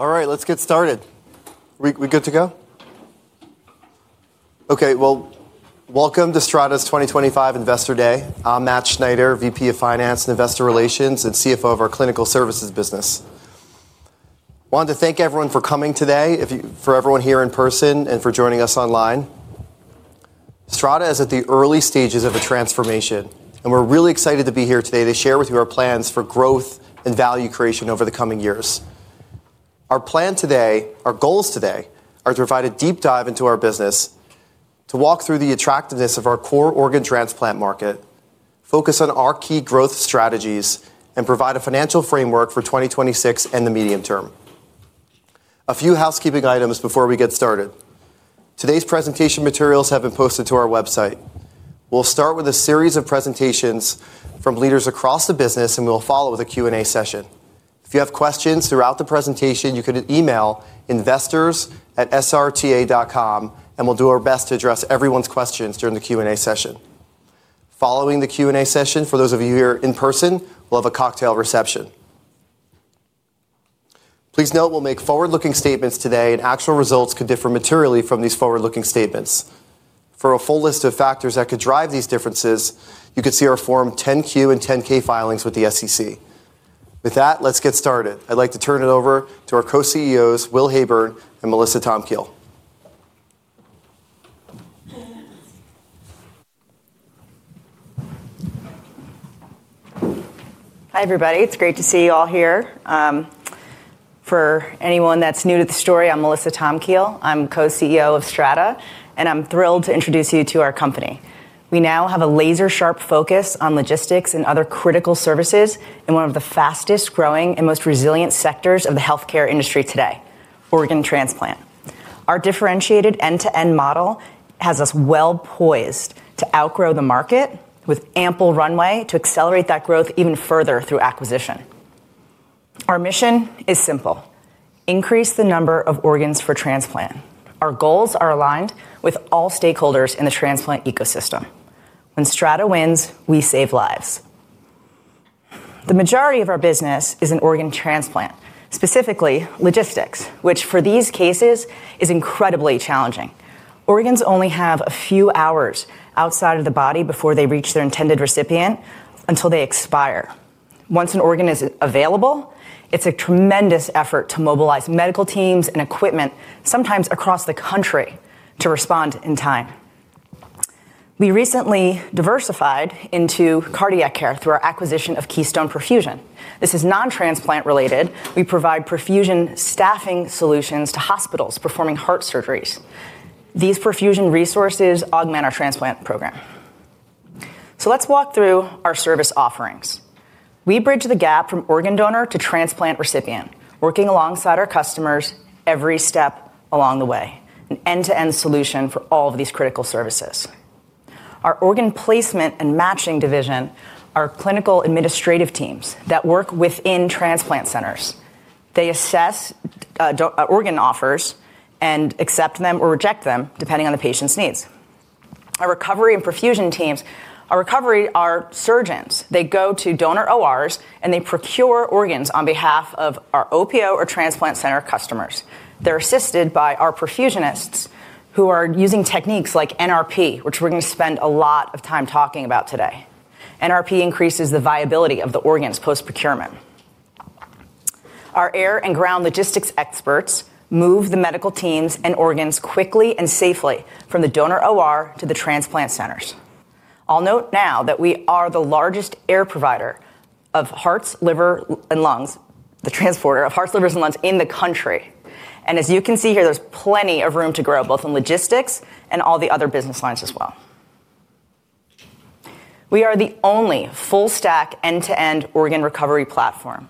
All right, let's get started. We good to go? Okay, welcome to Strata's 2025 Investor Day. I'm Matt Schneider, VP of Finance and Investor Relations and CFO of our Clinical Services business. I want to thank everyone for coming today, for everyone here in person, and for joining us online. Strata is at the early stages of a transformation, and we're really excited to be here today to share with you our plans for growth and value creation over the coming years. Our plan today, our goals today, are to provide a deep dive into our business, to walk through the attractiveness of our core organ transplant market, focus on our key growth strategies, and provide a financial framework for 2026 and the medium term. A few housekeeping items before we get started. Today's presentation materials have been posted to our website. We'll start with a series of presentations from leaders across the business, and we'll follow with a Q&A session. If you have questions throughout the presentation, you can email investors@srta.com, and we'll do our best to address everyone's questions during the Q&A session. Following the Q&A session, for those of you here in person, we'll have a cocktail reception. Please note we'll make forward-looking statements today, and actual results could differ materially from these forward-looking statements. For a full list of factors that could drive these differences, you could see our Form 10-Q and 10-K filings with the SEC. With that, let's get started. I'd like to turn it over to our Co-CEOs, Will Heyburn and Melissa Tomkiel. Hi, everybody. It's great to see you all here. For anyone that's new to the story, I'm Melissa Tomkiel. I'm Co-CEO of Strata, and I'm thrilled to introduce you to our company. We now have a laser-sharp focus on logistics and other critical services in one of the fastest-growing and most resilient sectors of the healthcare industry today, organ transplant. Our differentiated end-to-end model has us well poised to outgrow the market with ample runway to accelerate that growth even further through acquisition. Our mission is simple: increase the number of organs for transplant. Our goals are aligned with all stakeholders in the transplant ecosystem. When Strata wins, we save lives. The majority of our business is in organ transplant, specifically logistics, which for these cases is incredibly challenging. Organs only have a few hours outside of the body before they reach their intended recipient until they expire. Once an organ is available, it's a tremendous effort to mobilize medical teams and equipment, sometimes across the country, to respond in time. We recently diversified into cardiac care through our acquisition of Keystone Perfusion. This is non-transplant related. We provide perfusion staffing solutions to hospitals performing heart surgeries. These perfusion resources augment our transplant program. Let's walk through our service offerings. We bridge the gap from organ donor to transplant recipient, working alongside our customers every step along the way, an end-to-end solution for all of these critical services. Our organ placement and matching division are clinical administrative teams that work within transplant centers. They assess organ offers and accept them or reject them, depending on the patient's needs. Our recovery and perfusion teams are recovery surgeons. They go to donor ORs, and they procure organs on behalf of our OPO or transplant center customers. They're assisted by our perfusionists who are using techniques like NRP, which we're going to spend a lot of time talking about today. NRP increases the viability of the organs post-procurement. Our air and ground logistics experts move the medical teams and organs quickly and safely from the donor OR to the transplant centers. I'll note now that we are the largest air provider of hearts, livers, and lungs, the transporter of hearts, livers, and lungs in the country. As you can see here, there's plenty of room to grow, both in logistics and all the other business lines as well. We are the only full-stack end-to-end organ recovery platform.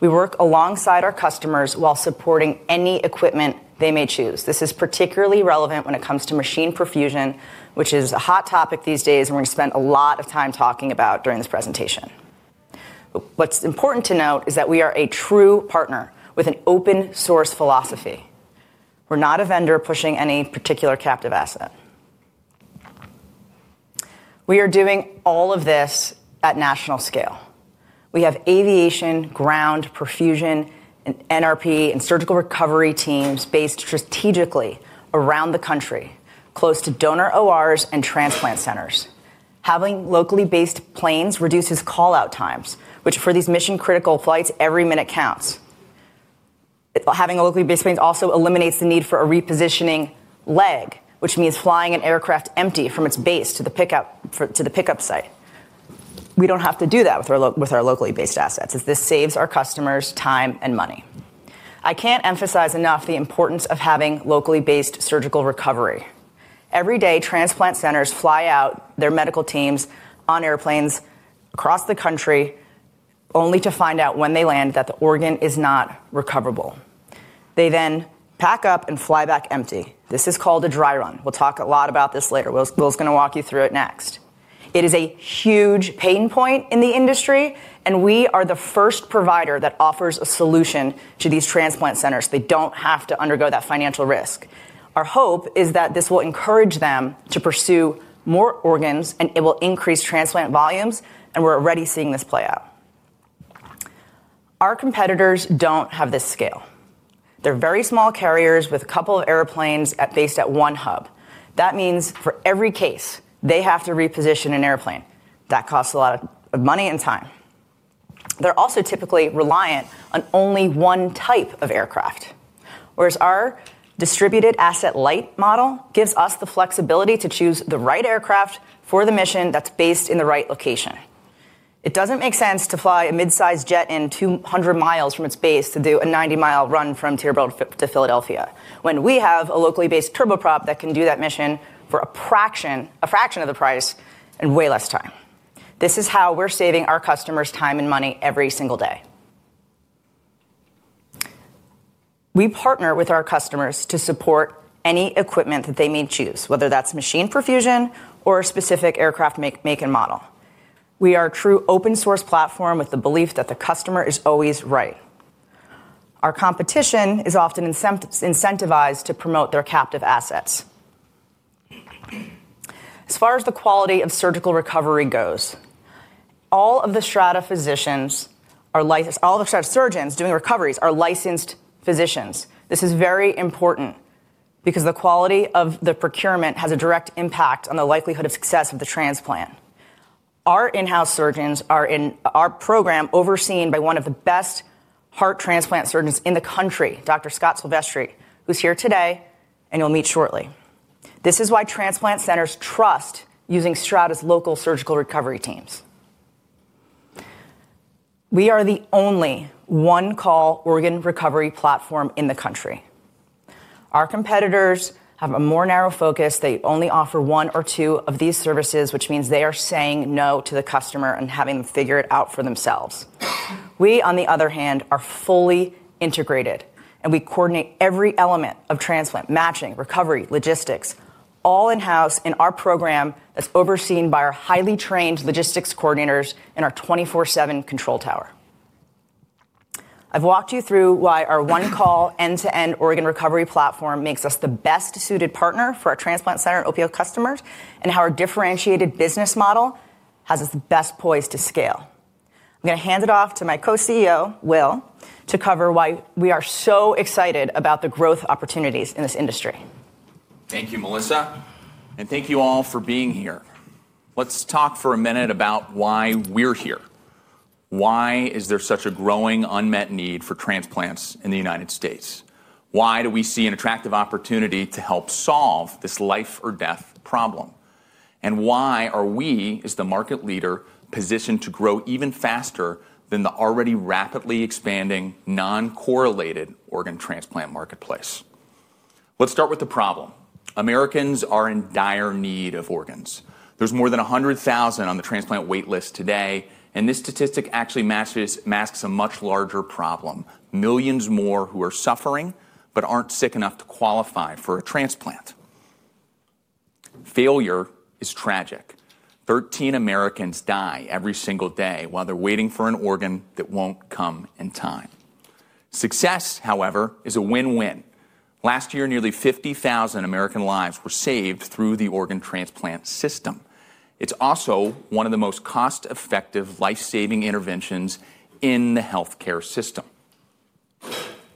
We work alongside our customers while supporting any equipment they may choose. This is particularly relevant when it comes to machine perfusion, which is a hot topic these days and we're going to spend a lot of time talking about during this presentation. What's important to note is that we are a true partner with an open-source philosophy. We're not a vendor pushing any particular captive asset. We are doing all of this at national scale. We have aviation, ground, perfusion, and NRP and surgical recovery teams based strategically around the country, close to donor ORs and transplant centers. Having locally based planes reduces callout times, which for these mission-critical flights, every minute counts. Having a locally based plane also eliminates the need for a repositioning leg, which means flying an aircraft empty from its base to the pickup site. We don't have to do that with our locally based assets, as this saves our customers time and money. I can't emphasize enough the importance of having locally based surgical recovery. Every day, transplant centers fly out their medical teams on airplanes across the country, only to find out when they land that the organ is not recoverable. They then pack up and fly back empty. This is called a dry run. We'll talk a lot about this later. Will's going to walk you through it next. It is a huge pain point in the industry, and we are the first provider that offers a solution to these transplant centers. They don't have to undergo that financial risk. Our hope is that this will encourage them to pursue more organs, and it will increase transplant volumes, and we're already seeing this play out. Our competitors don't have this scale. They're very small carriers with a couple of airplanes based at one hub. That means for every case, they have to reposition an airplane. That costs a lot of money and time. They're also typically reliant on only one type of aircraft, whereas our distributed asset light model gives us the flexibility to choose the right aircraft for the mission that's based in the right location. It doesn't make sense to fly a mid-sized jet in 200 mi from its base to do a 90-mile run from Tierbrode to Philadelphia when we have a locally based turboprop that can do that mission for a fraction of the price and way less time. This is how we're saving our customers time and money every single day. We partner with our customers to support any equipment that they may choose, whether that's machine perfusion or a specific aircraft make and model. We are a true open-source platform with the belief that the customer is always right. Our competition is often incentivized to promote their captive assets. As far as the quality of surgical recovery goes, all of the Strata physicians are licensed; all the Strata surgeons doing recoveries are licensed physicians. This is very important because the quality of the procurement has a direct impact on the likelihood of success of the transplant. Our in-house surgeons are in our program overseen by one of the best heart transplant surgeons in the country, Dr. Scott Silvestri, who's here today and you'll meet shortly. This is why transplant centers trust using Strata's local surgical recovery teams. We are the only one-call organ recovery platform in the country. Our competitors have a more narrow focus. They only offer one or two of these services, which means they are saying no to the customer and having them figure it out for themselves. We, on the other hand, are fully integrated, and we coordinate every element of transplant matching, recovery, logistics, all in-house in our program that is overseen by our highly trained logistics coordinators and our 24/7 control tower. I have walked you through why our one-call end-to-end organ recovery platform makes us the best-suited partner for our transplant center and OPO customers and how our differentiated business model has us best poised to scale. I am going to hand it off to my Co-CEO, Will, to cover why we are so excited about the growth opportunities in this industry. Thank you, Melissa. And thank you all for being here. Let's talk for a minute about why we're here. Why is there such a growing unmet need for transplants in the United States? Why do we see an attractive opportunity to help solve this life-or-death problem? And why are we, as the market leader, positioned to grow even faster than the already rapidly expanding non-correlated organ transplant marketplace? Let's start with the problem. Americans are in dire need of organs. There are more than 100,000 on the transplant waitlist today, and this statistic actually masks a much larger problem: millions more who are suffering but are not sick enough to qualify for a transplant. Failure is tragic. Thirteen Americans die every single day while they are waiting for an organ that will not come in time. Success, however, is a win-win. Last year, nearly 50,000 American lives were saved through the organ transplant system. It's also one of the most cost-effective life-saving interventions in the healthcare system.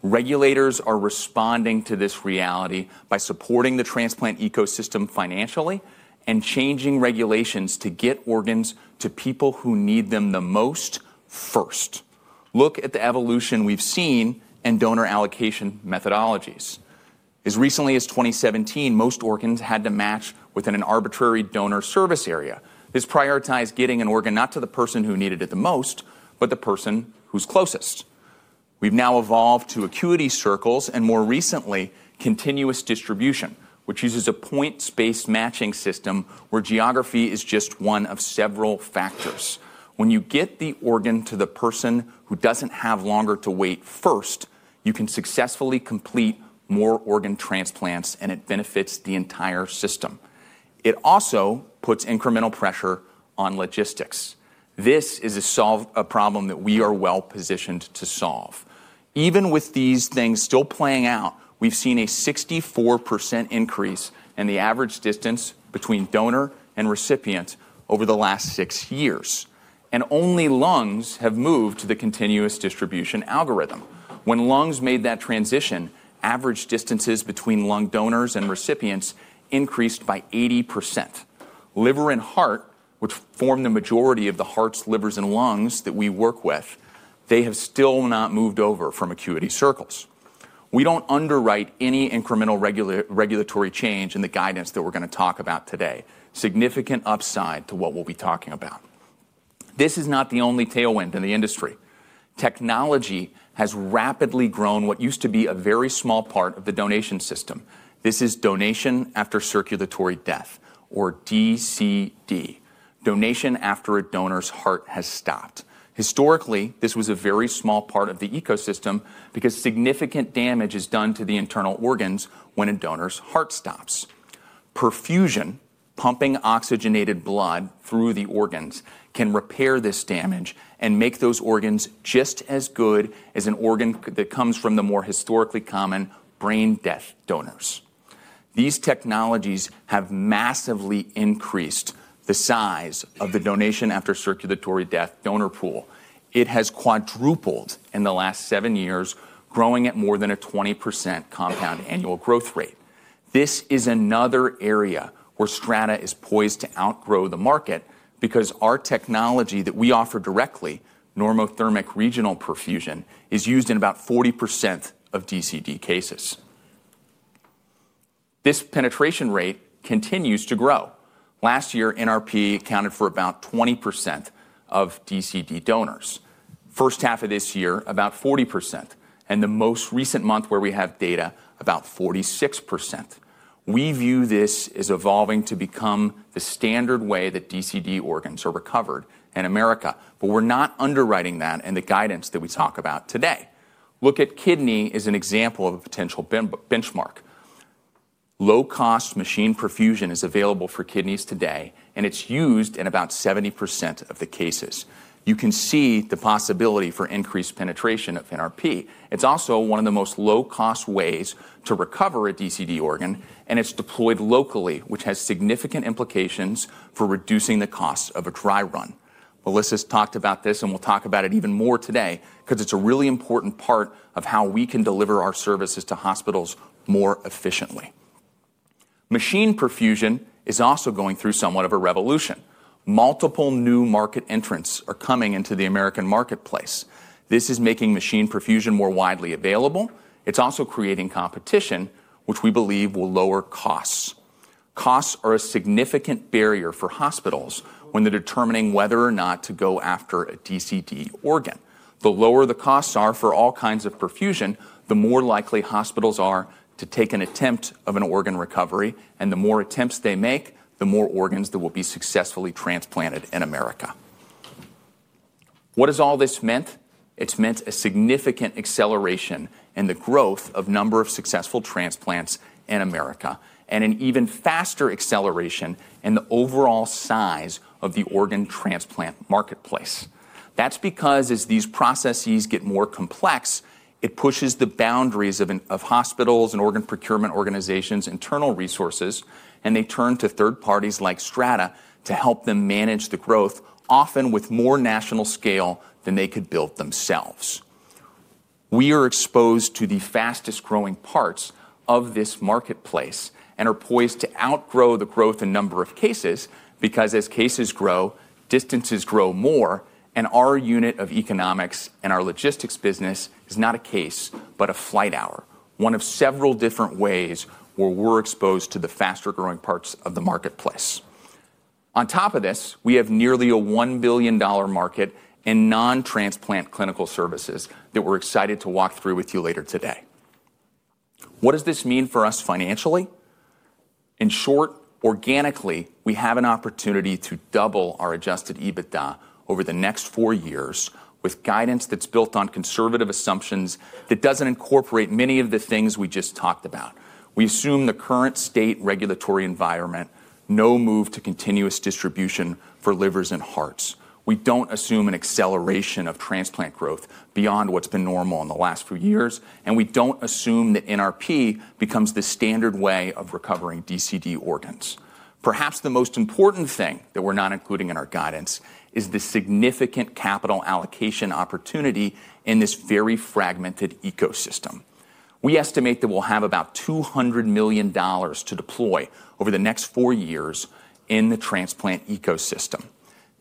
Regulators are responding to this reality by supporting the transplant ecosystem financially and changing regulations to get organs to people who need them the most first. Look at the evolution we've seen in donor allocation methodologies. As recently as 2017, most organs had to match within an arbitrary donor service area. This prioritized getting an organ not to the person who needed it the most, but the person who's closest. We've now evolved to acuity circles and, more recently, continuous distribution, which uses a points-based matching system where geography is just one of several factors. When you get the organ to the person who doesn't have longer to wait first, you can successfully complete more organ transplants, and it benefits the entire system. It also puts incremental pressure on logistics. This is a problem that we are well positioned to solve. Even with these things still playing out, we've seen a 64% increase in the average distance between donor and recipient over the last six years. Only lungs have moved to the continuous distribution algorithm. When lungs made that transition, average distances between lung donors and recipients increased by 80%. Liver and heart, which form the majority of the hearts, livers, and lungs that we work with, have still not moved over from acuity circles. We do not underwrite any incremental regulatory change in the guidance that we are going to talk about today. There is significant upside to what we will be talking about. This is not the only tailwind in the industry. Technology has rapidly grown what used to be a very small part of the donation system. This is donation after circulatory death, or DCD. Donation after a donor's heart has stopped. Historically, this was a very small part of the ecosystem because significant damage is done to the internal organs when a donor's heart stops. Perfusion, pumping oxygenated blood through the organs, can repair this damage and make those organs just as good as an organ that comes from the more historically common brain death donors. These technologies have massively increased the size of the donation after circulatory death donor pool. It has quadrupled in the last seven years, growing at more than a 20% compound annual growth rate. This is another area where Strata is poised to outgrow the market because our technology that we offer directly, normothermic regional perfusion, is used in about 40% of DCD cases. This penetration rate continues to grow. Last year, NRP accounted for about 20% of DCD donors. First half of this year, about 40%, and the most recent month where we have data, about 46%. We view this as evolving to become the standard way that DCD organs are recovered in America, but we're not underwriting that in the guidance that we talk about today. Look at kidney as an example of a potential benchmark. Low-cost machine perfusion is available for kidneys today, and it's used in about 70% of the cases. You can see the possibility for increased penetration of NRP. It's also one of the most low-cost ways to recover a DCD organ, and it's deployed locally, which has significant implications for reducing the cost of a dry run. Melissa's talked about this, and we'll talk about it even more today because it's a really important part of how we can deliver our services to hospitals more efficiently. Machine perfusion is also going through somewhat of a revolution. Multiple new market entrants are coming into the American marketplace. This is making machine perfusion more widely available. It's also creating competition, which we believe will lower costs. Costs are a significant barrier for hospitals when they're determining whether or not to go after a DCD organ. The lower the costs are for all kinds of perfusion, the more likely hospitals are to take an attempt of an organ recovery, and the more attempts they make, the more organs that will be successfully transplanted in America. What has all this meant? It's meant a significant acceleration in the growth of the number of successful transplants in America and an even faster acceleration in the overall size of the organ transplant marketplace. That's because as these processes get more complex, it pushes the boundaries of hospitals and organ procurement organizations' internal resources, and they turn to third parties like Strata to help them manage the growth, often with more national scale than they could build themselves. We are exposed to the fastest-growing parts of this marketplace and are poised to outgrow the growth in number of cases because as cases grow, distances grow more, and our unit of economics and our logistics business is not a case, but a flight hour, one of several different ways where we're exposed to the faster-growing parts of the marketplace. On top of this, we have nearly a $1 billion market in non-transplant clinical services that we're excited to walk through with you later today. What does this mean for us financially? In short, organically, we have an opportunity to double our adjusted EBITDA over the next four years with guidance that's built on conservative assumptions that doesn't incorporate many of the things we just talked about. We assume the current state regulatory environment, no move to continuous distribution for livers and hearts. We don't assume an acceleration of transplant growth beyond what's been normal in the last few years, and we don't assume that NRP becomes the standard way of recovering DCD organs. Perhaps the most important thing that we're not including in our guidance is the significant capital allocation opportunity in this very fragmented ecosystem. We estimate that we'll have about $200 million to deploy over the next four years in the transplant ecosystem.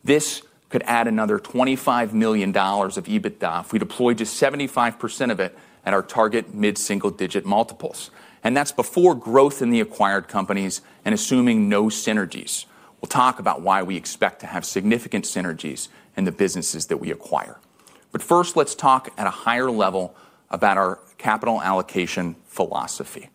This could add another $25 million of EBITDA if we deploy just 75% of it at our target mid-single-digit multiples. That is before growth in the acquired companies and assuming no synergies. We will talk about why we expect to have significant synergies in the businesses that we acquire. First, let us talk at a higher level about our capital allocation philosophy.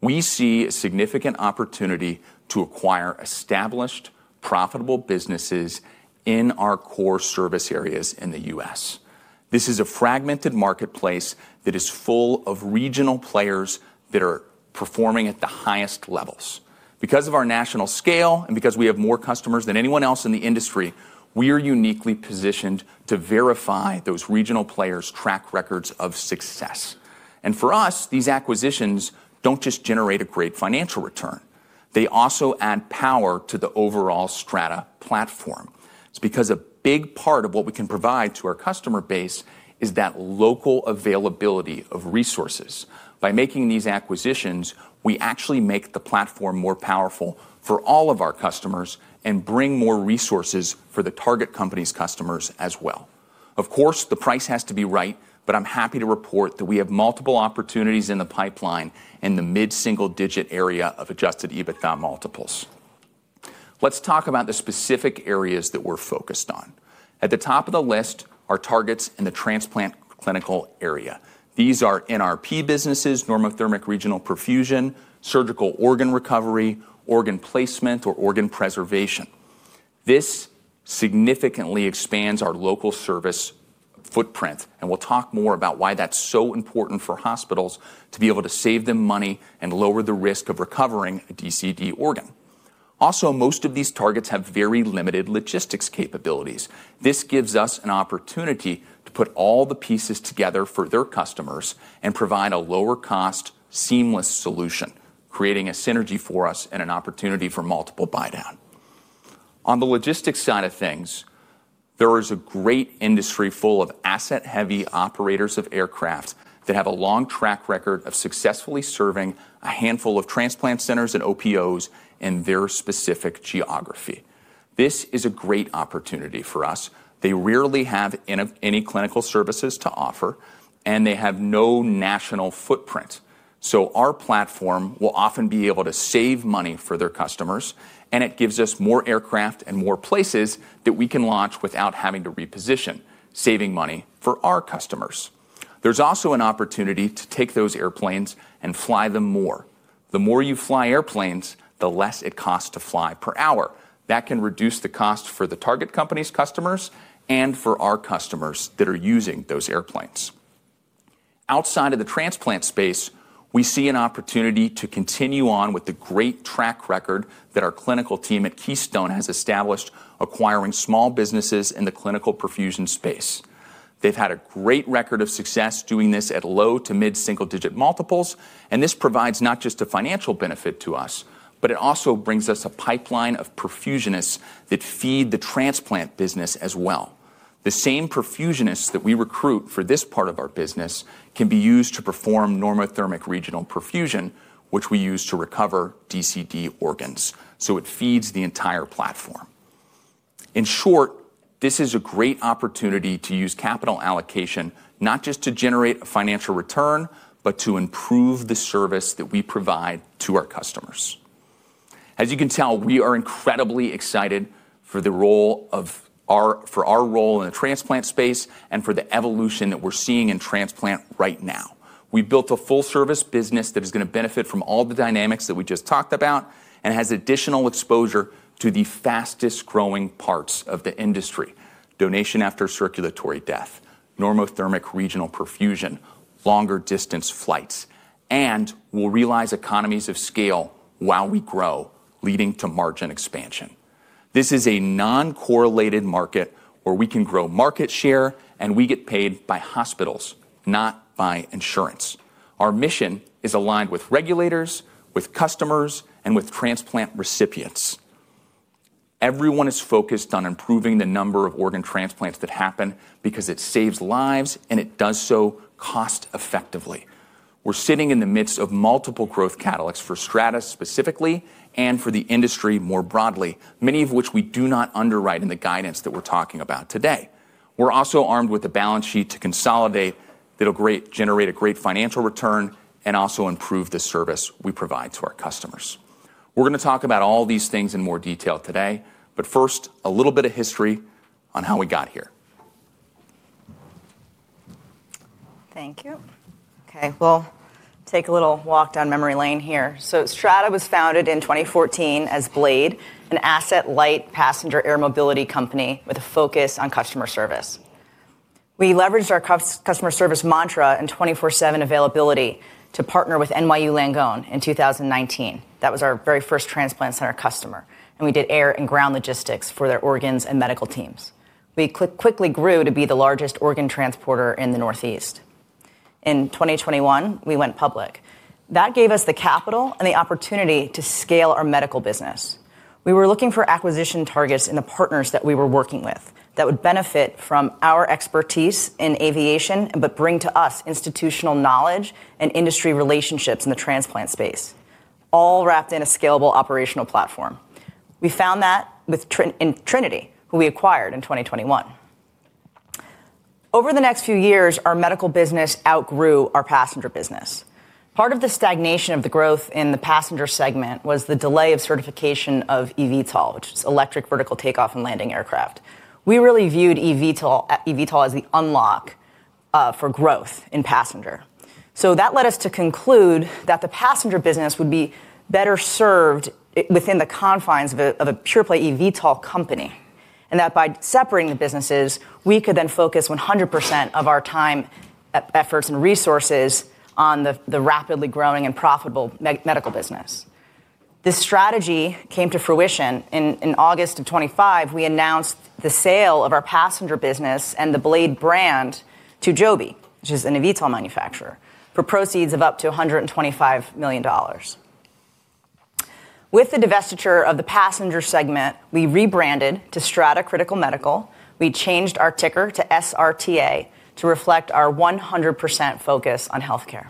We see a significant opportunity to acquire established, profitable businesses in our core service areas in the U.S. This is a fragmented marketplace that is full of regional players that are performing at the highest levels. Because of our national scale and because we have more customers than anyone else in the industry, we are uniquely positioned to verify those regional players' track records of success. For us, these acquisitions do not just generate a great financial return. They also add power to the overall Strata platform. A big part of what we can provide to our customer base is that local availability of resources. By making these acquisitions, we actually make the platform more powerful for all of our customers and bring more resources for the target company's customers as well. Of course, the price has to be right, but I'm happy to report that we have multiple opportunities in the pipeline in the mid-single-digit area of adjusted EBITDA multiples. Let's talk about the specific areas that we're focused on. At the top of the list are targets in the transplant clinical area. These are NRP businesses, normothermic regional perfusion, surgical organ recovery, organ placement, or organ preservation. This significantly expands our local service footprint, and we'll talk more about why that's so important for hospitals to be able to save them money and lower the risk of recovering a DCD organ. Also, most of these targets have very limited logistics capabilities. This gives us an opportunity to put all the pieces together for their customers and provide a lower-cost, seamless solution, creating a synergy for us and an opportunity for multiple buy-down. On the logistics side of things, there is a great industry full of asset-heavy operators of aircraft that have a long track record of successfully serving a handful of transplant centers and OPOs in their specific geography. This is a great opportunity for us. They rarely have any clinical services to offer, and they have no national footprint. Our platform will often be able to save money for their customers, and it gives us more aircraft and more places that we can launch without having to reposition, saving money for our customers. There is also an opportunity to take those airplanes and fly them more. The more you fly airplanes, the less it costs to fly per hour. That can reduce the cost for the target company's customers and for our customers that are using those airplanes. Outside of the transplant space, we see an opportunity to continue on with the great track record that our clinical team at Keystone has established, acquiring small businesses in the clinical perfusion space. They've had a great record of success doing this at low- to mid-single-digit multiples, and this provides not just a financial benefit to us, but it also brings us a pipeline of perfusionists that feed the transplant business as well. The same perfusionists that we recruit for this part of our business can be used to perform normothermic regional perfusion, which we use to recover DCD organs. It feeds the entire platform. In short, this is a great opportunity to use capital allocation not just to generate a financial return, but to improve the service that we provide to our customers. As you can tell, we are incredibly excited for our role in the transplant space and for the evolution that we're seeing in transplant right now. We built a full-service business that is going to benefit from all the dynamics that we just talked about and has additional exposure to the fastest-growing parts of the industry: donation after circulatory death, normothermic regional perfusion, longer distance flights, and we'll realize economies of scale while we grow, leading to margin expansion. This is a non-correlated market where we can grow market share, and we get paid by hospitals, not by insurance. Our mission is aligned with regulators, with customers, and with transplant recipients. Everyone is focused on improving the number of organ transplants that happen because it saves lives, and it does so cost-effectively. We're sitting in the midst of multiple growth catalysts for Strata specifically and for the industry more broadly, many of which we do not underwrite in the guidance that we're talking about today. We're also armed with a balance sheet to consolidate that will generate a great financial return and also improve the service we provide to our customers. We're going to talk about all these things in more detail today, but first, a little bit of history on how we got here. Thank you. Okay. We'll take a little walk down memory lane here. Strata was founded in 2014 as Blade, an asset-light passenger air mobility company with a focus on customer service. We leveraged our customer service mantra and 24/7 availability to partner with NYU Langone in 2019. That was our very first transplant center customer, and we did air and ground logistics for their organs and medical teams. We quickly grew to be the largest organ transporter in the Northeast. In 2021, we went public. That gave us the capital and the opportunity to scale our medical business. We were looking for acquisition targets in the partners that we were working with that would benefit from our expertise in aviation but bring to us institutional knowledge and industry relationships in the transplant space, all wrapped in a scalable operational platform. We found that in Trinity, who we acquired in 2021. Over the next few years, our medical business outgrew our passenger business. Part of the stagnation of the growth in the passenger segment was the delay of certification of eVTOL, which is Electric Vertical Takeoff and Landing Aircraft. We really viewed eVTOL as the unlock for growth in passenger. That led us to conclude that the passenger business would be better served within the confines of a pure-play eVTOL company and that by separating the businesses, we could then focus 100% of our time, efforts, and resources on the rapidly growing and profitable medical business. This strategy came to fruition. In August of 2025, we announced the sale of our passenger business and the Blade brand to Joby, which is an eVTOL manufacturer, for proceeds of up to $125 million. With the divestiture of the passenger segment, we rebranded to Strata Critical Medical. We changed our ticker to SRTA to reflect our 100% focus on healthcare.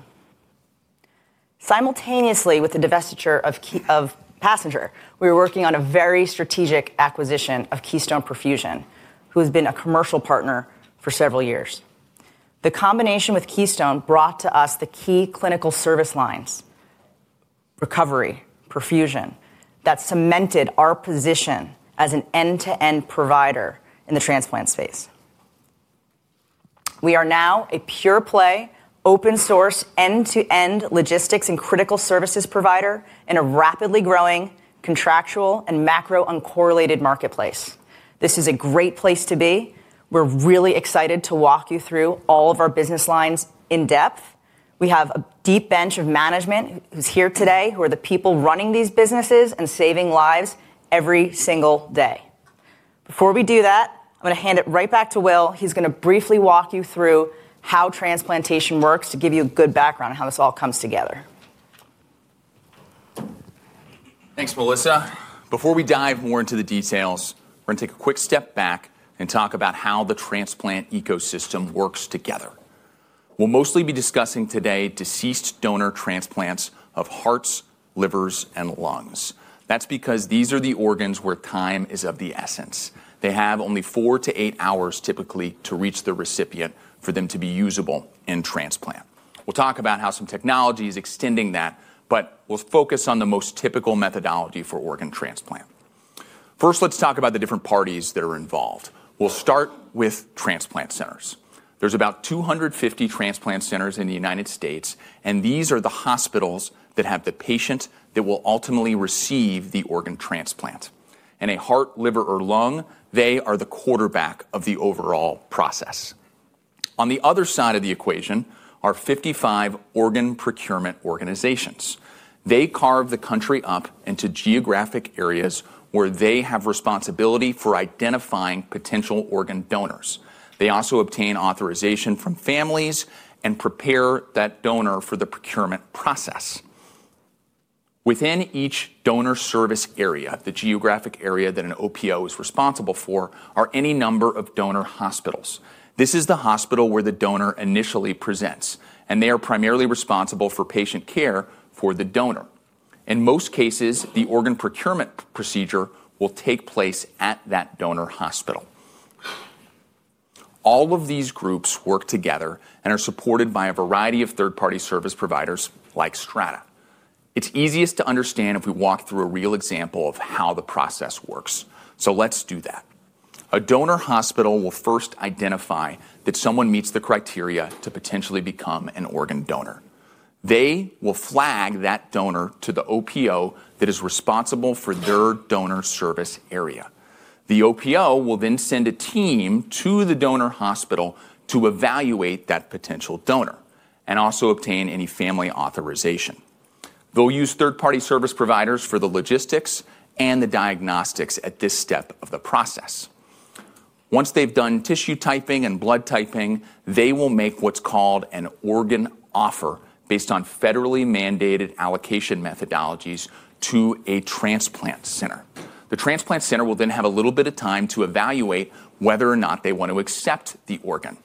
Simultaneously with the divestiture of passenger, we were working on a very strategic acquisition of Keystone Perfusion, who has been a commercial partner for several years. The combination with Keystone brought to us the key clinical service lines: recovery, perfusion. That cemented our position as an end-to-end provider in the transplant space. We are now a pure-play, open-source, end-to-end logistics and critical services provider in a rapidly growing contractual and macro uncorrelated marketplace. This is a great place to be. We're really excited to walk you through all of our business lines in depth. We have a deep bench of management who's here today, who are the people running these businesses and saving lives every single day. Before we do that, I'm going to hand it right back to Will. He's going to briefly walk you through how transplantation works to give you a good background on how this all comes together. Thanks, Melissa. Before we dive more into the details, we're going to take a quick step back and talk about how the transplant ecosystem works together. We'll mostly be discussing today deceased donor transplants of hearts, livers, and lungs. That's because these are the organs where time is of the essence. They have only four to eight hours typically to reach the recipient for them to be usable in transplant. We'll talk about how some technology is extending that, but we'll focus on the most typical methodology for organ transplant. First, let's talk about the different parties that are involved. We'll start with transplant centers. There's about 250 transplant centers in the United States, and these are the hospitals that have the patient that will ultimately receive the organ transplant. In a heart, liver, or lung, they are the quarterback of the overall process. On the other side of the equation are 55 organ procurement organizations. They carve the country up into geographic areas where they have responsibility for identifying potential organ donors. They also obtain authorization from families and prepare that donor for the procurement process. Within each donor service area, the geographic area that an OPO is responsible for, are any number of donor hospitals. This is the hospital where the donor initially presents, and they are primarily responsible for patient care for the donor. In most cases, the organ procurement procedure will take place at that donor hospital. All of these groups work together and are supported by a variety of third-party service providers like Strata. It's easiest to understand if we walk through a real example of how the process works. Let's do that. A donor hospital will first identify that someone meets the criteria to potentially become an organ donor. They will flag that donor to the OPO that is responsible for their donor service area. The OPO will then send a team to the donor hospital to evaluate that potential donor and also obtain any family authorization. They'll use third-party service providers for the logistics and the diagnostics at this step of the process. Once they've done tissue typing and blood typing, they will make what's called an organ offer based on federally mandated allocation methodologies to a transplant center. The transplant center will then have a little bit of time to evaluate whether or not they want to accept the organ.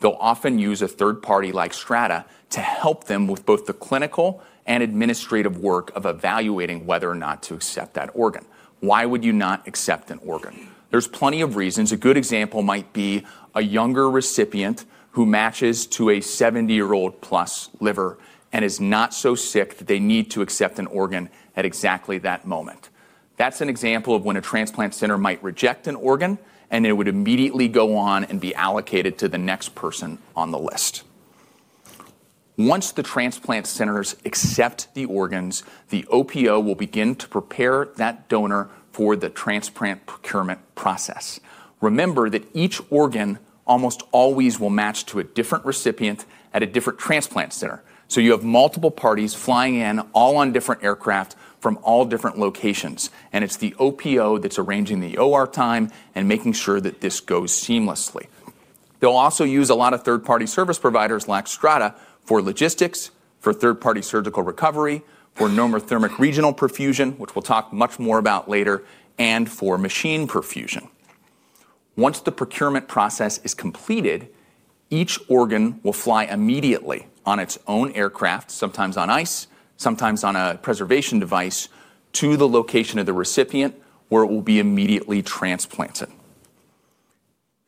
They'll often use a third party like Strata to help them with both the clinical and administrative work of evaluating whether or not to accept that organ. Why would you not accept an organ? There's plenty of reasons. A good example might be a younger recipient who matches to a 70-year-old plus liver and is not so sick that they need to accept an organ at exactly that moment. That's an example of when a transplant center might reject an organ, and it would immediately go on and be allocated to the next person on the list. Once the transplant centers accept the organs, the OPO will begin to prepare that donor for the transplant procurement process. Remember that each organ almost always will match to a different recipient at a different transplant center. You have multiple parties flying in all on different aircraft from all different locations, and it's the OPO that's arranging the OR time and making sure that this goes seamlessly. They'll also use a lot of third-party service providers like Strata for logistics, for third-party surgical recovery, for normothermic regional perfusion, which we'll talk much more about later, and for machine perfusion. Once the procurement process is completed, each organ will fly immediately on its own aircraft, sometimes on ice, sometimes on a preservation device, to the location of the recipient where it will be immediately transplanted.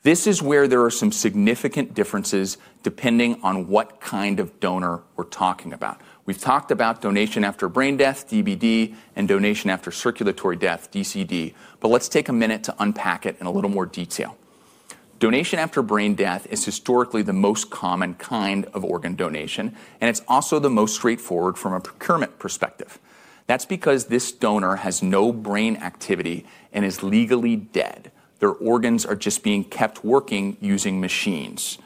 This is where there are some significant differences depending on what kind of donor we're talking about. We've talked about donation after brain death, DBD, and donation after circulatory death, DCD, but let's take a minute to unpack it in a little more detail. Donation after brain death is historically the most common kind of organ donation, and it's also the most straightforward from a procurement perspective. That's because this donor has no brain activity and is legally dead. Their organs are just being kept working using machines.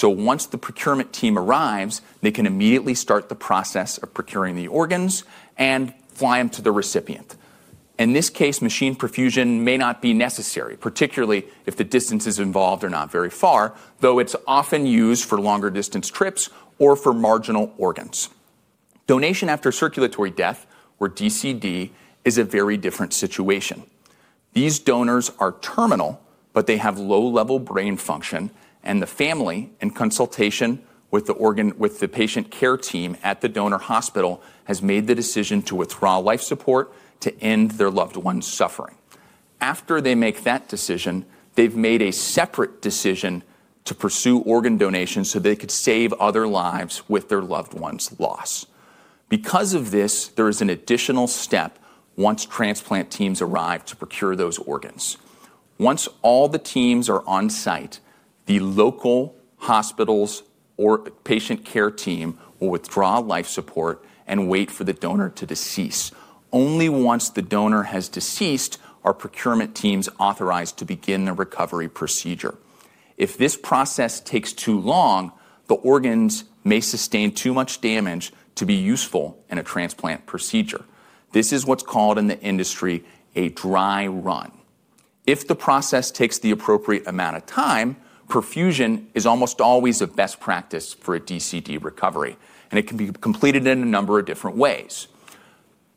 Once the procurement team arrives, they can immediately start the process of procuring the organs and fly them to the recipient. In this case, machine perfusion may not be necessary, particularly if the distances involved are not very far, though it's often used for longer-distance trips or for marginal organs. Donation after circulatory death, or DCD, is a very different situation. These donors are terminal, but they have low-level brain function, and the family, in consultation with the patient care team at the donor hospital, has made the decision to withdraw life support to end their loved one's suffering. After they make that decision, they've made a separate decision to pursue organ donation so they could save other lives with their loved one's loss. Because of this, there is an additional step once transplant teams arrive to procure those organs. Once all the teams are on site, the local hospitals or patient care team will withdraw life support and wait for the donor to decease. Only once the donor has deceased are procurement teams authorized to begin the recovery procedure. If this process takes too long, the organs may sustain too much damage to be useful in a transplant procedure. This is what's called in the industry a dry run. If the process takes the appropriate amount of time, perfusion is almost always a best practice for a DCD recovery, and it can be completed in a number of different ways.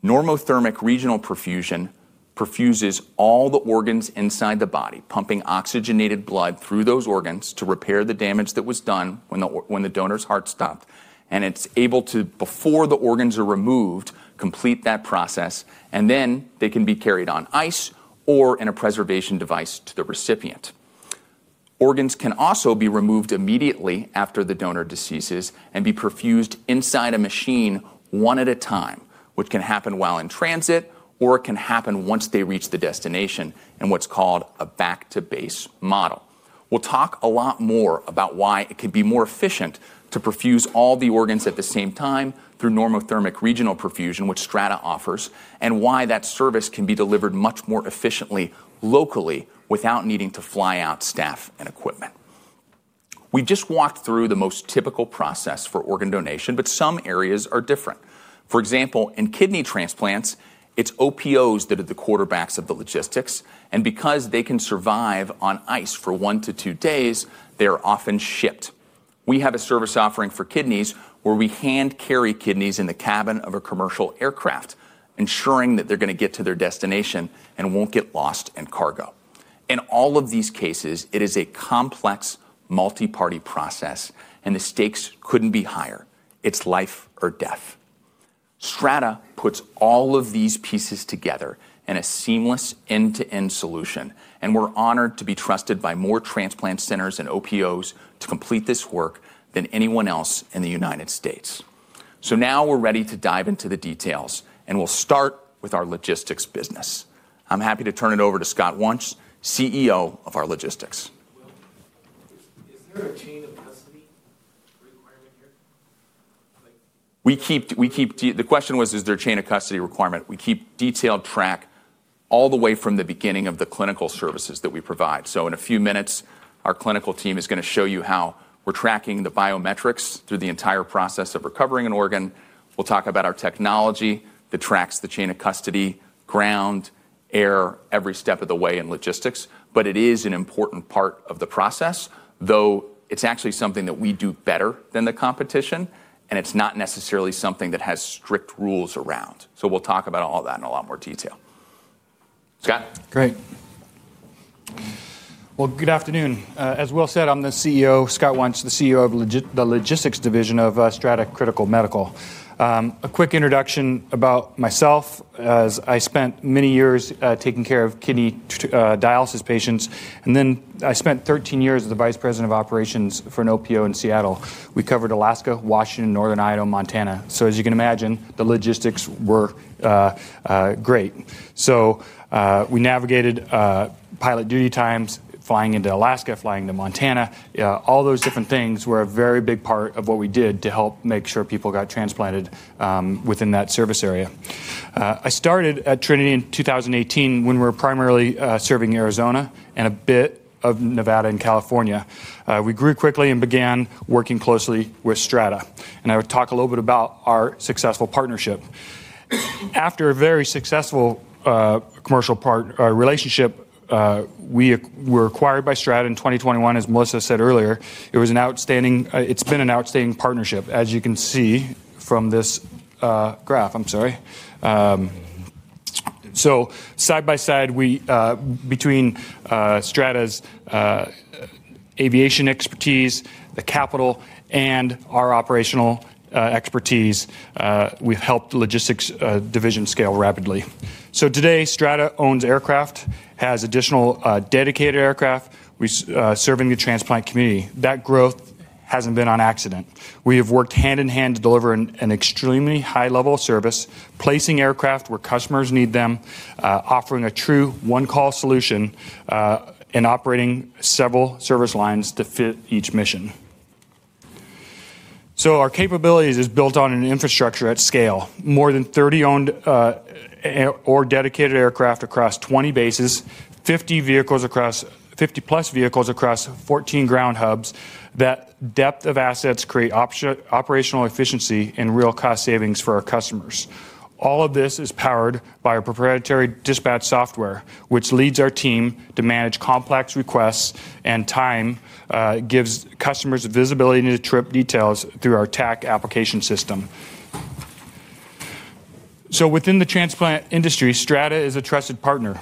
Normothermic regional perfusion perfuses all the organs inside the body, pumping oxygenated blood through those organs to repair the damage that was done when the donor's heart stopped, and it's able to, before the organs are removed, complete that process, and then they can be carried on ice or in a preservation device to the recipient. Organs can also be removed immediately after the donor deceases and be perfused inside a machine one at a time, which can happen while in transit, or it can happen once they reach the destination in what's called a back-to-base model. We'll talk a lot more about why it could be more efficient to perfuse all the organs at the same time through normothermic regional perfusion, which Strata offers, and why that service can be delivered much more efficiently locally without needing to fly out staff and equipment. We just walked through the most typical process for organ donation, but some areas are different. For example, in kidney transplants, it's OPOs that are the quarterbacks of the logistics, and because they can survive on ice for one to two days, they are often shipped. We have a service offering for kidneys where we hand-carry kidneys in the cabin of a commercial aircraft, ensuring that they're going to get to their destination and won't get lost in cargo. In all of these cases, it is a complex, multi-party process, and the stakes couldn't be higher. It's life or death. Strata puts all of these pieces together in a seamless end-to-end solution, and we're honored to be trusted by more transplant centers and OPOs to complete this work than anyone else in the United States. Now we're ready to dive into the details, and we'll start with our logistics business. I'm happy to turn it over to Scott Wunsch, CEO of our logistics. Is there a chain of custody requirement here? The question was, is there a chain of custody requirement? We keep detailed track all the way from the beginning of the clinical services that we provide. In a few minutes, our clinical team is going to show you how we're tracking the biometrics through the entire process of recovering an organ. We'll talk about our technology that tracks the chain of custody, ground, air, every step of the way in logistics, but it is an important part of the process, though it's actually something that we do better than the competition, and it's not necessarily something that has strict rules around. We'll talk about all that in a lot more detail. Scott? Great. Good afternoon. As Will said, I'm the CEO, Scott Wunsch, the CEO of the logistics division of Strata Critical Medical. A quick introduction about myself: I spent many years taking care of kidney dialysis patients, and then I spent 13 years as the vice president of operations for an OPO in Seattle. We covered Alaska, Washington, Northern Idaho, Montana. As you can imagine, the logistics were great. We navigated pilot duty times, flying into Alaska, flying to Montana. All those different things were a very big part of what we did to help make sure people got transplanted within that service area. I started at Trinity in 2018 when we were primarily serving Arizona and a bit of Nevada and California. We grew quickly and began working closely with Strata, and I would talk a little bit about our successful partnership. After a very successful commercial relationship, we were acquired by Strata in 2021. As Melissa said earlier, it was an outstanding—it's been an outstanding partnership, as you can see from this graph. I'm sorry. Side by side, between Strata's aviation expertise, the capital, and our operational expertise, we helped the logistics division scale rapidly. Today, Strata owns aircraft, has additional dedicated aircraft, serving the transplant community. That growth hasn't been on accident. We have worked hand in hand to deliver an extremely high-level service, placing aircraft where customers need them, offering a true one-call solution, and operating several service lines to fit each mission. Our capabilities are built on an infrastructure at scale. More than 30 owned or dedicated aircraft across 20 bases, 50+ vehicles across 14 ground hubs. That depth of assets creates operational efficiency and real cost savings for our customers. All of this is powered by our proprietary dispatch software, which leads our team to manage complex requests, and gives customers visibility into trip details through our TAC application system. Within the transplant industry, Strata is a trusted partner,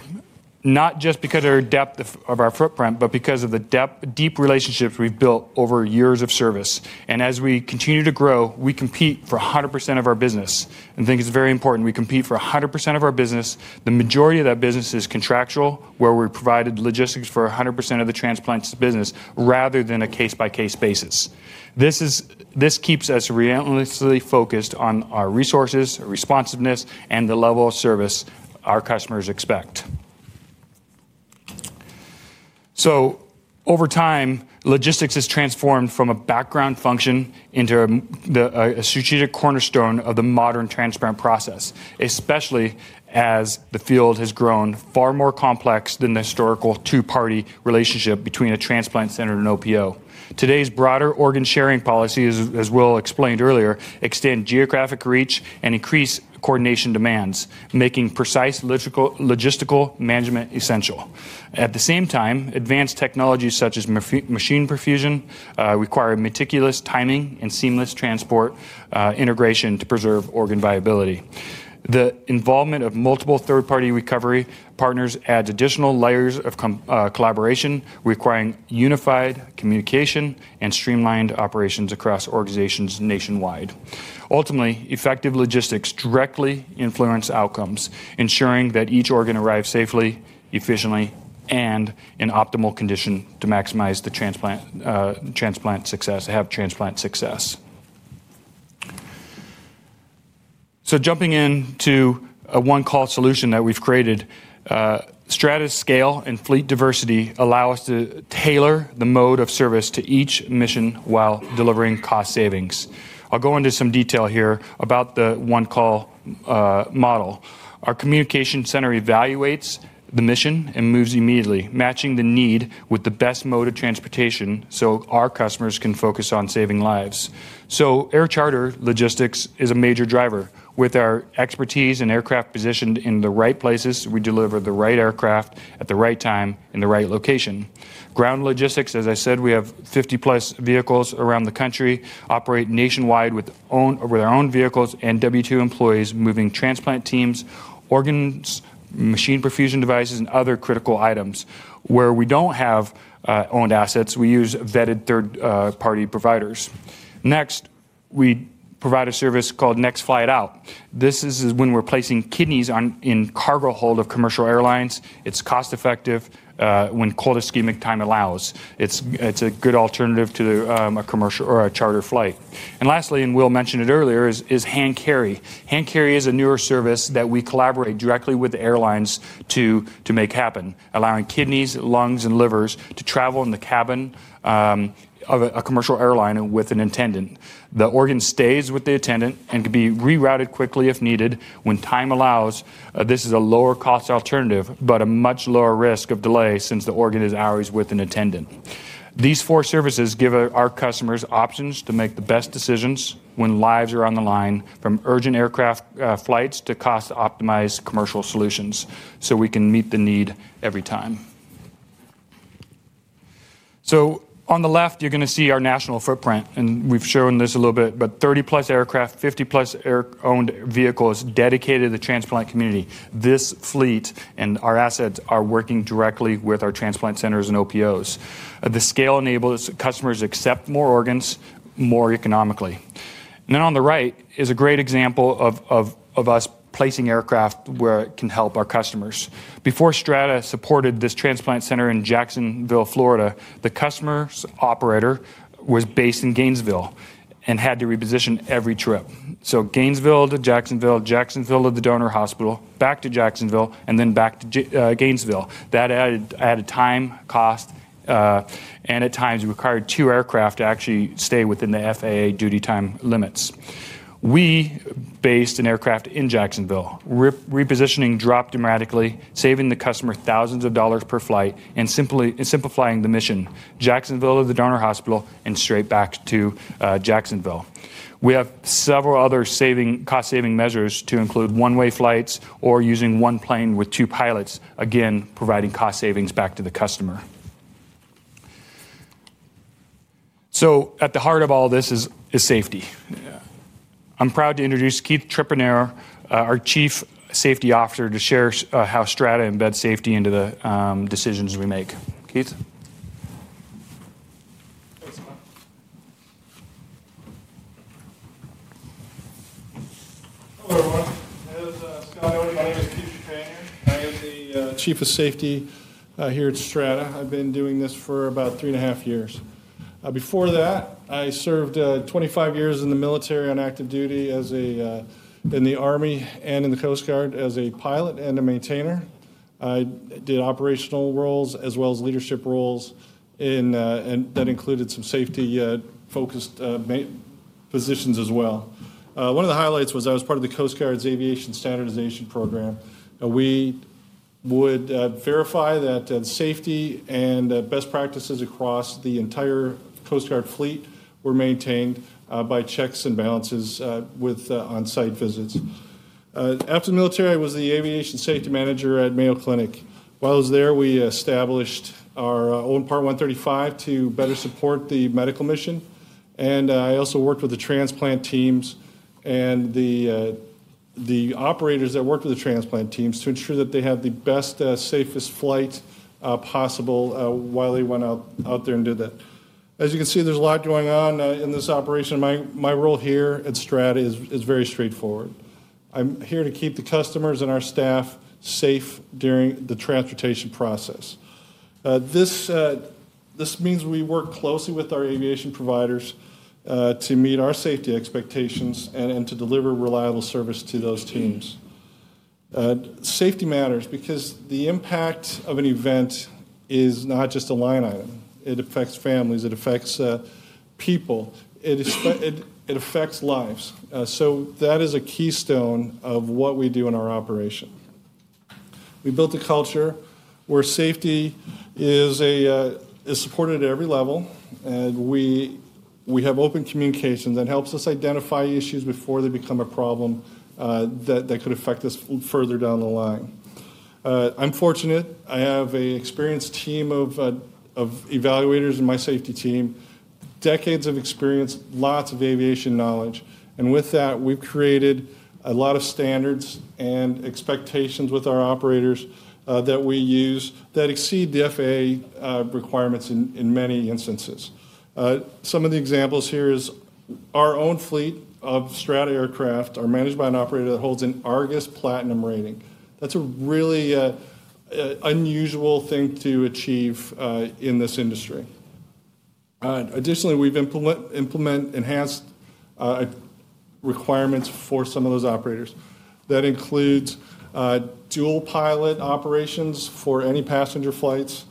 not just because of the depth of our footprint, but because of the deep relationships we have built over years of service. As we continue to grow, we compete for 100% of our business. I think it's very important we compete for 100% of our business. The majority of that business is contractual, where we're provided logistics for 100% of the transplant business rather than a case-by-case basis. This keeps us relentlessly focused on our resources, responsiveness, and the level of service our customers expect. Over time, logistics has transformed from a background function into a strategic cornerstone of the modern transplant process, especially as the field has grown far more complex than the historical two-party relationship between a transplant center and an OPO. Today's broader organ-sharing policy, as Will explained earlier, extends geographic reach and increases coordination demands, making precise logistical management essential. At the same time, advanced technologies such as machine perfusion require meticulous timing and seamless transport integration to preserve organ viability. The involvement of multiple third-party recovery partners adds additional layers of collaboration, requiring unified communication and streamlined operations across organizations nationwide. Ultimately, effective logistics directly influence outcomes, ensuring that each organ arrives safely, efficiently, and in optimal condition to maximize the transplant success. Jumping into a one-call solution that we've created, Strata's scale and fleet diversity allow us to tailor the mode of service to each mission while delivering cost savings. I'll go into some detail here about the one-call model. Our communication center evaluates the mission and moves immediately, matching the need with the best mode of transportation so our customers can focus on saving lives. Air charter logistics is a major driver. With our expertise and aircraft positioned in the right places, we deliver the right aircraft at the right time in the right location. Ground logistics, as I said, we have 50+ vehicles around the country, operate nationwide with our own vehicles and W-2 employees moving transplant teams, organs, machine perfusion devices, and other critical items. Where we do not have owned assets, we use vetted third-party providers. Next, we provide a service called Next Flight Out. This is when we are placing kidneys in cargo hold of commercial airlines. It is cost-effective when cold-ischemic time allows. It is a good alternative to a charter flight. Lastly, and Will mentioned it earlier, is hand carry. Hand carry is a newer service that we collaborate directly with airlines to make happen, allowing kidneys, lungs, and livers to travel in the cabin of a commercial airline with an attendant. The organ stays with the attendant and can be rerouted quickly if needed. When time allows, this is a lower-cost alternative, but a much lower risk of delay since the organ is always with an attendant. These four services give our customers options to make the best decisions when lives are on the line, from urgent aircraft flights to cost-optimized commercial solutions, so we can meet the need every time. On the left, you're going to see our national footprint, and we've shown this a little bit, but 30+ aircraft, 50+ owned vehicles dedicated to the transplant community. This fleet and our assets are working directly with our transplant centers and OPOs. The scale enables customers to accept more organs more economically. On the right is a great example of us placing aircraft where it can help our customers. Before Strata supported this transplant center in Jacksonville, Florida, the customer's operator was based in Gainesville and had to reposition every trip. Gainesville to Jacksonville, Jacksonville to the donor hospital, back to Jacksonville, and then back to Gainesville. That added time, cost, and at times, required two aircraft to actually stay within the FAA duty time limits. We based an aircraft in Jacksonville, repositioning dropped dramatically, saving the customer thousands of dollars per flight and simplifying the mission. Jacksonville to the donor hospital and straight back to Jacksonville. We have several other cost-saving measures to include one-way flights or using one plane with two pilots, again, providing cost savings back to the customer. At the heart of all this is safety. I'm proud to introduce Keith Trepanero, our Chief Safety Officer, to share how Strata embeds safety into the decisions we make. Keith? Thanks so much. Hello, everyone. My name is Keith Trepanero. I am the Chief of Safety here at Strata. I've been doing this for about three and a half years. Before that, I served 25 years in the military on active duty in the Army and in the Coast Guard as a pilot and a maintainer. I did operational roles as well as leadership roles that included some safety-focused positions as well. One of the highlights was I was part of the Coast Guard's aviation standardization program. We would verify that safety and best practices across the entire Coast Guard fleet were maintained by checks and balances with on-site visits. After the military, I was the aviation safety manager at Mayo Clinic. While I was there, we established our own Part 135 to better support the medical mission. I also worked with the transplant teams and the operators that worked with the transplant teams to ensure that they had the best, safest flight possible while they went out there and did that. As you can see, there's a lot going on in this operation. My role here at Strata is very straightforward. I'm here to keep the customers and our staff safe during the transportation process. This means we work closely with our aviation providers to meet our safety expectations and to deliver reliable service to those teams. Safety matters because the impact of an event is not just a line item. It affects families. It affects people. It affects lives. That is a keystone of what we do in our operation. We built a culture where safety is supported at every level, and we have open communications that helps us identify issues before they become a problem that could affect us further down the line. I'm fortunate. I have an experienced team of evaluators in my safety team, decades of experience, lots of aviation knowledge. With that, we've created a lot of standards and expectations with our operators that we use that exceed the FAA requirements in many instances. Some of the examples here is our own fleet of Strata aircraft are managed by an operator that holds an ARGUS Platinum rating. That's a really unusual thing to achieve in this industry. Additionally, we've implemented enhanced requirements for some of those operators. That includes dual-pilot operations for any passenger flights,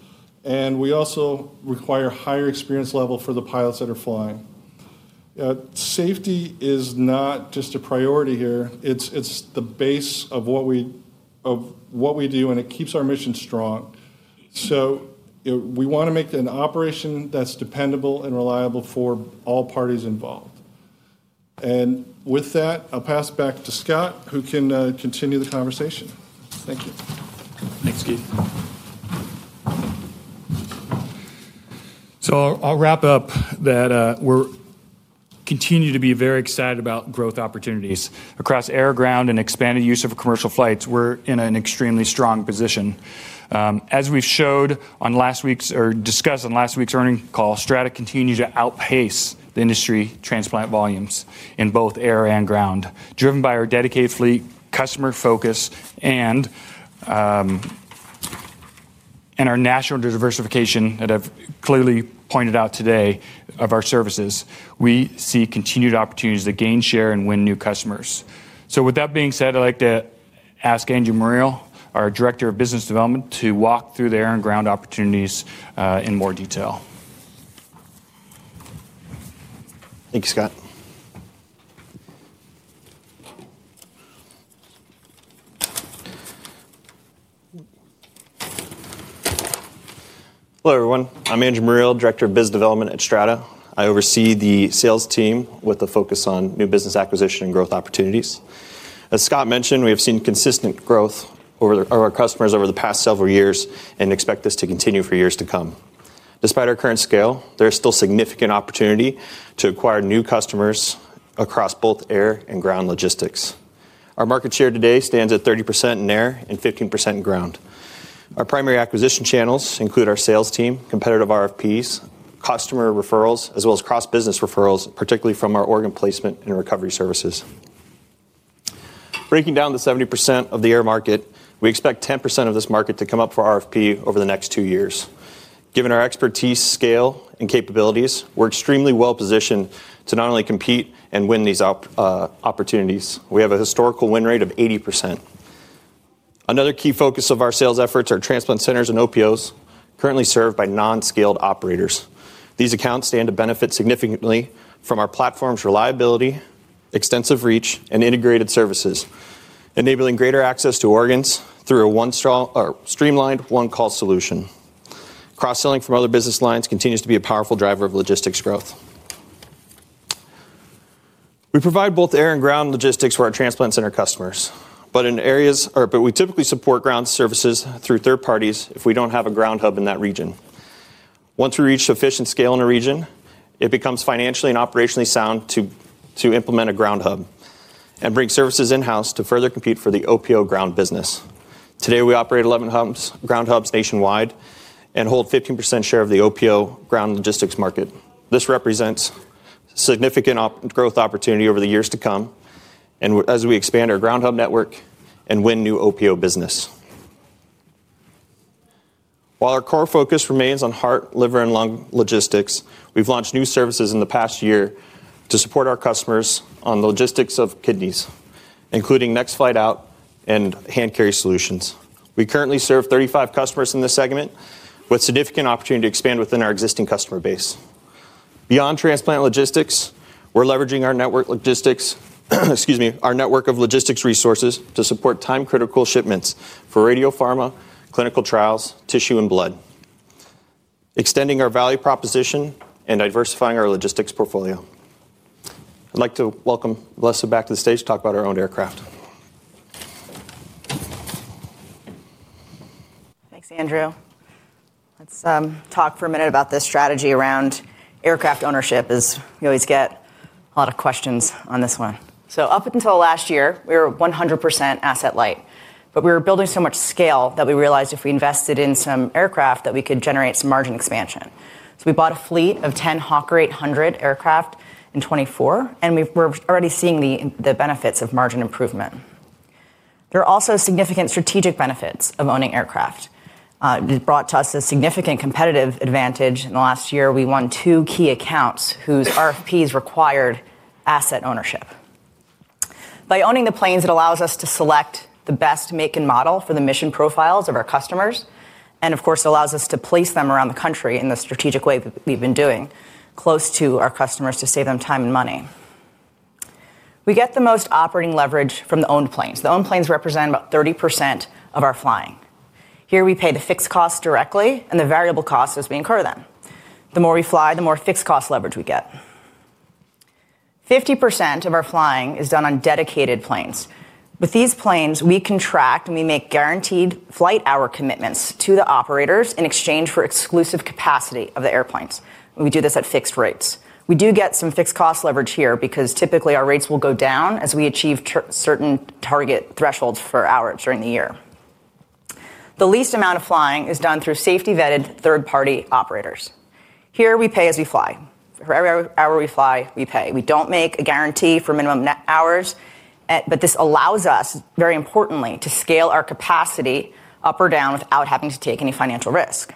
and we also require a higher experience level for the pilots that are flying. Safety is not just a priority here. It's the base of what we do, and it keeps our mission strong. We want to make it an operation that's dependable and reliable for all parties involved. With that, I'll pass it back to Scott, who can continue the conversation. Thank you. Thanks, Keith. I'll wrap up that we continue to be very excited about growth opportunities across air and ground and expanded use of commercial flights. We're in an extremely strong position. As we discussed on last week's earnings call, Strata continues to outpace the industry transplant volumes in both air and ground. Driven by our dedicated fleet, customer focus, and our national diversification that I've clearly pointed out today of our services, we see continued opportunities to gain, share, and win new customers. With that being said, I'd like to ask Andrew Murrill, our Director of Business Development, to walk through the air and ground opportunities in more detail. Thank you, Scott. Hello, everyone. I'm Andrew Murrill, Director of Business Development at Strata. I oversee the sales team with a focus on new business acquisition and growth opportunities. As Scott mentioned, we have seen consistent growth of our customers over the past several years and expect this to continue for years to come. Despite our current scale, there is still significant opportunity to acquire new customers across both air and ground logistics. Our market share today stands at 30% in air and 15% in ground. Our primary acquisition channels include our sales team, competitive RFPs, customer referrals, as well as cross-business referrals, particularly from our organ placement and recovery services. Breaking down the 70% of the air market, we expect 10% of this market to come up for RFP over the next two years. Given our expertise, scale, and capabilities, we're extremely well-positioned to not only compete and win these opportunities. We have a historical win rate of 80%. Another key focus of our sales efforts are transplant centers and OPOs currently served by non-scaled operators. These accounts stand to benefit significantly from our platform's reliability, extensive reach, and integrated services, enabling greater access to organs through a streamlined one-call solution. Cross-selling from other business lines continues to be a powerful driver of logistics growth. We provide both air and ground logistics for our transplant center customers, but we typically support ground services through third parties if we don't have a ground hub in that region. Once we reach sufficient scale in a region, it becomes financially and operationally sound to implement a ground hub and bring services in-house to further compete for the OPO ground business. Today, we operate 11 ground hubs nationwide and hold a 15% share of the OPO ground logistics market. This represents significant growth opportunity over the years to come as we expand our ground hub network and win new OPO business. While our core focus remains on heart, liver, and lung logistics, we've launched new services in the past year to support our customers on the logistics of kidneys, including Next Flight Out and hand carry solutions. We currently serve 35 customers in this segment with significant opportunity to expand within our existing customer base. Beyond transplant logistics, we're leveraging our network of logistics resources to support time-critical shipments for radiopharma, clinical trials, tissue, and blood, extending our value proposition and diversifying our logistics portfolio. I'd like to welcome Melissa back to the stage to talk about our own aircraft. Thanks, Andrew. Let's talk for a minute about this strategy around aircraft ownership, as we always get a lot of questions on this one. Up until last year, we were 100% asset light. We were building so much scale that we realized if we invested in some aircraft, we could generate some margin expansion. We bought a fleet of 10 Hawker 800 aircraft in 2024, and we're already seeing the benefits of margin improvement. There are also significant strategic benefits of owning aircraft. It brought us a significant competitive advantage. In the last year, we won two key accounts whose RFPs required asset ownership. By owning the planes, it allows us to select the best make and model for the mission profiles of our customers. It allows us to place them around the country in the strategic way that we've been doing, close to our customers to save them time and money. We get the most operating leverage from the owned planes. The owned planes represent about 30% of our flying. Here, we pay the fixed costs directly and the variable costs as we incur them. The more we fly, the more fixed cost leverage we get. 50% of our flying is done on dedicated planes. With these planes, we contract and we make guaranteed flight hour commitments to the operators in exchange for exclusive capacity of the airplanes. We do this at fixed rates. We do get some fixed cost leverage here because typically, our rates will go down as we achieve certain target thresholds for hours during the year. The least amount of flying is done through safety-vetted third-party operators. Here, we pay as we fly. For every hour we fly, we pay. We do not make a guarantee for minimum net hours, but this allows us, very importantly, to scale our capacity up or down without having to take any financial risk.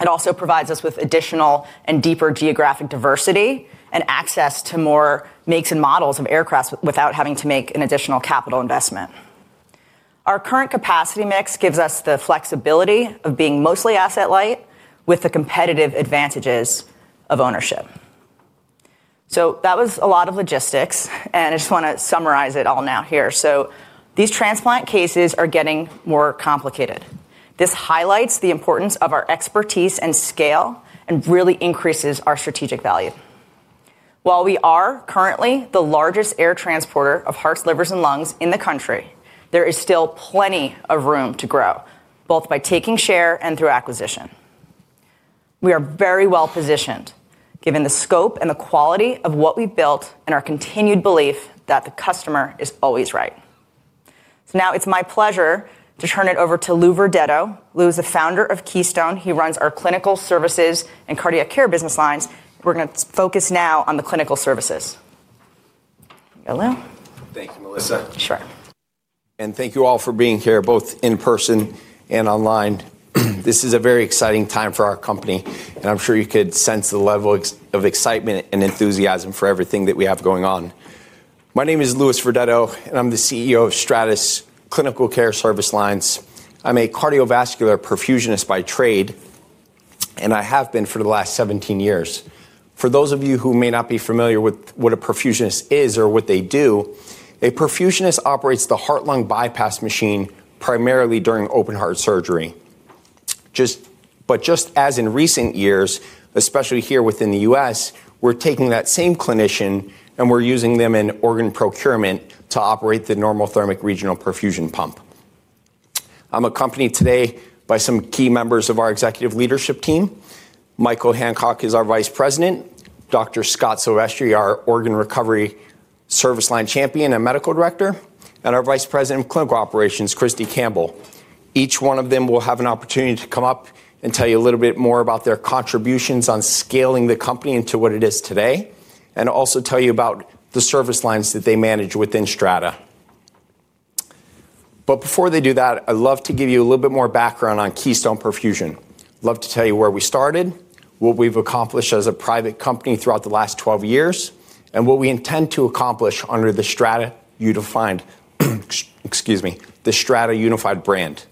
It also provides us with additional and deeper geographic diversity and access to more makes and models of aircraft without having to make an additional capital investment. Our current capacity mix gives us the flexibility of being mostly asset light with the competitive advantages of ownership. That was a lot of logistics, and I just want to summarize it all now here. These transplant cases are getting more complicated. This highlights the importance of our expertise and scale and really increases our strategic value. While we are currently the largest air transporter of hearts, livers, and lungs in the country, there is still plenty of room to grow, both by taking share and through acquisition. We are very well-positioned given the scope and the quality of what we've built and our continued belief that the customer is always right. Now it's my pleasure to turn it over to Lou Verdetto. Lou is the founder of Keystone. He runs our clinical services and cardiac care business lines. We're going to focus now on the clinical services. Hello? Thank you, Melissa. Sure. And thank you all for being here, both in person and online. This is a very exciting time for our company, and I'm sure you could sense the level of excitement and enthusiasm for everything that we have going on. My name is Lou Verdetto, and I'm the CEO of Strata Clinical Care Service Lines. I'm a cardiovascular perfusionist by trade, and I have been for the last 17 years. For those of you who may not be familiar with what a perfusionist is or what they do, a perfusionist operates the heart-lung bypass machine primarily during open-heart surgery. Just as in recent years, especially here within the U.S., we're taking that same clinician and we're using them in organ procurement to operate the normothermic regional perfusion pump. I'm accompanied today by some key members of our executive leadership team. Michael Hancock is our vice president, Dr. Scott Silvestri, our organ recovery service line champion and Medical Director, and our Vice President of Clinical Operations, Christie Campbell. Each one of them will have an opportunity to come up and tell you a little bit more about their contributions on scaling the company into what it is today, and also tell you about the service lines that they manage within Strata. Before they do that, I'd love to give you a little bit more background on Keystone Perfusion. I'd love to tell you where we started, what we've accomplished as a private company throughout the last 12 years, and what we intend to accomplish under the Strata Unified brand.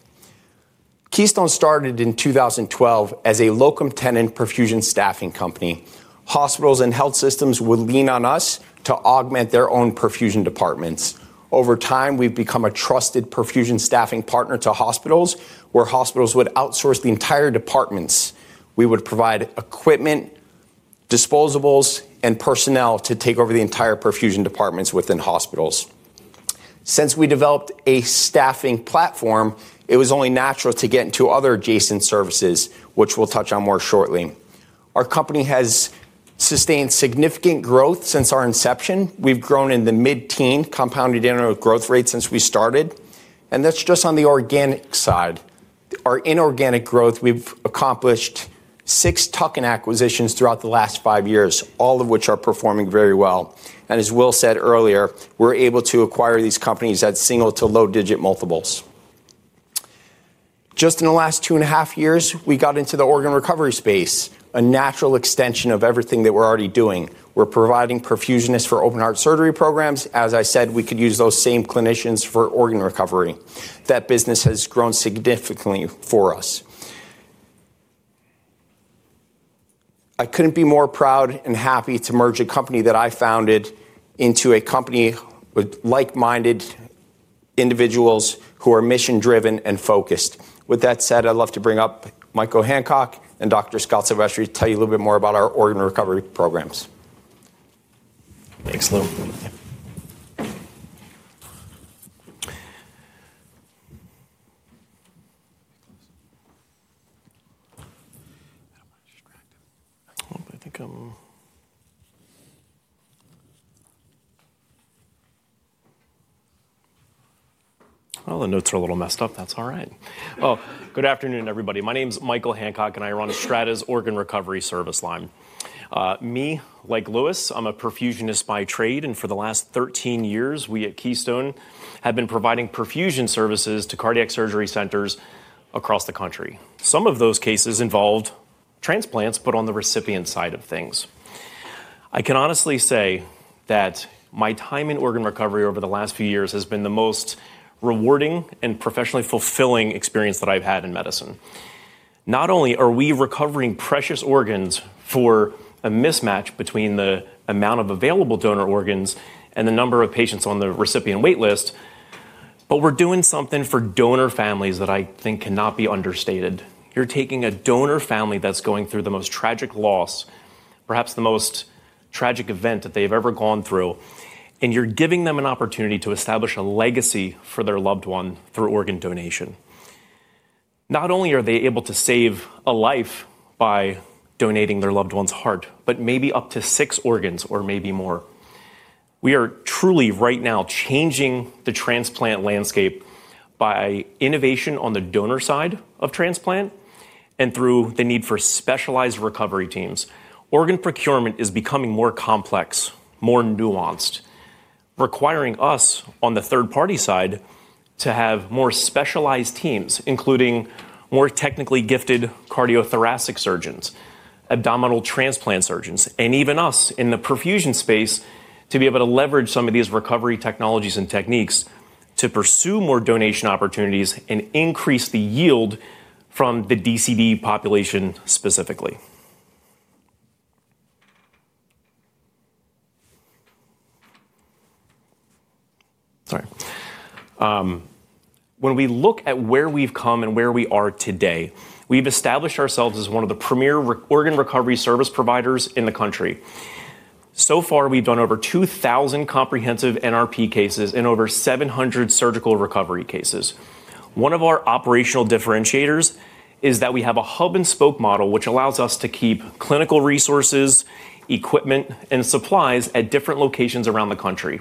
Keystone started in 2012 as a locum tenens perfusion staffing company. Hospitals and health systems would lean on us to augment their own perfusion departments. Over time, we've become a trusted perfusion staffing partner to hospitals where hospitals would outsource the entire departments. We would provide equipment, disposables, and personnel to take over the entire perfusion departments within hospitals. Since we developed a staffing platform, it was only natural to get into other adjacent services, which we'll touch on more shortly. Our company has sustained significant growth since our inception. We've grown in the mid-teen, compounded in our growth rate since we started, and that's just on the organic side. Our inorganic growth, we've accomplished six tuck-in acquisitions throughout the last five years, all of which are performing very well. As Will said earlier, we're able to acquire these companies at single to low-digit multiples. Just in the last two and a half years, we got into the organ recovery space, a natural extension of everything that we're already doing. We're providing perfusionists for open-heart surgery programs. As I said, we could use those same clinicians for organ recovery. That business has grown significantly for us. I couldn't be more proud and happy to merge a company that I founded into a company with like-minded individuals who are mission-driven and focused. With that said, I'd love to bring up Michael Hancock and Dr. Scott Silvestri to tell you a little bit more about our organ recovery programs. Thanks, Lou. I think all the notes are a little messed up. That's all right. Oh, good afternoon, everybody. My name is Michael Hancock, and I run Strata's Organ Recovery Service Line. Me, like Lou, I'm a perfusionist by trade, and for the last 13 years, we at Keystone have been providing perfusion services to cardiac surgery centers across the country. Some of those cases involved transplants, but on the recipient side of things. I can honestly say that my time in organ recovery over the last few years has been the most rewarding and professionally fulfilling experience that I've had in medicine. Not only are we recovering precious organs for a mismatch between the amount of available donor organs and the number of patients on the recipient waitlist, but we're doing something for donor families that I think cannot be understated. You're taking a donor family that's going through the most tragic loss, perhaps the most tragic event that they've ever gone through, and you're giving them an opportunity to establish a legacy for their loved one through organ donation. Not only are they able to save a life by donating their loved one's heart, but maybe up to six organs or maybe more. We are truly, right now, changing the transplant landscape by innovation on the donor side of transplant and through the need for specialized recovery teams. Organ procurement is becoming more complex, more nuanced, requiring us on the third-party side to have more specialized teams, including more technically gifted cardiothoracic surgeons, abdominal transplant surgeons, and even us in the perfusion space to be able to leverage some of these recovery technologies and techniques to pursue more donation opportunities and increase the yield from the DCD population specifically. Sorry. When we look at where we've come and where we are today, we've established ourselves as one of the premier organ recovery service providers in the country. So far, we've done over 2,000 comprehensive NRP cases and over 700 surgical recovery cases. One of our operational differentiators is that we have a hub-and-spoke model, which allows us to keep clinical resources, equipment, and supplies at different locations around the country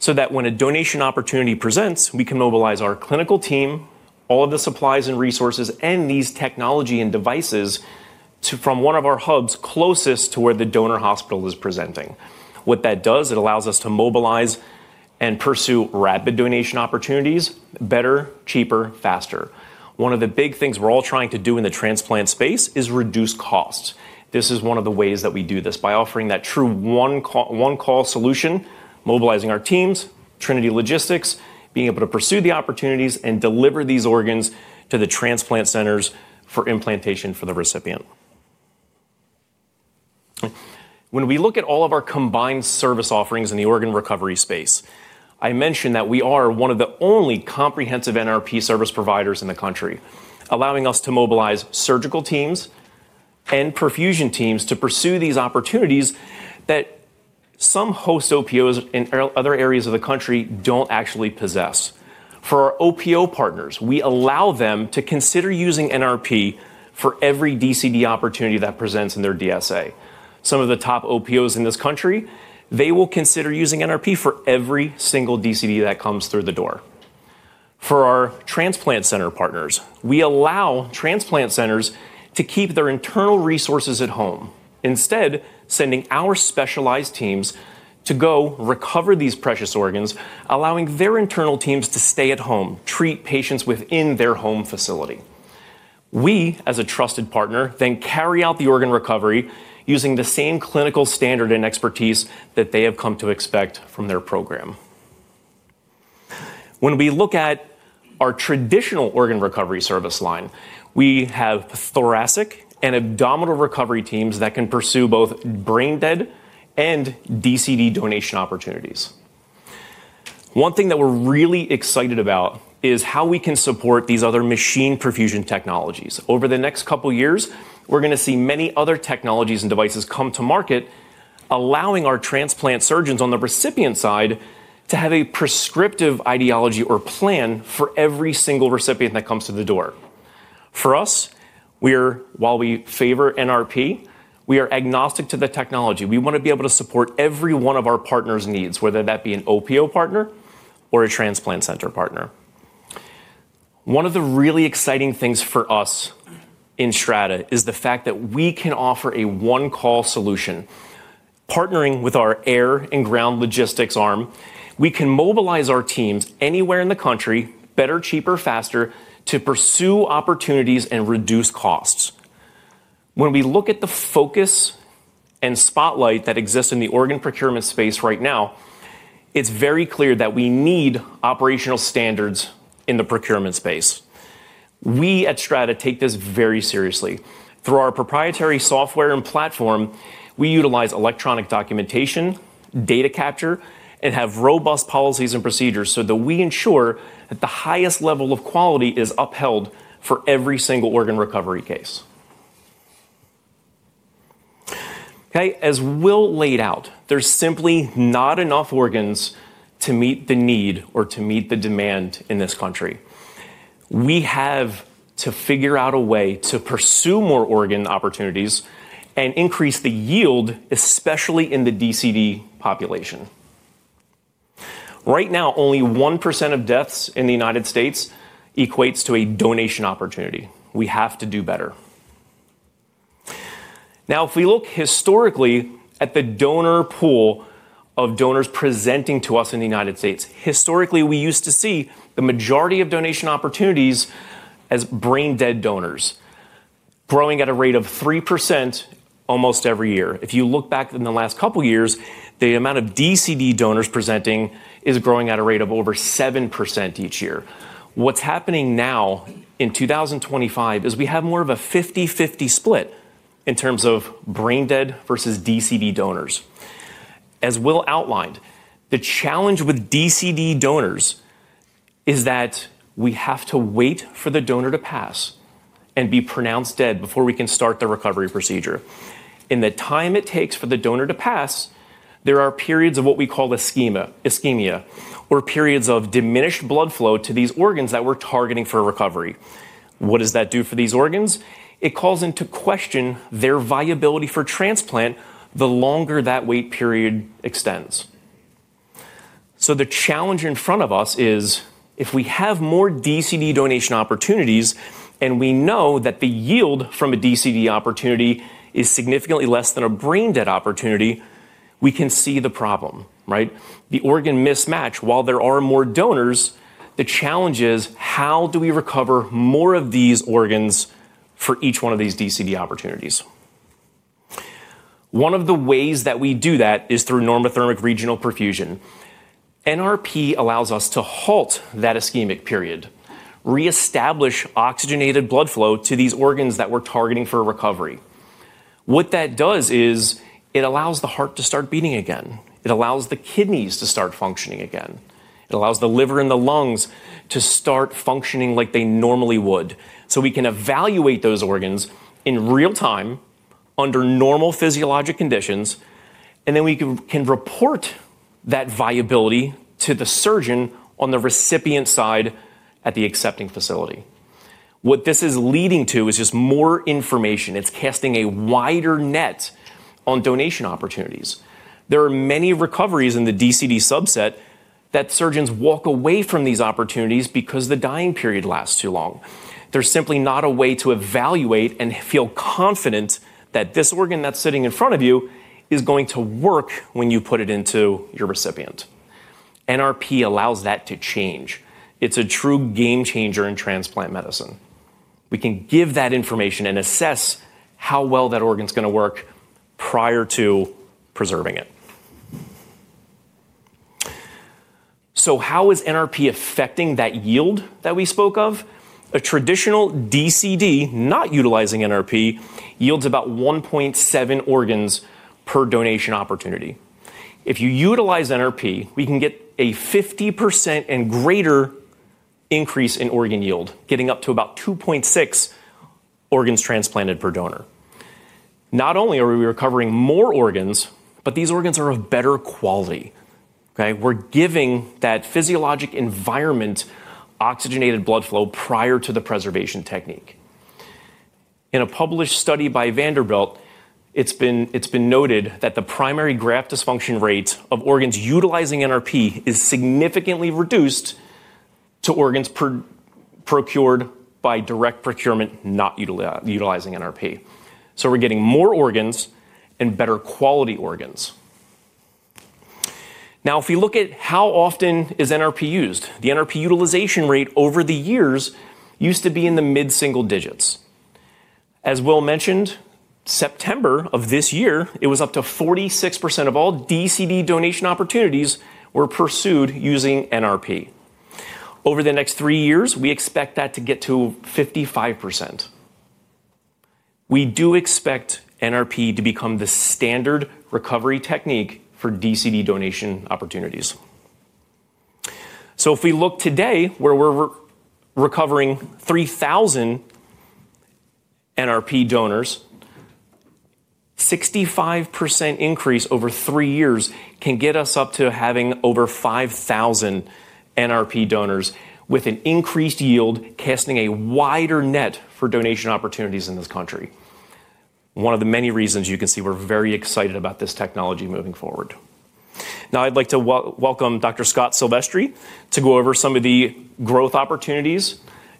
so that when a donation opportunity presents, we can mobilize our clinical team, all of the supplies and resources, and these technology and devices from one of our hubs closest to where the donor hospital is presenting. What that does, it allows us to mobilize and pursue rapid donation opportunities better, cheaper, faster. One of the big things we're all trying to do in the transplant space is reduce costs. This is one of the ways that we do this by offering that true one-call solution, mobilizing our teams, Trinity, being able to pursue the opportunities and deliver these organs to the transplant centers for implantation for the recipient. When we look at all of our combined service offerings in the organ recovery space, I mentioned that we are one of the only comprehensive NRP service providers in the country, allowing us to mobilize surgical teams and perfusion teams to pursue these opportunities that some host OPOs in other areas of the country do not actually possess. For our OPO partners, we allow them to consider using NRP for every DCD opportunity that presents in their DSA. Some of the top OPOs in this country, they will consider using NRP for every single DCD that comes through the door. For our transplant center partners, we allow transplant centers to keep their internal resources at home, instead sending our specialized teams to go recover these precious organs, allowing their internal teams to stay at home, treat patients within their home facility. We, as a trusted partner, then carry out the organ recovery using the same clinical standard and expertise that they have come to expect from their program. When we look at our traditional organ recovery service line, we have thoracic and abdominal recovery teams that can pursue both brain dead and DCD donation opportunities. One thing that we're really excited about is how we can support these other machine perfusion technologies. Over the next couple of years, we're going to see many other technologies and devices come to market, allowing our transplant surgeons on the recipient side to have a prescriptive ideology or plan for every single recipient that comes through the door. For us, while we favor NRP, we are agnostic to the technology. We want to be able to support every one of our partners' needs, whether that be an OPO partner or a transplant center partner. One of the really exciting things for us in Strata is the fact that we can offer a one-call solution. Partnering with our air and ground logistics arm, we can mobilize our teams anywhere in the country, better, cheaper, faster, to pursue opportunities and reduce costs. When we look at the focus and spotlight that exists in the organ procurement space right now, it is very clear that we need operational standards in the procurement space. We at Strata take this very seriously. Through our proprietary software and platform, we utilize electronic documentation, data capture, and have robust policies and procedures so that we ensure that the highest level of quality is upheld for every single organ recovery case. Okay, as Will laid out, there is simply not enough organs to meet the need or to meet the demand in this country. We have to figure out a way to pursue more organ opportunities and increase the yield, especially in the DCD population. Right now, only 1% of deaths in the United States equates to a donation opportunity. We have to do better. Now, if we look historically at the donor pool of donors presenting to us in the United States, historically, we used to see the majority of donation opportunities as brain dead donors growing at a rate of 3% almost every year. If you look back in the last couple of years, the amount of DCD donors presenting is growing at a rate of over 7% each year. What's happening now in 2025 is we have more of a 50/50 split in terms of brain dead versus DCD donors. As Will outlined, the challenge with DCD donors is that we have to wait for the donor to pass and be pronounced dead before we can start the recovery procedure. In the time it takes for the donor to pass, there are periods of what we call ischemia or periods of diminished blood flow to these organs that we're targeting for recovery. What does that do for these organs? It calls into question their viability for transplant the longer that wait period extends. The challenge in front of us is if we have more DCD donation opportunities and we know that the yield from a DCD opportunity is significantly less than a brain dead opportunity, we can see the problem, right? The organ mismatch, while there are more donors, the challenge is how do we recover more of these organs for each one of these DCD opportunities? One of the ways that we do that is through normothermic regional perfusion. NRP allows us to halt that ischemic period, reestablish oxygenated blood flow to these organs that we're targeting for recovery. What that does is it allows the heart to start beating again. It allows the kidneys to start functioning again. It allows the liver and the lungs to start functioning like they normally would. We can evaluate those organs in real time under normal physiologic conditions, and then we can report that viability to the surgeon on the recipient side at the accepting facility. What this is leading to is just more information. It's casting a wider net on donation opportunities. There are many recoveries in the DCD subset that surgeons walk away from these opportunities because the dying period lasts too long. There's simply not a way to evaluate and feel confident that this organ that's sitting in front of you is going to work when you put it into your recipient. NRP allows that to change. It's a true game changer in transplant medicine. We can give that information and assess how well that organ's going to work prior to preserving it. How is NRP affecting that yield that we spoke of? A traditional DCD not utilizing NRP yields about 1.7 organs per donation opportunity. If you utilize NRP, we can get a 50% and greater increase in organ yield, getting up to about 2.6 organs transplanted per donor. Not only are we recovering more organs, but these organs are of better quality. We're giving that physiologic environment oxygenated blood flow prior to the preservation technique. In a published study by Vanderbilt, it's been noted that the primary graft dysfunction rate of organs utilizing NRP is significantly reduced to organs procured by direct procurement not utilizing NRP. So we're getting more organs and better quality organs. Now, if we look at how often is NRP used, the NRP utilization rate over the years used to be in the mid-single digits. As Will mentioned, September of this year, it was up to 46% of all DCD donation opportunities were pursued using NRP. Over the next three years, we expect that to get to 55%. We do expect NRP to become the standard recovery technique for DCD donation opportunities. If we look today, where we're recovering 3,000 NRP donors, a 65% increase over three years can get us up to having over 5,000 NRP donors with an increased yield, casting a wider net for donation opportunities in this country. One of the many reasons you can see we're very excited about this technology moving forward. Now, I'd like to welcome Dr. Scott Silvestri to go over some of the growth opportunities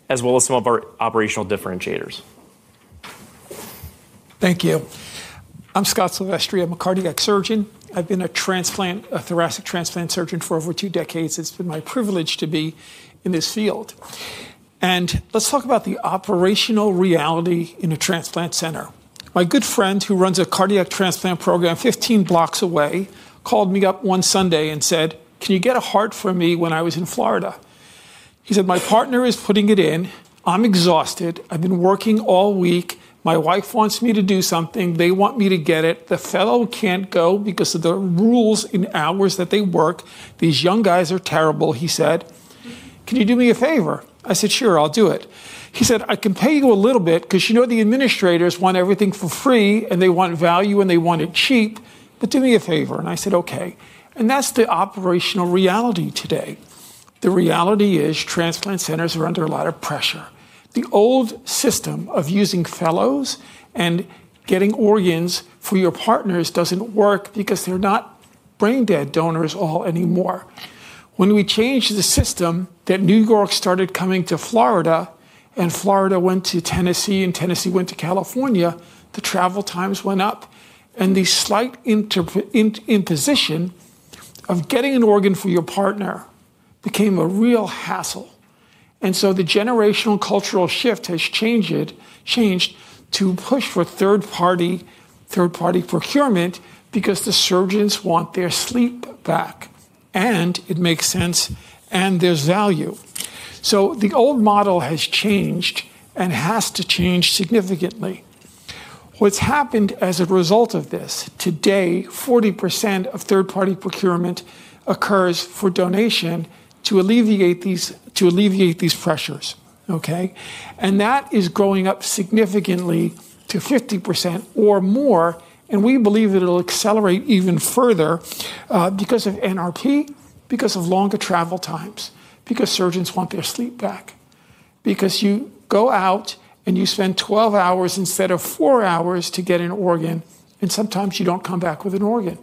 as well as some of our operational differentiators. Thank you. I'm Scott Silvestri. I'm a cardiac surgeon. I've been a thoracic transplant surgeon for over two decades. It's been my privilege to be in this field. Let's talk about the operational reality in a transplant center. My good friend, who runs a cardiac transplant program 15 blocks away, called me up one Sunday and said, "Can you get a heart for me when I was in Florida?" He said, "My partner is putting it in. I'm exhausted. I've been working all week. My wife wants me to do something. They want me to get it. The fellow can't go because of the rules and hours that they work. These young guys are terrible," he said. "Can you do me a favor?" I said, "Sure, I'll do it." He said, "I can pay you a little bit because you know the administrators want everything for free and they want value and they want it cheap. Do me a favor." I said, "Okay." That is the operational reality today. The reality is transplant centers are under a lot of pressure. The old system of using fellows and getting organs for your partners doesn't work because they're not brain dead donors all anymore. When we changed the system, New York started coming to Florida, and Florida went to Tennessee, and Tennessee went to California. The travel times went up, and the slight imposition of getting an organ for your partner became a real hassle. The generational cultural shift has changed to push for third-party procurement because the surgeons want their sleep back, it makes sense, and there's value. The old model has changed and has to change significantly. What's happened as a result of this? Today, 40% of third-party procurement occurs for donation to alleviate these pressures, okay? That is growing up significantly to 50% or more, and we believe it'll accelerate even further because of NRP, because of longer travel times, because surgeons want their sleep back, because you go out and you spend 12 hours instead of four hours to get an organ, and sometimes you don't come back with an organ.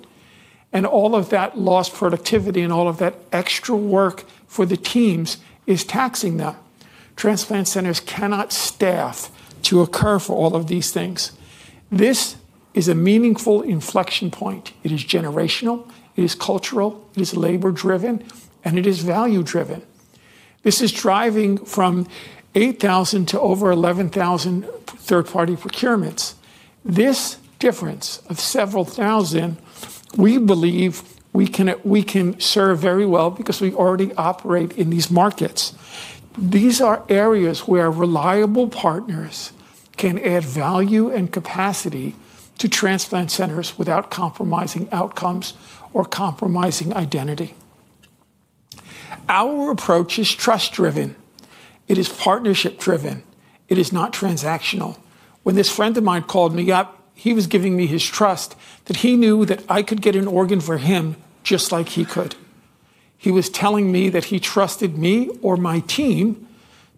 All of that lost productivity and all of that extra work for the teams is taxing them. Transplant centers cannot staff to occur for all of these things. This is a meaningful inflection point. It is generational. It is cultural. It is labor-driven, and it is value-driven. This is driving from 8,000 to over 11,000 third-party procurements. This difference of several thousand, we believe we can serve very well because we already operate in these markets. These are areas where reliable partners can add value and capacity to transplant centers without compromising outcomes or compromising identity. Our approach is trust-driven. It is partnership-driven. It is not transactional. When this friend of mine called me up, he was giving me his trust that he knew that I could get an organ for him just like he could. He was telling me that he trusted me or my team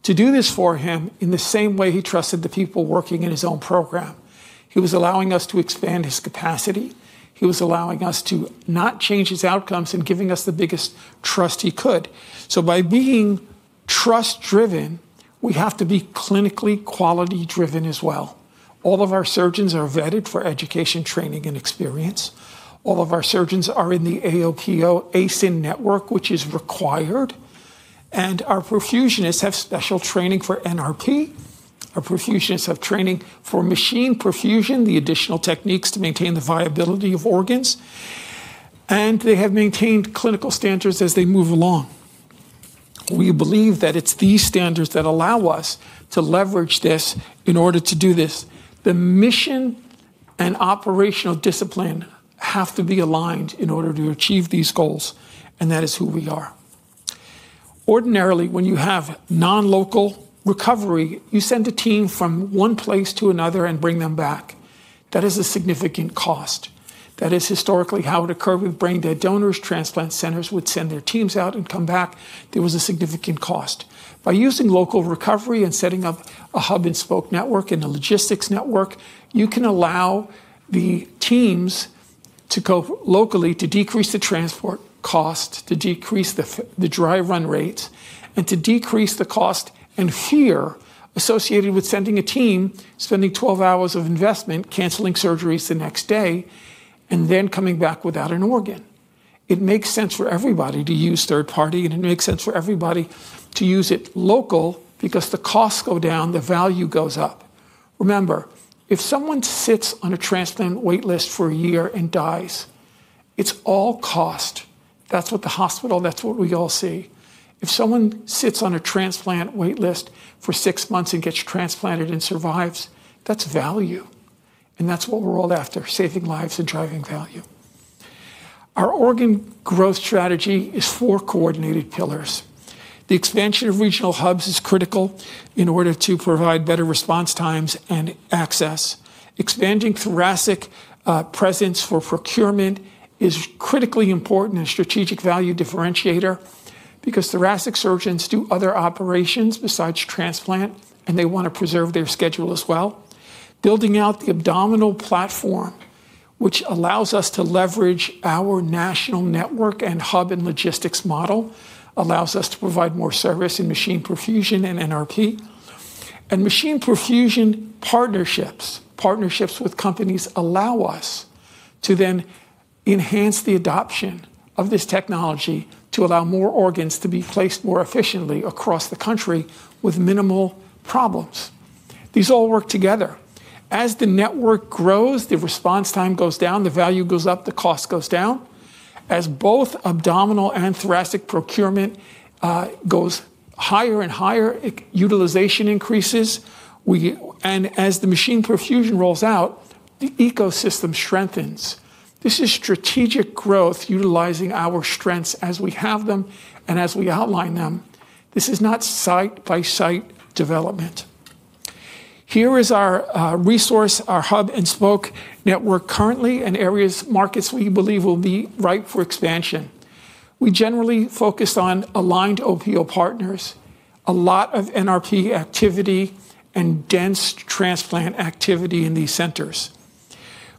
to do this for him in the same way he trusted the people working in his own program. He was allowing us to expand his capacity. He was allowing us to not change his outcomes and giving us the biggest trust he could. By being trust-driven, we have to be clinically quality-driven as well. All of our surgeons are vetted for education, training, and experience. All of our surgeons are in the AOPO ASIN network, which is required. Our perfusionists have special training for NRP. Our perfusionists have training for machine perfusion, the additional techniques to maintain the viability of organs. They have maintained clinical standards as they move along. We believe that it's these standards that allow us to leverage this in order to do this. The mission and operational discipline have to be aligned in order to achieve these goals, and that is who we are. Ordinarily, when you have non-local recovery, you send a team from one place to another and bring them back. That is a significant cost. That is historically how it occurred with brain dead donors. Transplant centers would send their teams out and come back. There was a significant cost. By using local recovery and setting up a hub-and-spoke network and a logistics network, you can allow the teams to go locally to decrease the transport cost, to decrease the dry run rates, and to decrease the cost and fear associated with sending a team, spending 12 hours of investment, canceling surgeries the next day, and then coming back without an organ. It makes sense for everybody to use third-party, and it makes sense for everybody to use it local because the costs go down, the value goes up. Remember, if someone sits on a transplant waitlist for a year and dies, it's all cost. That's what the hospital, that's what we all see. If someone sits on a transplant waitlist for six months and gets transplanted and survives, that's value. That's what we're all after, saving lives and driving value. Our organ growth strategy is four coordinated pillars. The expansion of regional hubs is critical in order to provide better response times and access. Expanding thoracic presence for procurement is critically important and a strategic value differentiator because thoracic surgeons do other operations besides transplant, and they want to preserve their schedule as well. Building out the abdominal platform, which allows us to leverage our national network and hub and logistics model, allows us to provide more service in machine perfusion and NRP. Machine perfusion partnerships, partnerships with companies, allow us to then enhance the adoption of this technology to allow more organs to be placed more efficiently across the country with minimal problems. These all work together. As the network grows, the response time goes down, the value goes up, the cost goes down. As both abdominal and thoracic procurement goes higher and higher, utilization increases. As the machine perfusion rolls out, the ecosystem strengthens. This is strategic growth utilizing our strengths as we have them and as we outline them. This is not site-by-site development. Here is our resource, our hub-and-spoke network currently and areas, markets we believe will be ripe for expansion. We generally focus on aligned OPO partners, a lot of NRP activity, and dense transplant activity in these centers.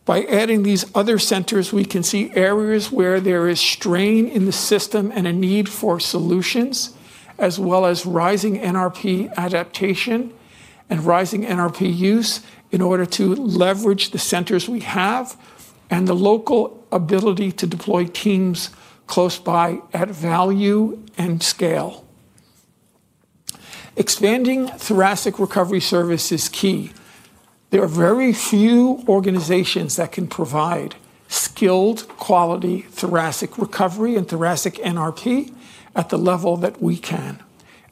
By adding these other centers, we can see areas where there is strain in the system and a need for solutions, as well as rising NRP adaptation and rising NRP use in order to leverage the centers we have and the local ability to deploy teams close by at value and scale. Expanding thoracic recovery service is key. There are very few organizations that can provide skilled, quality thoracic recovery and thoracic NRP at the level that we can.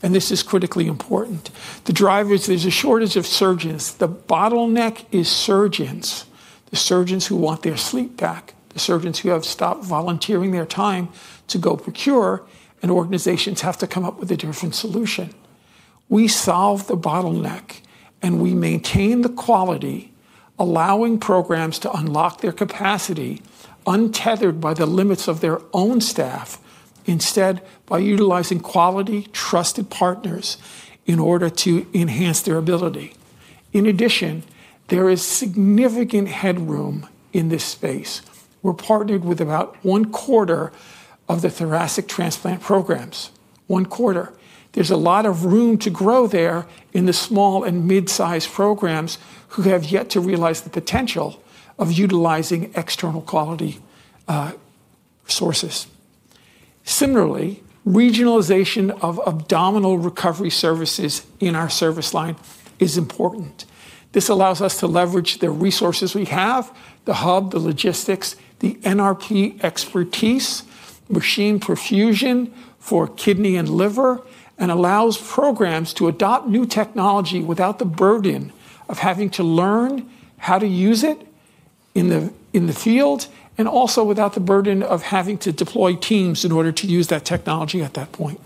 This is critically important. The driver is there's a shortage of surgeons. The bottleneck is surgeons, the surgeons who want their sleep back, the surgeons who have stopped volunteering their time to go procure, and organizations have to come up with a different solution. We solve the bottleneck, and we maintain the quality, allowing programs to unlock their capacity untethered by the limits of their own staff, instead by utilizing quality, trusted partners in order to enhance their ability. In addition, there is significant headroom in this space. We're partnered with about one quarter of the thoracic transplant programs. One quarter. There's a lot of room to grow there in the small and mid-size programs who have yet to realize the potential of utilizing external quality sources. Similarly, regionalization of abdominal recovery services in our service line is important. This allows us to leverage the resources we have, the hub, the logistics, the NRP expertise, machine perfusion for kidney and liver, and allows programs to adopt new technology without the burden of having to learn how to use it in the field and also without the burden of having to deploy teams in order to use that technology at that point.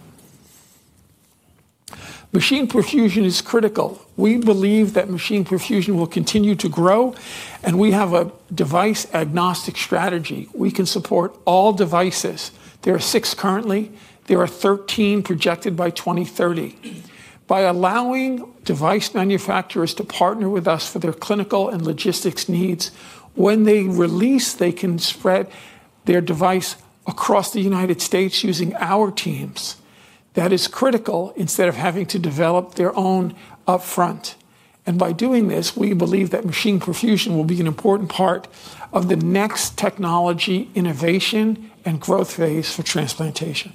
Machine perfusion is critical. We believe that machine perfusion will continue to grow, and we have a device-agnostic strategy. We can support all devices. There are six currently. There are 13 projected by 2030. By allowing device manufacturers to partner with us for their clinical and logistics needs, when they release, they can spread their device across the United States using our teams. That is critical instead of having to develop their own upfront. By doing this, we believe that machine perfusion will be an important part of the next technology innovation and growth phase for transplantation.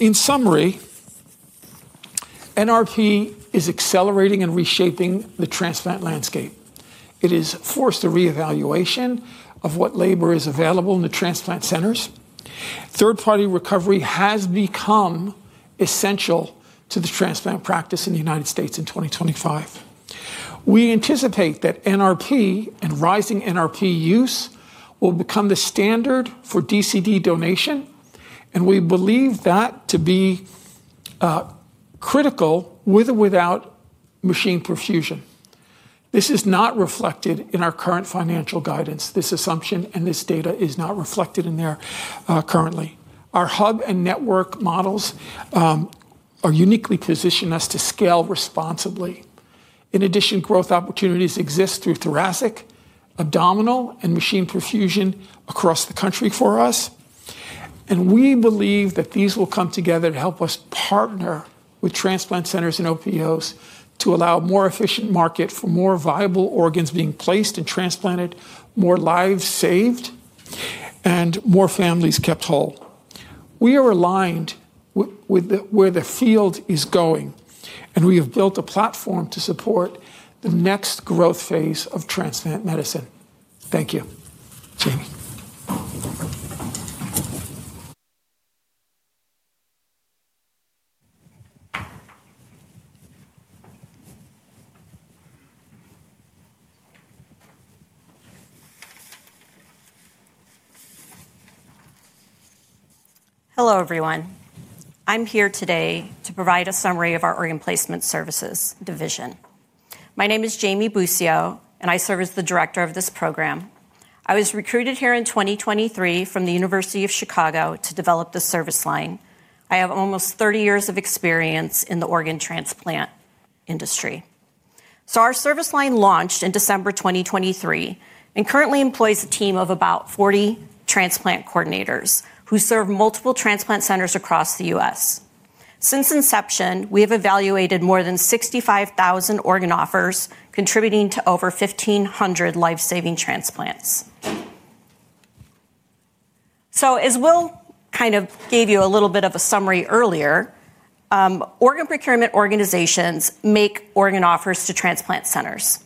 In summary, NRP is accelerating and reshaping the transplant landscape. It has forced a reevaluation of what labor is available in the transplant centers. Third-party recovery has become essential to the transplant practice in the United States in 2025. We anticipate that NRP and rising NRP use will become the standard for DCD donation, and we believe that to be critical with or without machine perfusion. This is not reflected in our current financial guidance. This assumption and this data is not reflected in there currently. Our hub and network models are uniquely positioning us to scale responsibly. In addition, growth opportunities exist through thoracic, abdominal, and machine perfusion across the country for us. We believe that these will come together to help us partner with transplant centers and OPOs to allow a more efficient market for more viable organs being placed and transplanted, more lives saved, and more families kept whole. We are aligned with where the field is going, and we have built a platform to support the next growth phase of transplant medicine. Thank you, Jamie. Hello, everyone. I'm here today to provide a summary of our organ placement services division. My name is Jamie Bucio, and I serve as the Director of this program. I was recruited here in 2023 from the University of Chicago to develop the service line. I have almost 30 years of experience in the organ transplant industry. Our service line launched in December 2023 and currently employs a team of about 40 transplant coordinators who serve multiple transplant centers across the U.S. Since inception, we have evaluated more than 65,000 organ offers, contributing to over 1,500 lifesaving transplants. As Will kind of gave you a little bit of a summary earlier, organ procurement organizations make organ offers to transplant centers.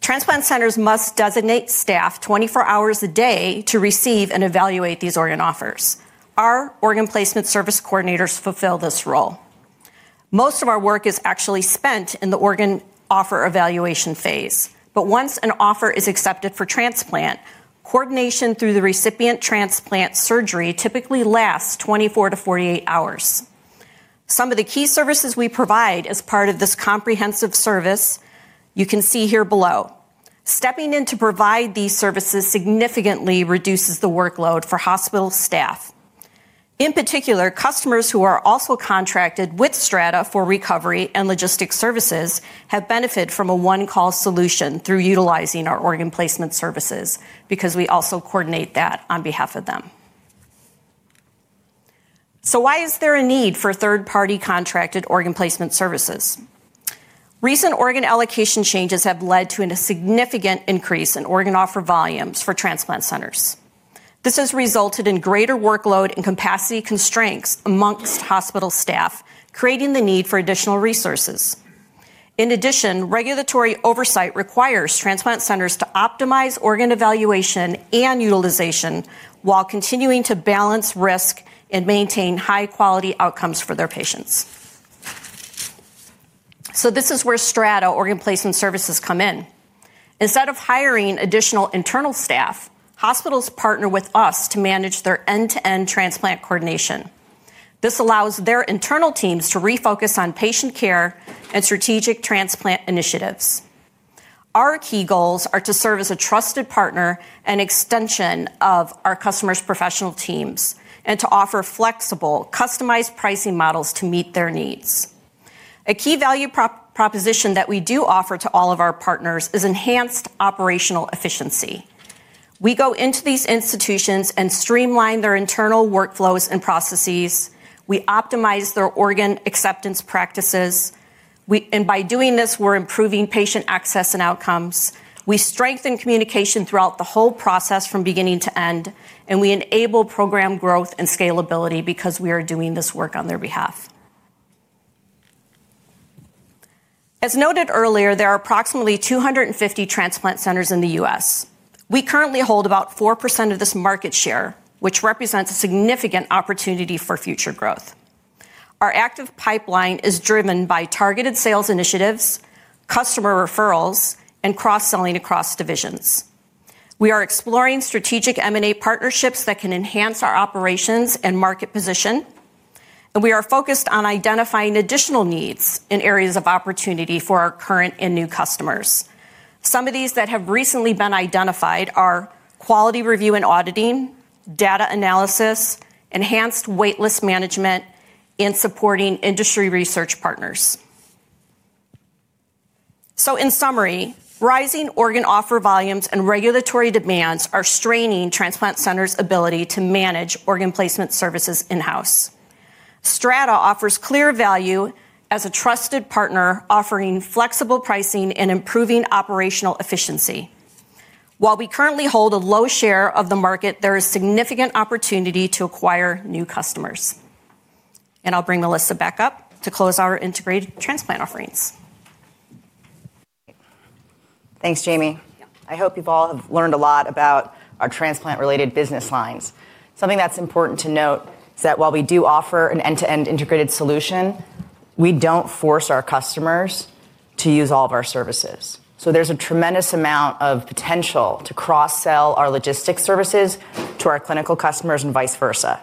Transplant centers must designate staff 24 hours a day to receive and evaluate these organ offers. Our organ placement service coordinators fulfill this role. Most of our work is actually spent in the organ offer evaluation phase. Once an offer is accepted for transplant, coordination through the recipient transplant surgery typically lasts 24 to 48 hours. Some of the key services we provide as part of this comprehensive service you can see here below. Stepping in to provide these services significantly reduces the workload for hospital staff. In particular, customers who are also contracted with Strata for recovery and logistics services have benefited from a one-call solution through utilizing our organ placement services because we also coordinate that on behalf of them. Why is there a need for third-party contracted organ placement services? Recent organ allocation changes have led to a significant increase in organ offer volumes for transplant centers. This has resulted in greater workload and capacity constraints amongst hospital staff, creating the need for additional resources. In addition, regulatory oversight requires transplant centers to optimize organ evaluation and utilization while continuing to balance risk and maintain high-quality outcomes for their patients. This is where Strata organ placement services come in. Instead of hiring additional internal staff, hospitals partner with us to manage their end-to-end transplant coordination. This allows their internal teams to refocus on patient care and strategic transplant initiatives. Our key goals are to serve as a trusted partner and extension of our customers' professional teams and to offer flexible, customized pricing models to meet their needs. A key value proposition that we do offer to all of our partners is enhanced operational efficiency. We go into these institutions and streamline their internal workflows and processes. We optimize their organ acceptance practices. By doing this, we're improving patient access and outcomes. We strengthen communication throughout the whole process from beginning to end, and we enable program growth and scalability because we are doing this work on their behalf. As noted earlier, there are approximately 250 transplant centers in the U.S. We currently hold about 4% of this market share, which represents a significant opportunity for future growth. Our active pipeline is driven by targeted sales initiatives, customer referrals, and cross-selling across divisions. We are exploring strategic M&A partnerships that can enhance our operations and market position. We are focused on identifying additional needs in areas of opportunity for our current and new customers. Some of these that have recently been identified are quality review and auditing, data analysis, enhanced waitlist management, and supporting industry research partners. In summary, rising organ offer volumes and regulatory demands are straining transplant centers' ability to manage organ placement services in-house. Strata offers clear value as a trusted partner offering flexible pricing and improving operational efficiency. While we currently hold a low share of the market, there is significant opportunity to acquire new customers. I will bring Melissa back up to close our integrated transplant offerings. Thanks, Jamie. I hope you've all learned a lot about our transplant-related business lines. Something that's important to note is that while we do offer an end-to-end integrated solution, we don't force our customers to use all of our services. There's a tremendous amount of potential to cross-sell our logistics services to our clinical customers and vice versa.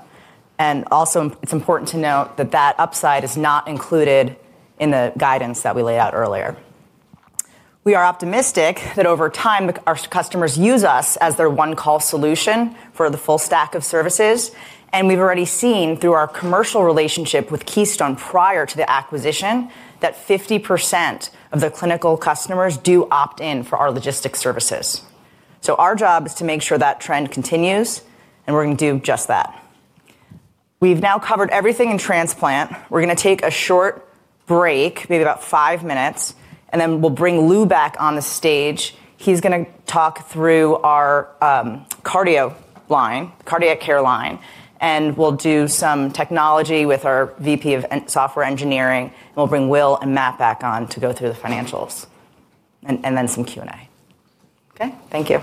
Also, it's important to note that that upside is not included in the guidance that we laid out earlier. We are optimistic that over time, our customers use us as their one-call solution for the full stack of services. We've already seen through our commercial relationship with Keystone prior to the acquisition that 50% of the clinical customers do opt in for our logistics services. Our job is to make sure that trend continues, and we're going to do just that. We've now covered everything in transplant. We're going to take a short break, maybe about five minutes, and then we'll bring Lou back on the stage. He's going to talk through our cardio line, cardiac care line, and we'll do some technology with our VP of software engineering. We'll bring Will and Matt back on to go through the financials and then some Q&A. Okay, thank you.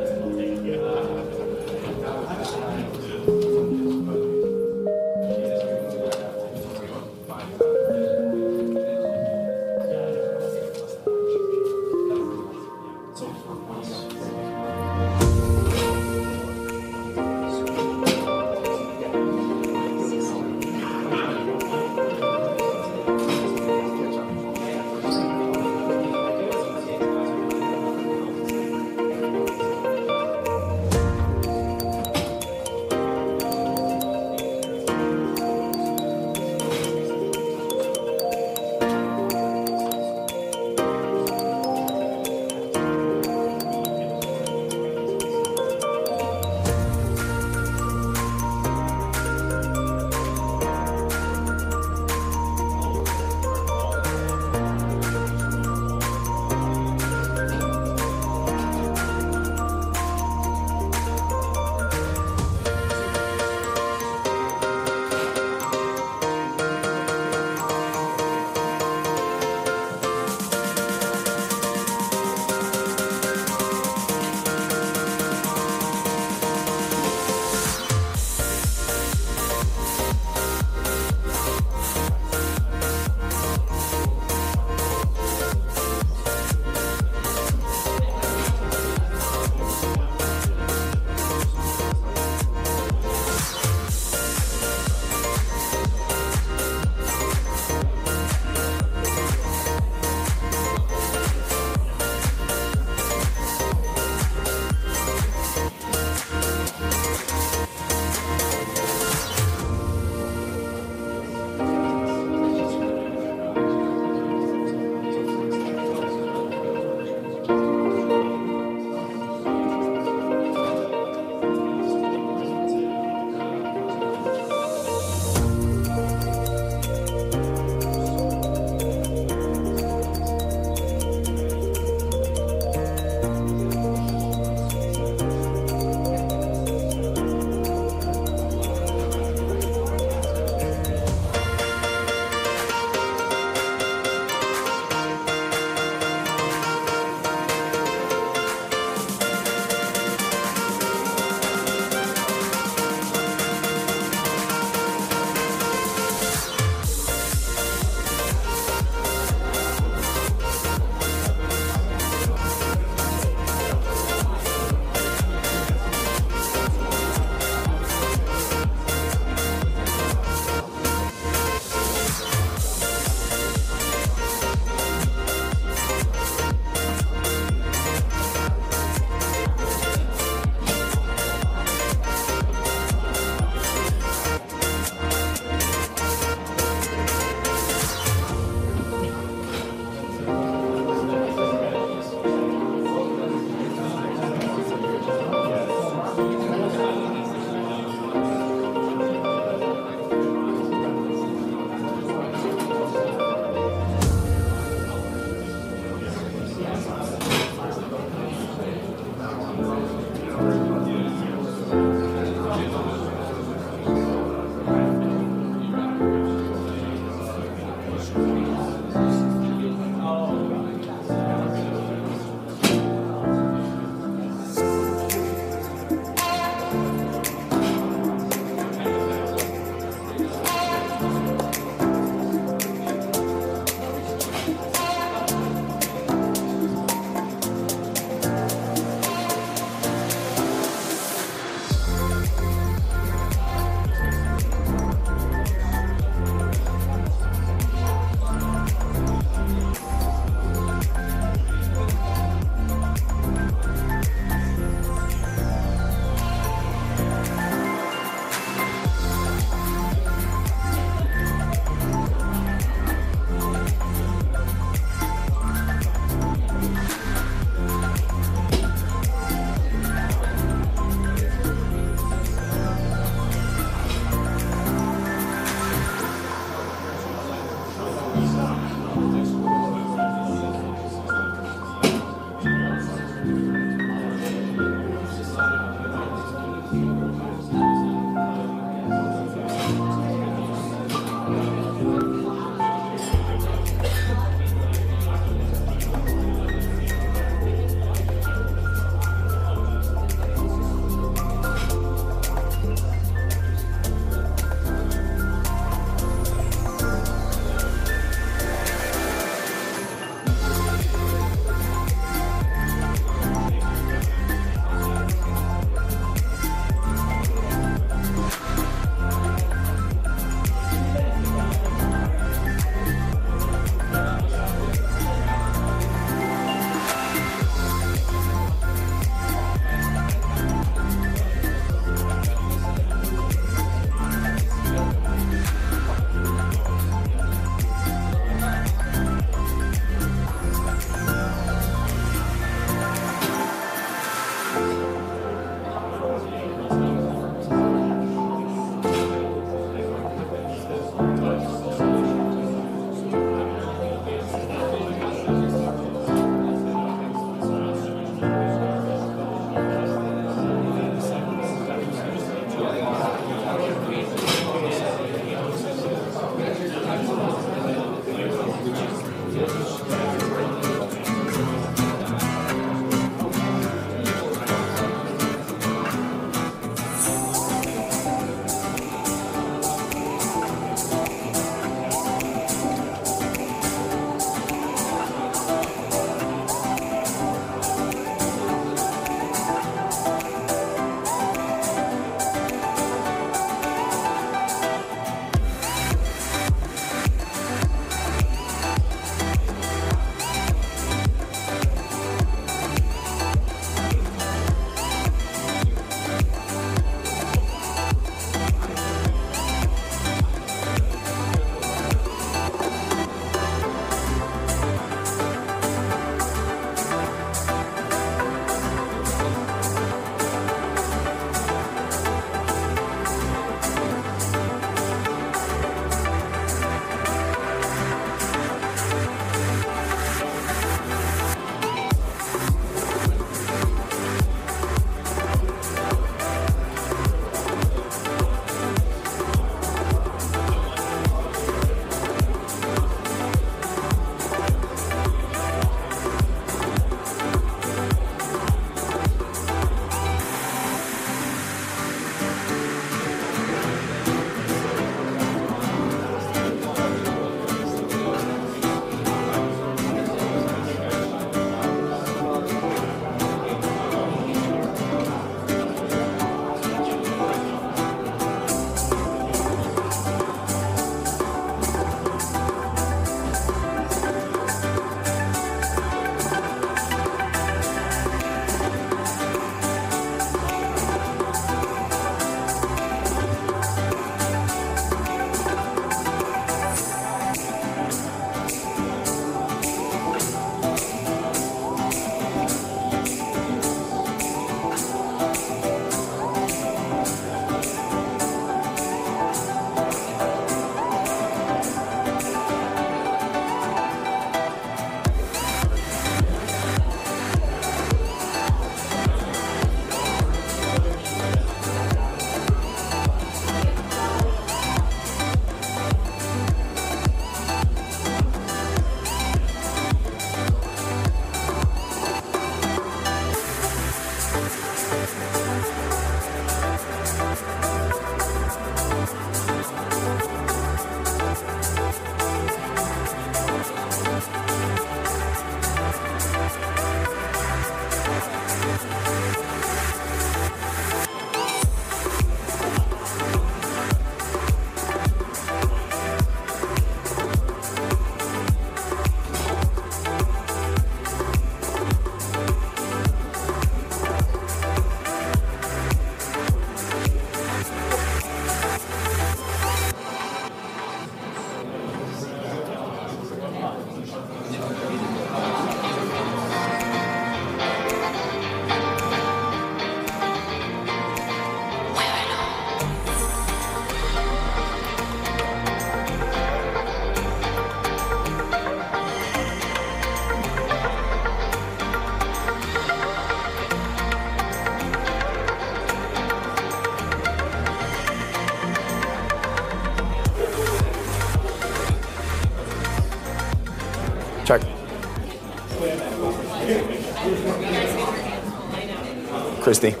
Okay,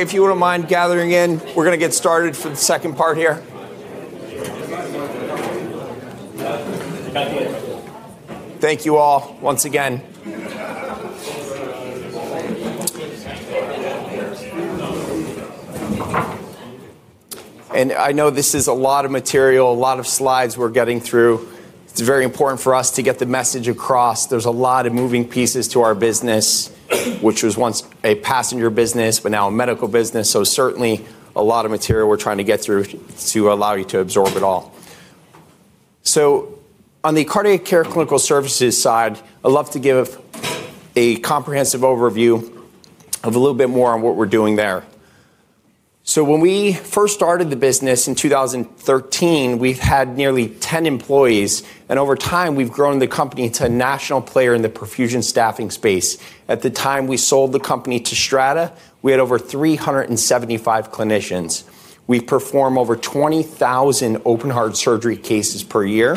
if you wouldn't mind gathering in, we're going to get started for the second part here. Thank you all once again. I know this is a lot of material, a lot of slides we're getting through. It's very important for us to get the message across. There's a lot of moving pieces to our business, which was once a passenger business, but now a medical business. Certainly, a lot of material we're trying to get through to allow you to absorb it all. On the cardiac care clinical services side, I'd love to give a comprehensive overview of a little bit more on what we're doing there. When we first started the business in 2013, we had nearly 10 employees. Over time, we've grown the company to a national player in the perfusion staffing space. At the time we sold the company to Strata, we had over 375 clinicians. We perform over 20,000 open-heart surgery cases per year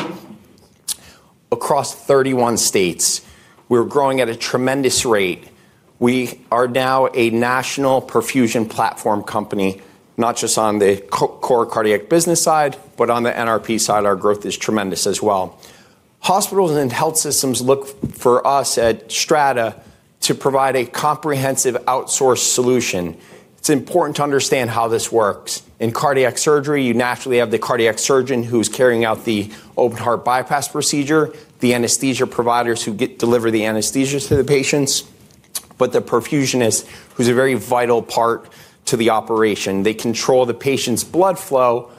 across 31 states. We're growing at a tremendous rate. We are now a national perfusion platform company, not just on the core cardiac business side, but on the NRP side, our growth is tremendous as well. Hospitals and health systems look for us at Strata to provide a comprehensive outsourced solution. It's important to understand how this works. In cardiac surgery, you naturally have the cardiac surgeon who's carrying out the open-heart bypass procedure, the anesthesia providers who deliver the anesthesia to the patients, but the perfusionist who's a very vital part to the operation. They control the patient's blood flow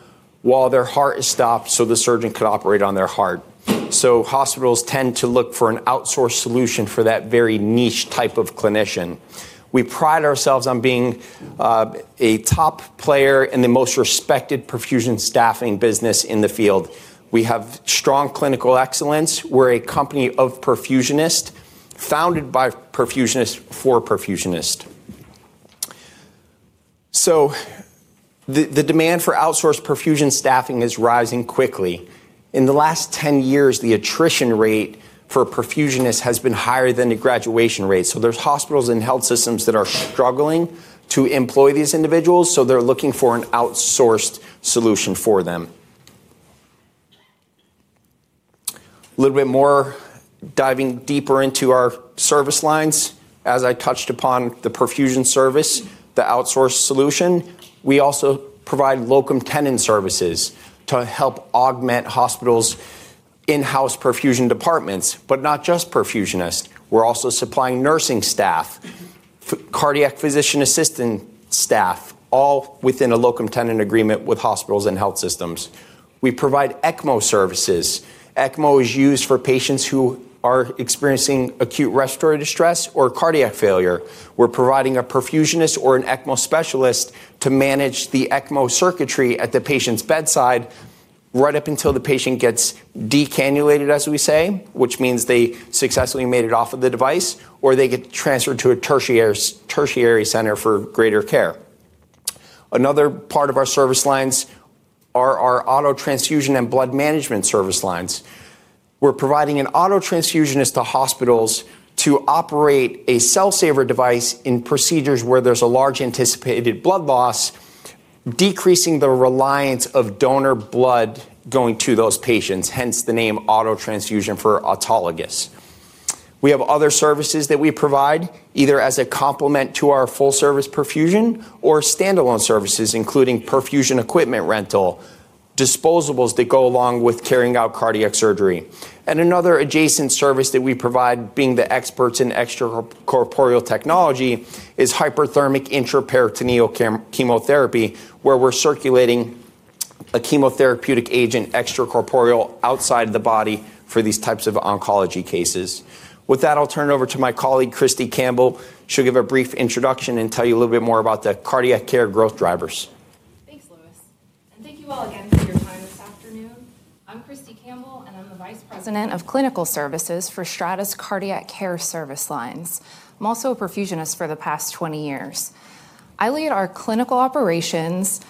while their heart is stopped so the surgeon could operate on their heart. Hospitals tend to look for an outsourced solution for that very niche type of clinician. We pride ourselves on being a top player in the most respected perfusion staffing business in the field. We have strong clinical excellence. We're a company of perfusionists founded by perfusionists for perfusionists. The demand for outsourced perfusion staffing is rising quickly. In the last 10 years, the attrition rate for perfusionists has been higher than the graduation rate. There are hospitals and health systems that are struggling to employ these individuals. They're looking for an outsourced solution for them. A little bit more diving deeper into our service lines. As I touched upon the perfusion service, the outsourced solution, we also provide locum tenens services to help augment hospitals' in-house perfusion departments, but not just perfusionists. We're also supplying nursing staff, cardiac physician assistant staff, all within a locum tenens agreement with hospitals and health systems. We provide ECMO services. ECMO is used for patients who are experiencing acute respiratory distress or cardiac failure. We're providing a perfusionist or an ECMO specialist to manage the ECMO circuitry at the patient's bedside right up until the patient gets decannulated, as we say, which means they successfully made it off of the device, or they get transferred to a tertiary center for greater care. Another part of our service lines are our auto transfusion and blood management service lines. We're providing an auto transfusionist to hospitals to operate a cell saver device in procedures where there's a large anticipated blood loss, decreasing the reliance of donor blood going to those patients, hence the name auto transfusion for autologous. We have other services that we provide, either as a complement to our full-service perfusion or standalone services, including perfusion equipment rental, disposables that go along with carrying out cardiac surgery. Another adjacent service that we provide, being the experts in extracorporeal technology, is hyperthermic intraperitoneal chemotherapy, where we're circulating a chemotherapeutic agent extracorporeal outside of the body for these types of oncology cases. With that, I'll turn it over to my colleague, Christie Campbell. She'll give a brief introduction and tell you a little bit more about the cardiac care growth drivers. Thanks, Louis. Thank you all again for your time this afternoon. I'm Christie Campbell, and I'm the Vice President of Clinical Services for Strata's cardiac care service lines. I'm also a perfusionist for the past 20 years. I lead our clinical operations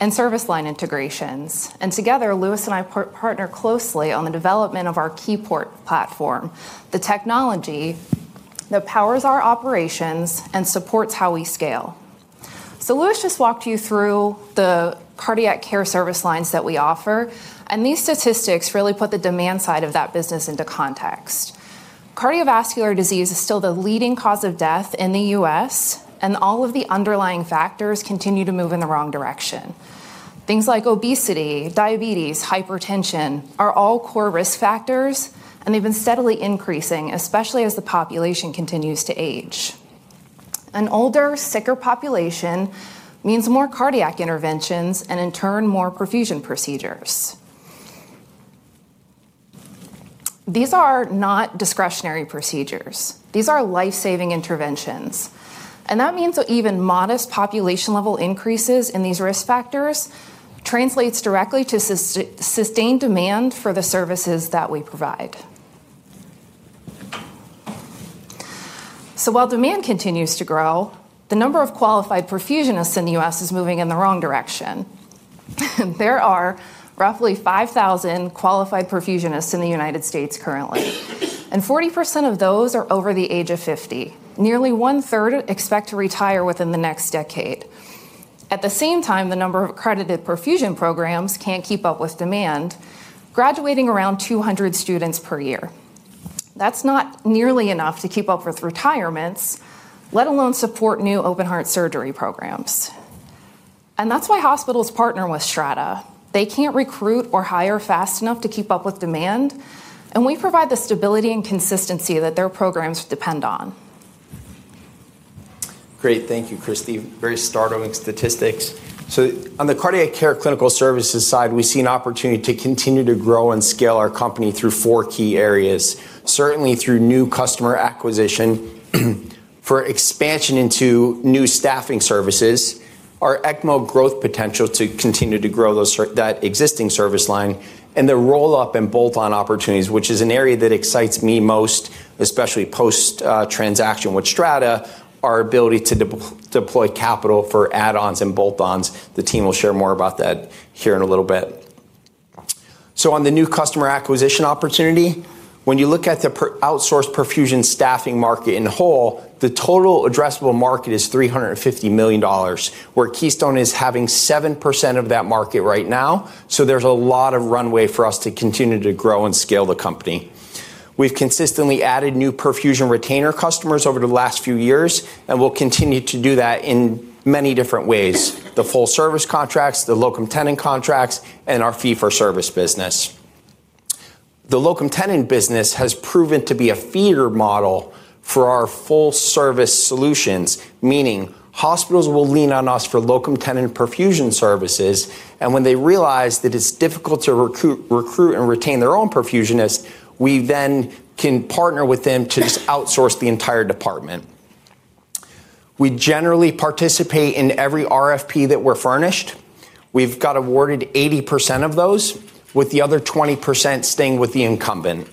and service line integrations. Together, Louis and I partner closely on the development of our KeyPort platform, the technology that powers our operations and supports how we scale. Louis just walked you through the cardiac care service lines that we offer. These statistics really put the demand side of that business into context. Cardiovascular disease is still the leading cause of death in the U.S., and all of the underlying factors continue to move in the wrong direction. Things like obesity, diabetes, hypertension are all core risk factors, and they've been steadily increasing, especially as the population continues to age. An older, sicker population means more cardiac interventions and, in turn, more perfusion procedures. These are not discretionary procedures. These are life-saving interventions. That means that even modest population-level increases in these risk factors translate directly to sustained demand for the services that we provide. While demand continues to grow, the number of qualified perfusionists in the U.S. is moving in the wrong direction. There are roughly 5,000 qualified perfusionists in the United States currently. And 40% of those are over the age of 50. Nearly one-third expect to retire within the next decade. At the same time, the number of accredited perfusion programs cannot keep up with demand, graduating around 200 students per year. That is not nearly enough to keep up with retirements, let alone support new open-heart surgery programs. That is why hospitals partner with Strata. They can't recruit or hire fast enough to keep up with demand, and we provide the stability and consistency that their programs depend on. Great. Thank you, Christie. Very startling statistics. On the cardiac care clinical services side, we see an opportunity to continue to grow and scale our company through four key areas, certainly through new customer acquisition, for expansion into new staffing services, our ECMO growth potential to continue to grow that existing service line, and the roll-up and bolt-on opportunities, which is an area that excites me most, especially post-transaction with Strata, our ability to deploy capital for add-ons and bolt-ons. The team will share more about that here in a little bit. On the new customer acquisition opportunity, when you look at the outsourced perfusion staffing market in whole, the total addressable market is $350 million, where Keystone is having 7% of that market right now. There is a lot of runway for us to continue to grow and scale the company. We've consistently added new perfusion retainer customers over the last few years, and we'll continue to do that in many different ways: the full-service contracts, the locum tenens contracts, and our fee-for-service business. The locum tenens business has proven to be a feeder model for our full-service solutions, meaning hospitals will lean on us for locum tenens perfusion services. When they realize that it's difficult to recruit and retain their own perfusionists, we then can partner with them to just outsource the entire department. We generally participate in every RFP that we're furnished. We've got awarded 80% of those, with the other 20% staying with the incumbent.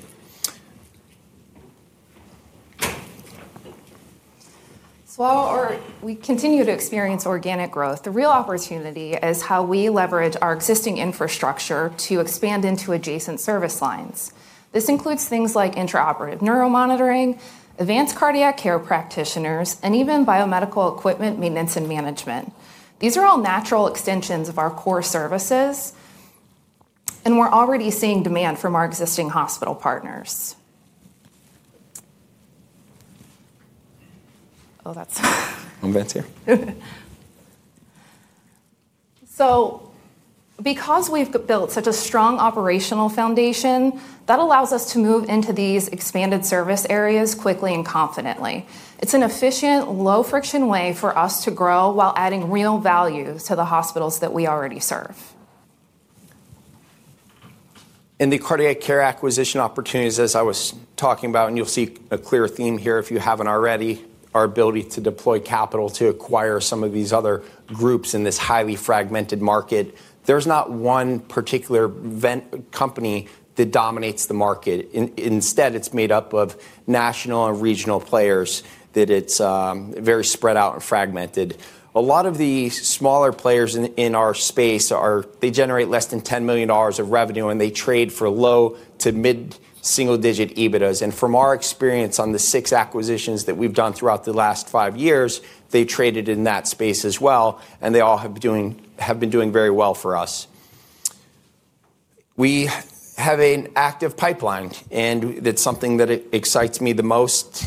While we continue to experience organic growth, the real opportunity is how we leverage our existing infrastructure to expand into adjacent service lines. This includes things like intraoperative neuromonitoring, advanced cardiac care practitioners, and even biomedical equipment maintenance and management. These are all natural extensions of our core services, and we're already seeing demand from our existing hospital partners. Oh, that's. I'm glad to hear. Because we've built such a strong operational foundation, that allows us to move into these expanded service areas quickly and confidently. It's an efficient, low-friction way for us to grow while adding real value to the hospitals that we already serve. The cardiac care acquisition opportunities, as I was talking about, and you'll see a clear theme here if you haven't already, our ability to deploy capital to acquire some of these other groups in this highly fragmented market. There's not one particular company that dominates the market. Instead, it's made up of national and regional players that it's very spread out and fragmented. A lot of the smaller players in our space, they generate less than $10 million of revenue, and they trade for low to mid single-digit EBITDA. From our experience on the six acquisitions that we've done throughout the last five years, they traded in that space as well, and they all have been doing very well for us. We have an active pipeline, and that's something that excites me the most.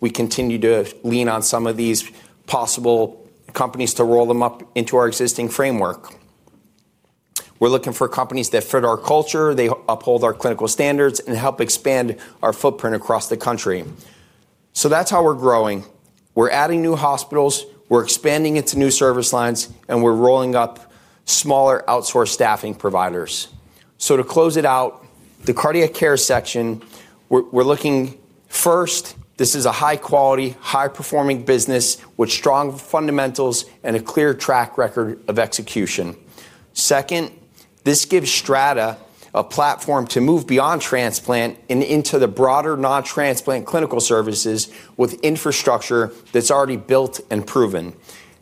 We continue to lean on some of these possible companies to roll them up into our existing framework. We're looking for companies that fit our culture, they uphold our clinical standards, and help expand our footprint across the country. That's how we're growing. We're adding new hospitals, we're expanding into new service lines, and we're rolling up smaller outsourced staffing providers. To close it out, the cardiac care section, we're looking first, this is a high-quality, high-performing business with strong fundamentals and a clear track record of execution. Second, this gives Strata a platform to move beyond transplant and into the broader non-transplant clinical services with infrastructure that's already built and proven.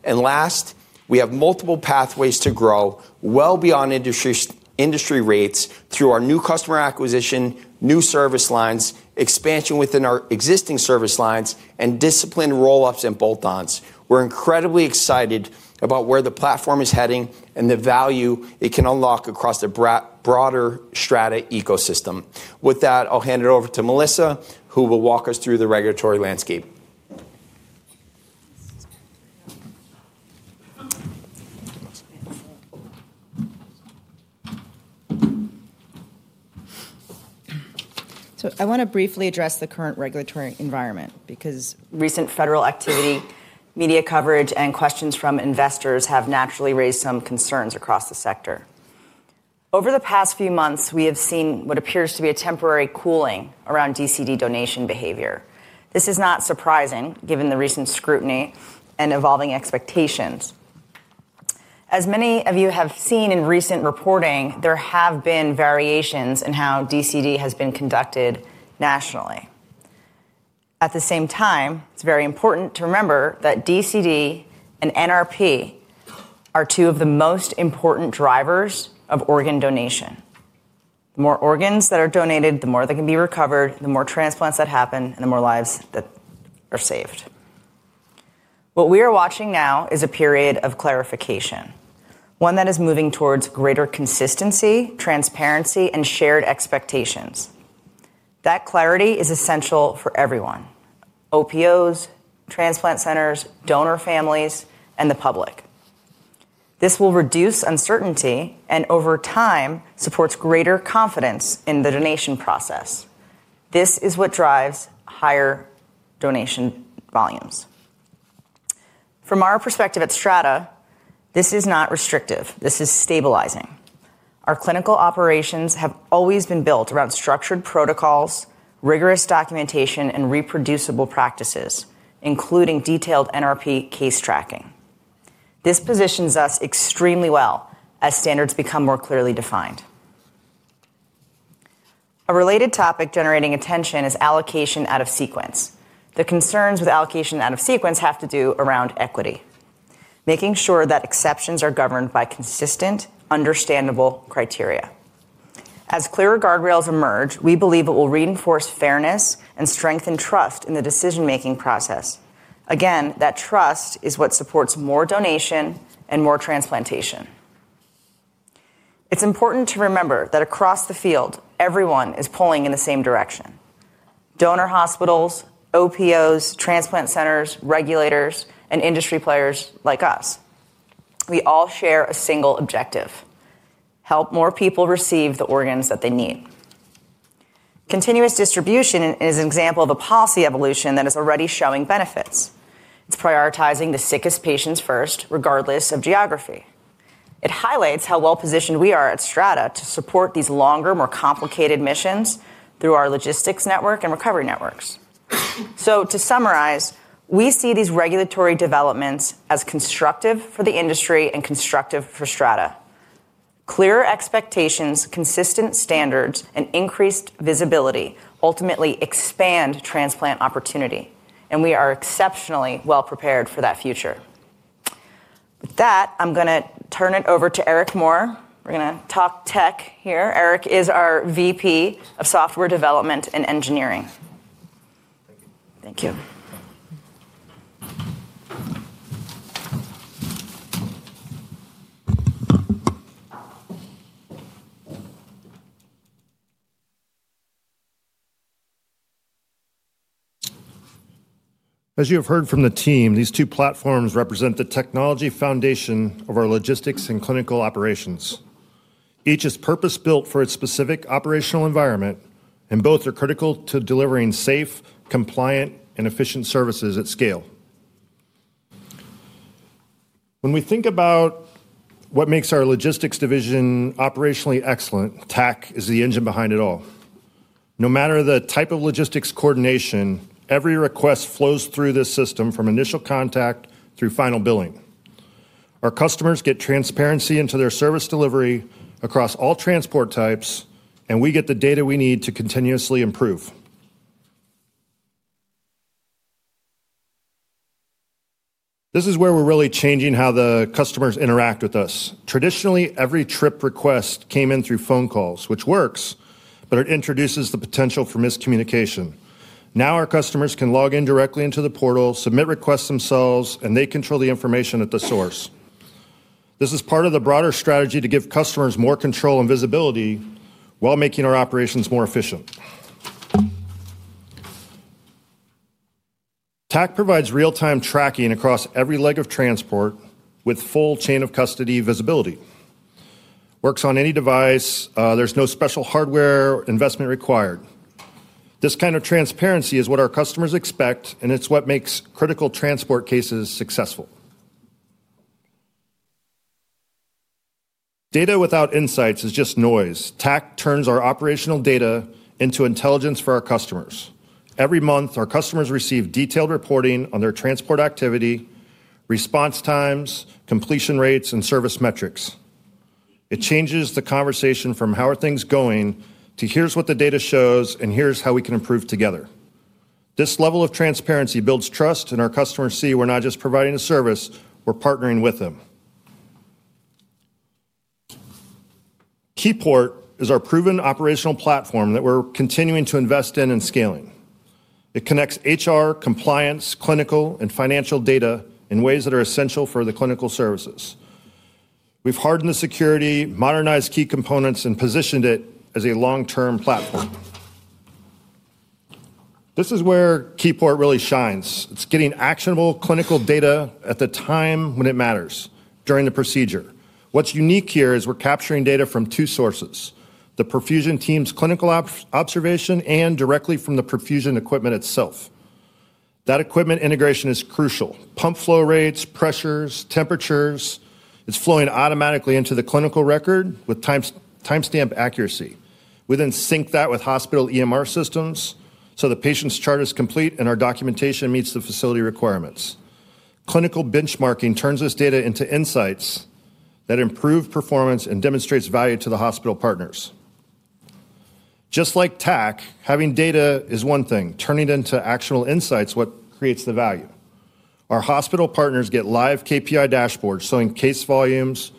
Last, we have multiple pathways to grow well beyond industry rates through our new customer acquisition, new service lines, expansion within our existing service lines, and disciplined roll-ups and bolt-ons. We're incredibly excited about where the platform is heading and the value it can unlock across the broader Strata ecosystem. With that, I'll hand it over to Melissa, who will walk us through the regulatory landscape. I want to briefly address the current regulatory environment because recent federal activity, media coverage, and questions from investors have naturally raised some concerns across the sector. Over the past few months, we have seen what appears to be a temporary cooling around DCD donation behavior. This is not surprising given the recent scrutiny and evolving expectations. As many of you have seen in recent reporting, there have been variations in how DCD has been conducted nationally. At the same time, it's very important to remember that DCD and NRP are two of the most important drivers of organ donation. The more organs that are donated, the more they can be recovered, the more transplants that happen, and the more lives that are saved. What we are watching now is a period of clarification, one that is moving towards greater consistency, transparency, and shared expectations. That clarity is essential for everyone: OPOs, transplant centers, donor families, and the public. This will reduce uncertainty and, over time, supports greater confidence in the donation process. This is what drives higher donation volumes. From our perspective at Strata, this is not restrictive. This is stabilizing. Our clinical operations have always been built around structured protocols, rigorous documentation, and reproducible practices, including detailed NRP case tracking. This positions us extremely well as standards become more clearly defined. A related topic generating attention is allocation out of sequence. The concerns with allocation out of sequence have to do around equity, making sure that exceptions are governed by consistent, understandable criteria. As clearer guardrails emerge, we believe it will reinforce fairness and strengthen trust in the decision-making process. Again, that trust is what supports more donation and more transplantation. It's important to remember that across the field, everyone is pulling in the same direction: donor hospitals, OPOs, transplant centers, regulators, and industry players like us. We all share a single objective: help more people receive the organs that they need. Continuous distribution is an example of a policy evolution that is already showing benefits. It's prioritizing the sickest patients first, regardless of geography. It highlights how well-positioned we are at Strata to support these longer, more complicated missions through our logistics network and recovery networks. To summarize, we see these regulatory developments as constructive for the industry and constructive for Strata. Clearer expectations, consistent standards, and increased visibility ultimately expand transplant opportunity, and we are exceptionally well-prepared for that future. With that, I'm going to turn it over to Eric Moore. We're going to talk tech here. Eric is our VP of Software Development and Engineering. Thank you. Thank you. As you have heard from the team, these two platforms represent the technology foundation of our logistics and clinical operations. Each is purpose-built for a specific operational environment, and both are critical to delivering safe, compliant, and efficient services at scale. When we think about what makes our logistics division operationally excellent, tech is the engine behind it all. No matter the type of logistics coordination, every request flows through this system from initial contact through final billing. Our customers get transparency into their service delivery across all transport types, and we get the data we need to continuously improve. This is where we're really changing how the customers interact with us. Traditionally, every trip request came in through phone calls, which works, but it introduces the potential for miscommunication. Now our customers can log in directly into the portal, submit requests themselves, and they control the information at the source. This is part of the broader strategy to give customers more control and visibility while making our operations more efficient. Tech provides real-time tracking across every leg of transport with full chain-of-custody visibility. Works on any device. There is no special hardware investment required. This kind of transparency is what our customers expect, and it is what makes critical transport cases successful. Data without insights is just noise. Tech turns our operational data into intelligence for our customers. Every month, our customers receive detailed reporting on their transport activity, response times, completion rates, and service metrics. It changes the conversation from how are things going to here is what the data shows, and here is how we can improve together. This level of transparency builds trust, and our customers see we're not just providing a service, we're partnering with them. KeyPort is our proven operational platform that we're continuing to invest in and scaling. It connects HR, compliance, clinical, and financial data in ways that are essential for the clinical services. We've hardened the security, modernized key components, and positioned it as a long-term platform. This is where KeyPort really shines. It's getting actionable clinical data at the time when it matters during the procedure. What's unique here is we're capturing data from two sources: the perfusion team's clinical observation and directly from the perfusion equipment itself. That equipment integration is crucial. Pump flow rates, pressures, temperatures is flowing automatically into the clinical record with timestamp accuracy. We then sync that with hospital EMR systems so the patient's chart is complete and our documentation meets the facility requirements. Clinical benchmarking turns this data into insights that improve performance and demonstrates value to the hospital partners. Just like tech, having data is one thing. Turning it into actionable insights is what creates the value. Our hospital partners get live KPI dashboards showing case volumes,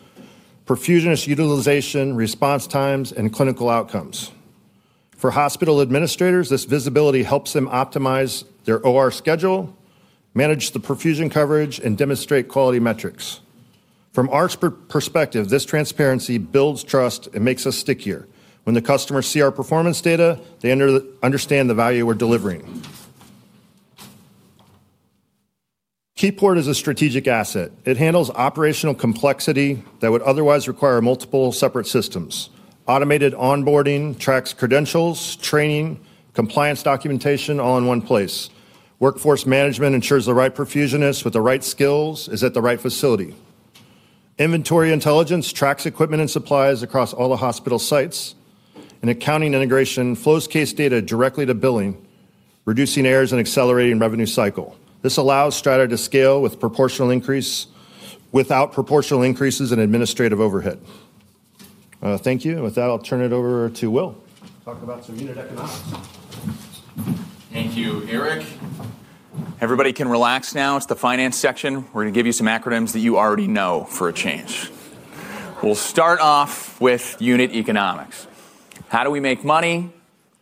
perfusionist utilization, response times, and clinical outcomes. For hospital administrators, this visibility helps them optimize their OR schedule, manage the perfusion coverage, and demonstrate quality metrics. From our perspective, this transparency builds trust and makes us stickier. When the customers see our performance data, they understand the value we're delivering. KeyPort is a strategic asset. It handles operational complexity that would otherwise require multiple separate systems. Automated onboarding tracks credentials, training, compliance documentation all in one place. Workforce management ensures the right perfusionist with the right skills is at the right facility. Inventory intelligence tracks equipment and supplies across all the hospital sites. Accounting integration flows case data directly to billing, reducing errors and accelerating revenue cycle. This allows Strata to scale with proportional increases without proportional increases in administrative overhead. Thank you. With that, I'll turn it over to Will to talk about some unit economics. Thank you, Eric. Everybody can relax now. It's the finance section. We're going to give you some acronyms that you already know for a change. We'll start off with unit economics. How do we make money?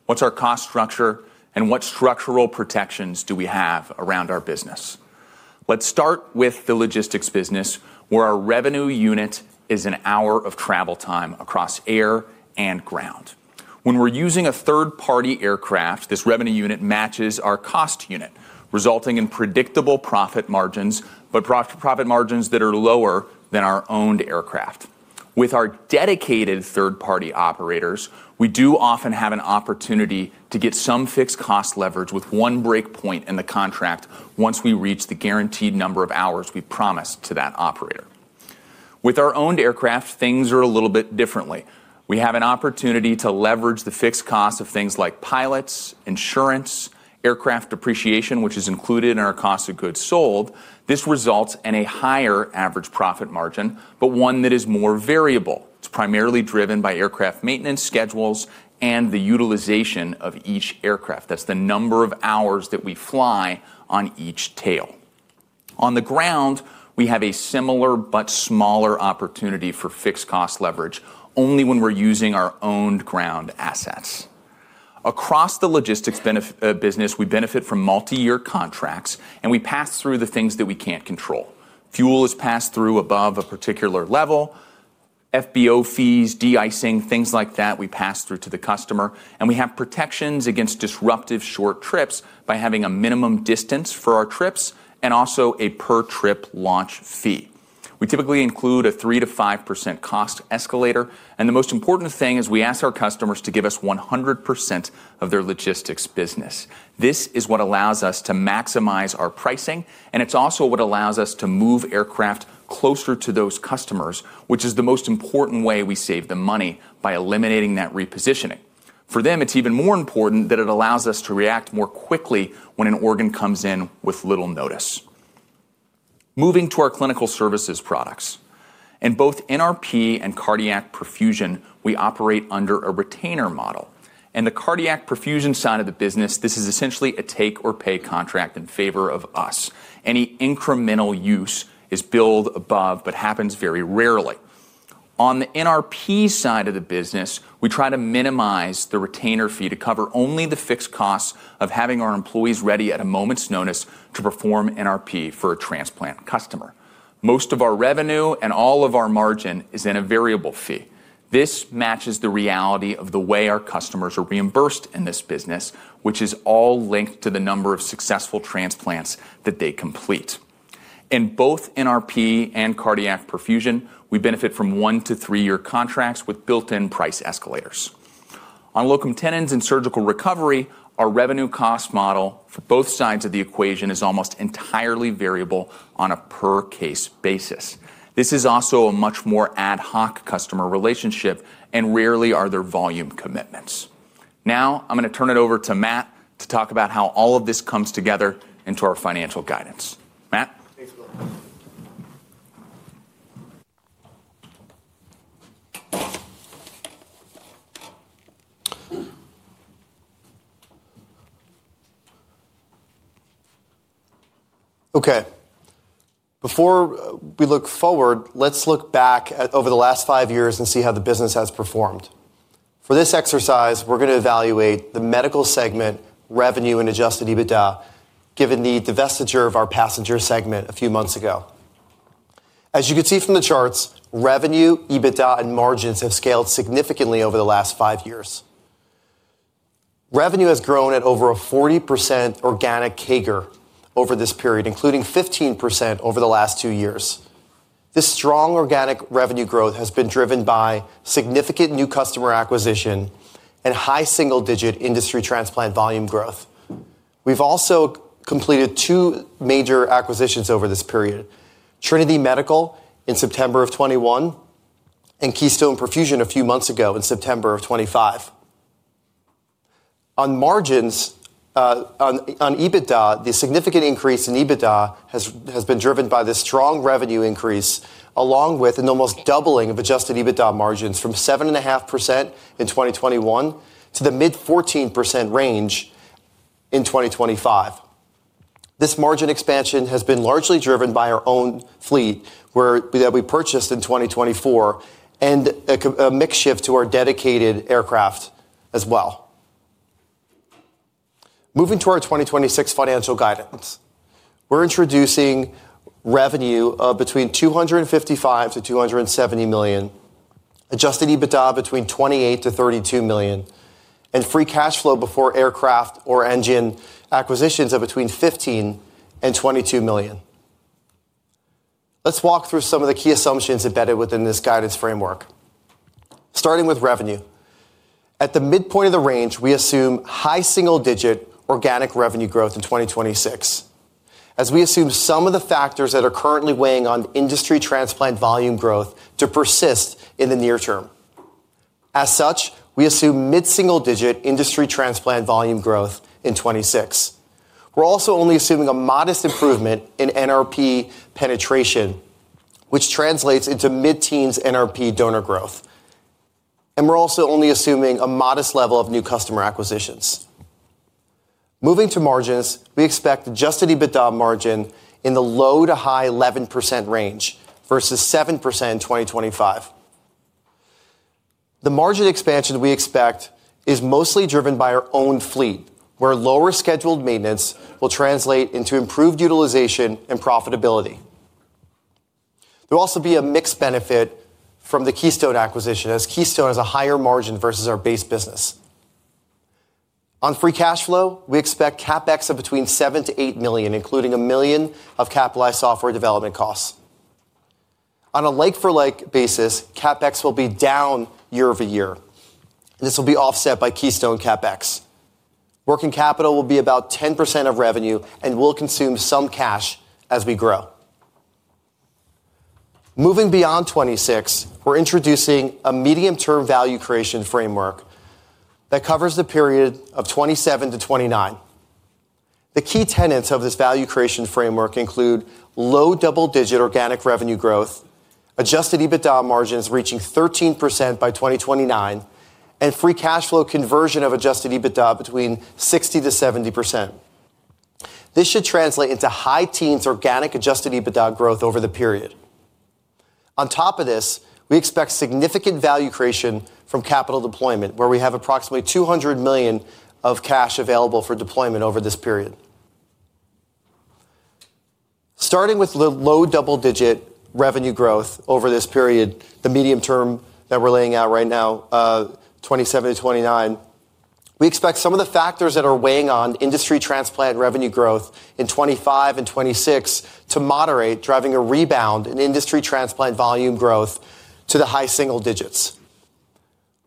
What's our cost structure? And what structural protections do we have around our business? Let's start with the logistics business, where our revenue unit is an hour of travel time across air and ground. When we're using a third-party aircraft, this revenue unit matches our cost unit, resulting in predictable profit margins, but profit margins that are lower than our owned aircraft. With our dedicated third-party operators, we do often have an opportunity to get some fixed cost leverage with one breakpoint in the contract once we reach the guaranteed number of hours we promised to that operator. With our owned aircraft, things are a little bit differently. We have an opportunity to leverage the fixed costs of things like pilots, insurance, aircraft depreciation, which is included in our cost of goods sold. This results in a higher average profit margin, but one that is more variable. It's primarily driven by aircraft maintenance schedules and the utilization of each aircraft. That's the number of hours that we fly on each tail. On the ground, we have a similar but smaller opportunity for fixed cost leverage only when we're using our owned ground assets. Across the logistics business, we benefit from multi-year contracts, and we pass through the things that we can't control. Fuel is passed through above a particular level. FBO fees, de-icing, things like that, we pass through to the customer. We have protections against disruptive short trips by having a minimum distance for our trips and also a per-trip launch fee. We typically include a 3%-5% cost escalator. The most important thing is we ask our customers to give us 100% of their logistics business. This is what allows us to maximize our pricing, and it is also what allows us to move aircraft closer to those customers, which is the most important way we save them money by eliminating that repositioning. For them, it is even more important that it allows us to react more quickly when an organ comes in with little notice. Moving to our clinical services products. In both NRP and cardiac perfusion, we operate under a retainer model. In the cardiac perfusion side of the business, this is essentially a take-or-pay contract in favor of us. Any incremental use is billed above, but happens very rarely. On the NRP side of the business, we try to minimize the retainer fee to cover only the fixed costs of having our employees ready at a moment's notice to perform NRP for a transplant customer. Most of our revenue and all of our margin is in a variable fee. This matches the reality of the way our customers are reimbursed in this business, which is all linked to the number of successful transplants that they complete. In both NRP and cardiac perfusion, we benefit from one- to three-year contracts with built-in price escalators. On locum tenens and surgical recovery, our revenue cost model for both sides of the equation is almost entirely variable on a per-case basis. This is also a much more ad hoc customer relationship, and rarely are there volume commitments. Now I'm going to turn it over to Matt to talk about how all of this comes together into our financial guidance. Matt. Thanks, Will. Okay. Before we look forward, let's look back over the last five years and see how the business has performed. For this exercise, we're going to evaluate the medical segment revenue and adjusted EBITDA given the divestiture of our passenger segment a few months ago. As you can see from the charts, revenue, EBITDA, and margins have scaled significantly over the last five years. Revenue has grown at over a 40% organic CAGR over this period, including 15% over the last two years. This strong organic revenue growth has been driven by significant new customer acquisition and high single-digit industry transplant volume growth. We've also completed two major acquisitions over this period: Trinity Medical in September of 2021 and Keystone Perfusion a few months ago in September of 2025. On margins, on EBITDA, the significant increase in EBITDA has been driven by this strong revenue increase along with an almost doubling of adjusted EBITDA margins from 7.5% in 2021 to the mid-14% range in 2025. This margin expansion has been largely driven by our own fleet that we purchased in 2024 and a mix shift to our dedicated aircraft as well. Moving to our 2026 financial guidance, we're introducing revenue between $255 million and $270 million, adjusted EBITDA between $28 million and $32 million, and free cash flow before aircraft or engine acquisitions of between $15 million and $22 million. Let's walk through some of the key assumptions embedded within this guidance framework. Starting with revenue. At the midpoint of the range, we assume high single-digit organic revenue growth in 2026, as we assume some of the factors that are currently weighing on industry transplant volume growth to persist in the near term. As such, we assume mid-single-digit industry transplant volume growth in 2026. We're also only assuming a modest improvement in NRP penetration, which translates into mid-teens NRP donor growth. We're also only assuming a modest level of new customer acquisitions. Moving to margins, we expect adjusted EBITDA margin in the low to high 11% range versus 7% in 2025. The margin expansion we expect is mostly driven by our own fleet, where lower scheduled maintenance will translate into improved utilization and profitability. There will also be a mix benefit from the Keystone acquisition, as Keystone has a higher margin versus our base business. On free cash flow, we expect CapEx of between $7 million-$8 million, including $1 million of capitalized software development costs. On a like-for-like basis, CapEx will be down year over year. This will be offset by Keystone CapEx. Working capital will be about 10% of revenue and will consume some cash as we grow. Moving beyond 2026, we're introducing a medium-term value creation framework that covers the period of 2027 to 2029. The key tenets of this value creation framework include low double-digit organic revenue growth, adjusted EBITDA margins reaching 13% by 2029, and free cash flow conversion of adjusted EBITDA between 60%-70%. This should translate into high teens organic adjusted EBITDA growth over the period. On top of this, we expect significant value creation from capital deployment, where we have approximately $200 million of cash available for deployment over this period. Starting with low double-digit revenue growth over this period, the medium term that we're laying out right now, 2027 to 2029, we expect some of the factors that are weighing on industry transplant revenue growth in 2025 and 2026 to moderate, driving a rebound in industry transplant volume growth to the high single digits.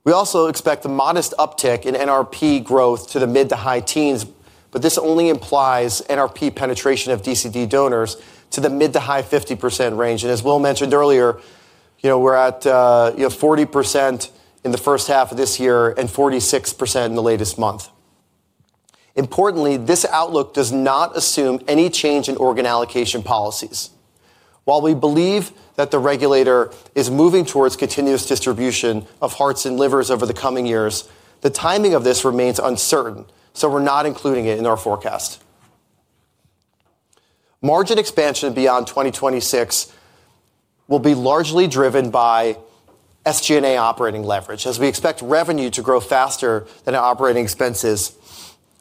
We also expect a modest uptick in NRP growth to the mid to high teens, but this only implies NRP penetration of DCD donors to the mid to high 50% range. As Will mentioned earlier, we're at 40% in the first half of this year and 46% in the latest month. Importantly, this outlook does not assume any change in organ allocation policies. While we believe that the regulator is moving towards continuous distribution of hearts and livers over the coming years, the timing of this remains uncertain, so we're not including it in our forecast. Margin expansion beyond 2026 will be largely driven by SG&A operating leverage, as we expect revenue to grow faster than operating expenses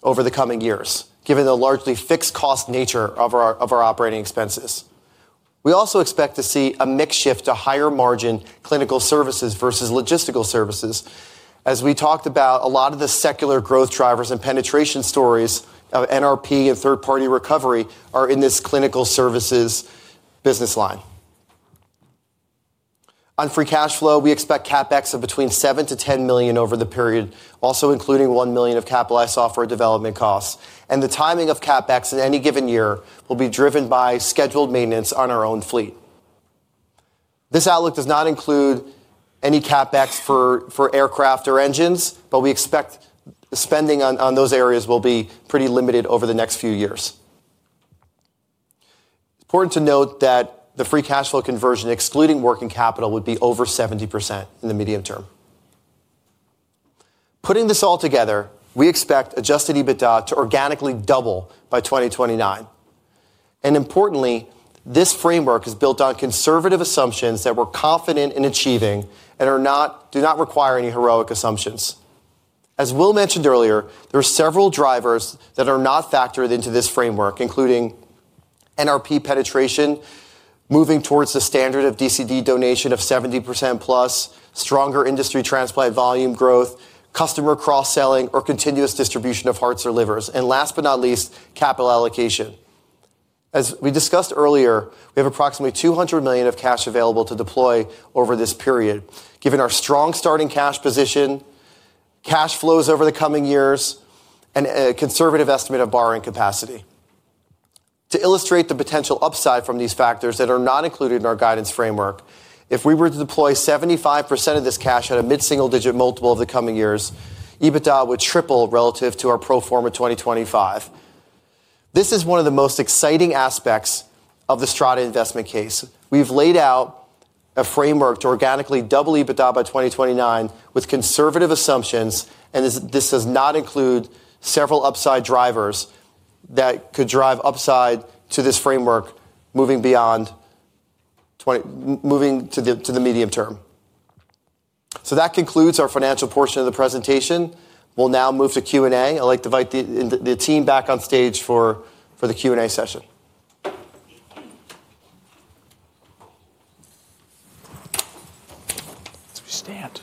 over the coming years, given the largely fixed cost nature of our operating expenses. We also expect to see a makeshift to higher margin clinical services versus logistical services, as we talked about a lot of the secular growth drivers and penetration stories of NRP and third-party recovery are in this clinical services business line. On free cash flow, we expect CapEx of between $7 million-$10 million over the period, also including $1 million of capitalized software development costs. The timing of CapEx in any given year will be driven by scheduled maintenance on our own fleet. This outlook does not include any CapEx for aircraft or engines, but we expect spending on those areas will be pretty limited over the next few years. It's important to note that the free cash flow conversion, excluding working capital, would be over 70% in the medium term. Putting this all together, we expect adjusted EBITDA to organically double by 2029. Importantly, this framework is built on conservative assumptions that we're confident in achieving and do not require any heroic assumptions. As Will mentioned earlier, there are several drivers that are not factored into this framework, including NRP penetration, moving towards the standard of DCD donation of 70% plus, stronger industry transplant volume growth, customer cross-selling, or continuous distribution of hearts or livers, and last but not least, capital allocation. As we discussed earlier, we have approximately $200 million of cash available to deploy over this period, given our strong starting cash position, cash flows over the coming years, and a conservative estimate of borrowing capacity. To illustrate the potential upside from these factors that are not included in our guidance framework, if we were to deploy 75% of this cash at a mid-single digit multiple over the coming years, EBITDA would triple relative to our pro forma 2025. This is one of the most exciting aspects of the Strata Investment Case. We've laid out a framework to organically double EBITDA by 2029 with conservative assumptions, and this does not include several upside drivers that could drive upside to this framework moving beyond to the medium term. That concludes our financial portion of the presentation. We'll now move to Q&A. I'd like to invite the team back on stage for the Q&A session. Let's restand. Damn it.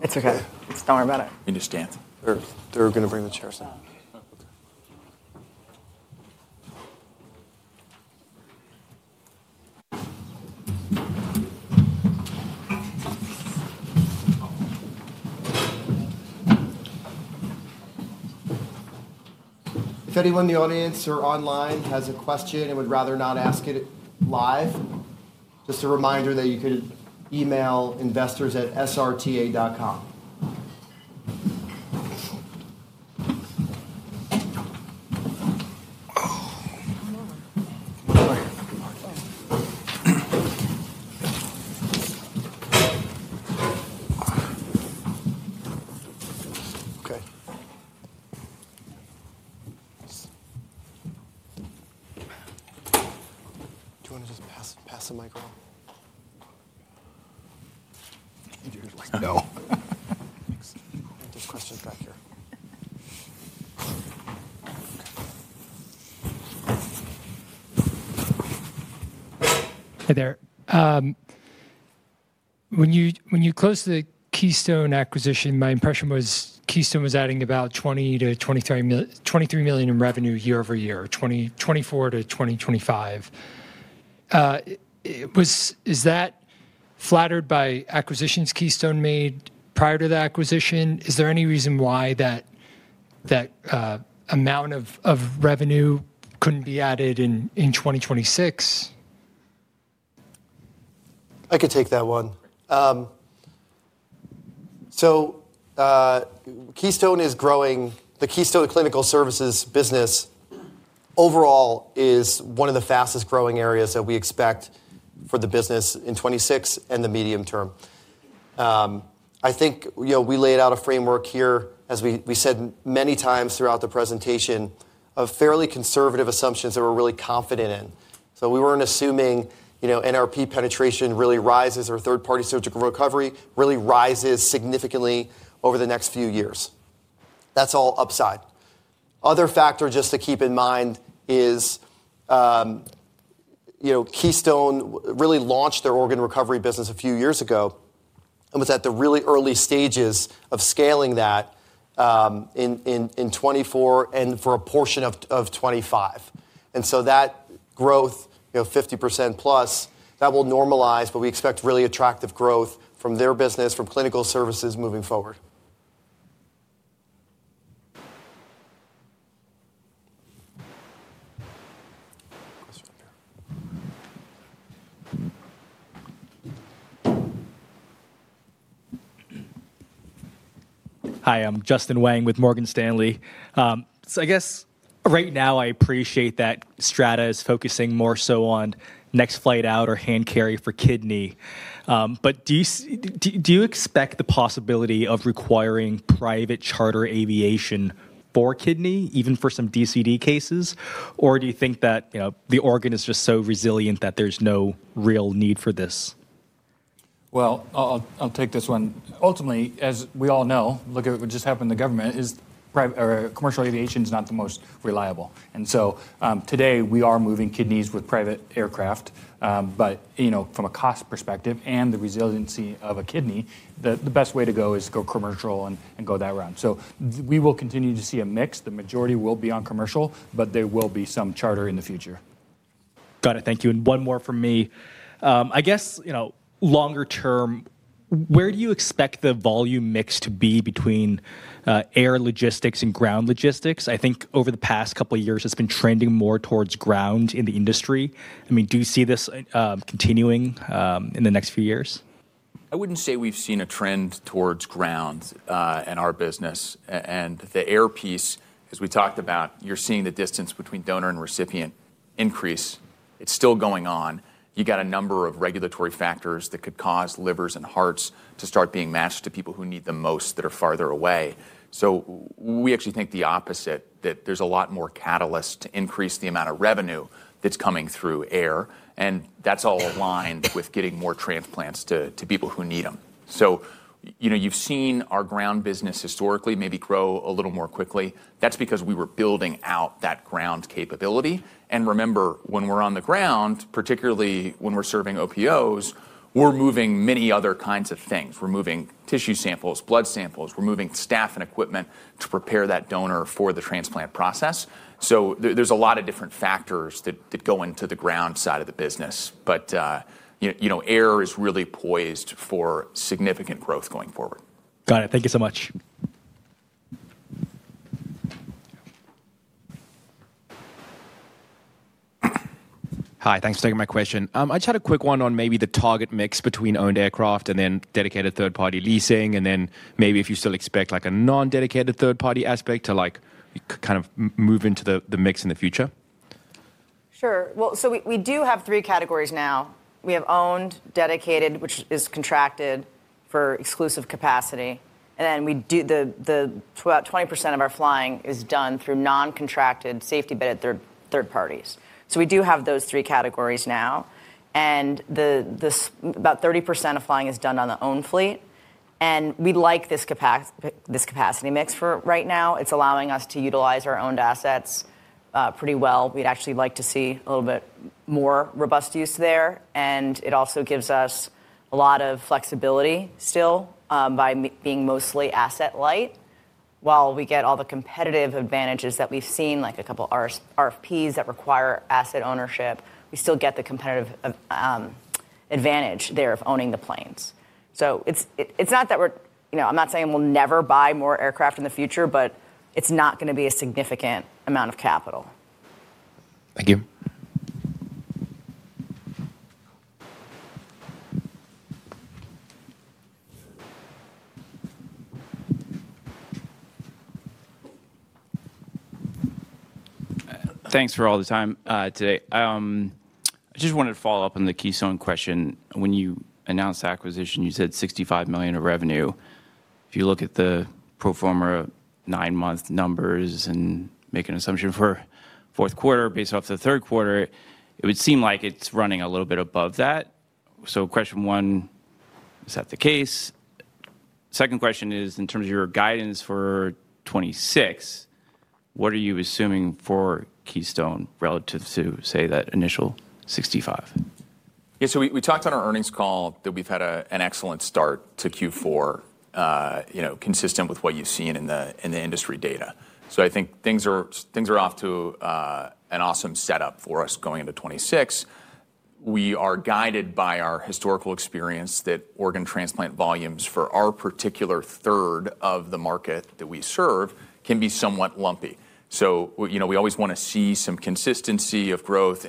It's okay. Don't worry about it. We need to stand. They're going to bring the chairs in. If anyone in the audience or online has a question and would rather not ask it live, just a reminder that you could email investors@srta.com. Okay. Do you want to just pass the microphone? You do. No. I have these questions back here. Hi there. When you closed the Keystone acquisition, my impression was Keystone was adding about $23 million in revenue year over year, 2024 to 2025. Is that flattered by acquisitions Keystone made prior to the acquisition? Is there any reason why that amount of revenue couldn't be added in 2026? I could take that one. Keystone is growing. The Keystone clinical services business overall is one of the fastest growing areas that we expect for the business in 2026 and the medium term. I think we laid out a framework here, as we said many times throughout the presentation, of fairly conservative assumptions that we are really confident in. We were not assuming NRP penetration really rises or third-party surgical recovery really rises significantly over the next few years. That is all upside. Another factor just to keep in mind is Keystone really launched their organ recovery business a few years ago and was at the really early stages of scaling that in 2024 and for a portion of 2025. That growth, 50% plus, will normalize, but we expect really attractive growth from their business, from clinical services moving forward. Hi, I'm Justin Wang with Morgan Stanley. I guess right now I appreciate that Strata is focusing more so on next flight out or hand carry for kidney. Do you expect the possibility of requiring private charter aviation for kidney, even for some DCD cases? Do you think that the organ is just so resilient that there's no real need for this? I'll take this one. Ultimately, as we all know, look at what just happened in the government, commercial aviation is not the most reliable. Today we are moving kidneys with private aircraft. From a cost perspective and the resiliency of a kidney, the best way to go is to go commercial and go that route. We will continue to see a mix. The majority will be on commercial, but there will be some charter in the future. Got it. Thank you. And one more from me. I guess longer term, where do you expect the volume mix to be between air logistics and ground logistics? I think over the past couple of years, it's been trending more towards ground in the industry. I mean, do you see this continuing in the next few years? I wouldn't say we've seen a trend towards ground in our business. The air piece, as we talked about, you're seeing the distance between donor and recipient increase. It's still going on. You got a number of regulatory factors that could cause livers and hearts to start being matched to people who need them most that are farther away. We actually think the opposite, that there's a lot more catalyst to increase the amount of revenue that's coming through air. That's all aligned with getting more transplants to people who need them. You've seen our ground business historically maybe grow a little more quickly. That's because we were building out that ground capability. Remember, when we're on the ground, particularly when we're serving OPOs, we're moving many other kinds of things. We're moving tissue samples, blood samples. We're moving staff and equipment to prepare that donor for the transplant process. There are a lot of different factors that go into the ground side of the business. Air is really poised for significant growth going forward. Got it. Thank you so much. Hi, thanks for taking my question. I just had a quick one on maybe the target mix between owned aircraft and then dedicated third-party leasing, and then maybe if you still expect a non-dedicated third-party aspect to kind of move into the mix in the future. Sure. We do have three categories now. We have owned, dedicated, which is contracted for exclusive capacity. About 20% of our flying is done through non-contracted, safety-vetted third parties. We do have those three categories now. About 30% of flying is done on the owned fleet. We like this capacity mix for right now. It is allowing us to utilize our owned assets pretty well. We'd actually like to see a little bit more robust use there. It also gives us a lot of flexibility still by being mostly asset light. We get all the competitive advantages that we've seen, like a couple of RFPs that require asset ownership, and we still get the competitive advantage there of owning the planes. It's not that we're--I'm not saying we'll never buy more aircraft in the future, but it's not going to be a significant amount of capital. Thank you. Thanks for all the time today. I just wanted to follow up on the Keystone question. When you announced the acquisition, you said $65 million of revenue. If you look at the pro forma nine-month numbers and make an assumption for fourth quarter based off the third quarter, it would seem like it's running a little bit above that. Question one, is that the case? Second question is, in terms of your guidance for 2026, what are you assuming for Keystone relative to, say, that initial $65 million? Yeah. We talked on our earnings call that we've had an excellent start to Q4, consistent with what you've seen in the industry data. I think things are off to an awesome setup for us going into 2026. We are guided by our historical experience that organ transplant volumes for our particular third of the market that we serve can be somewhat lumpy. We always want to see some consistency of growth.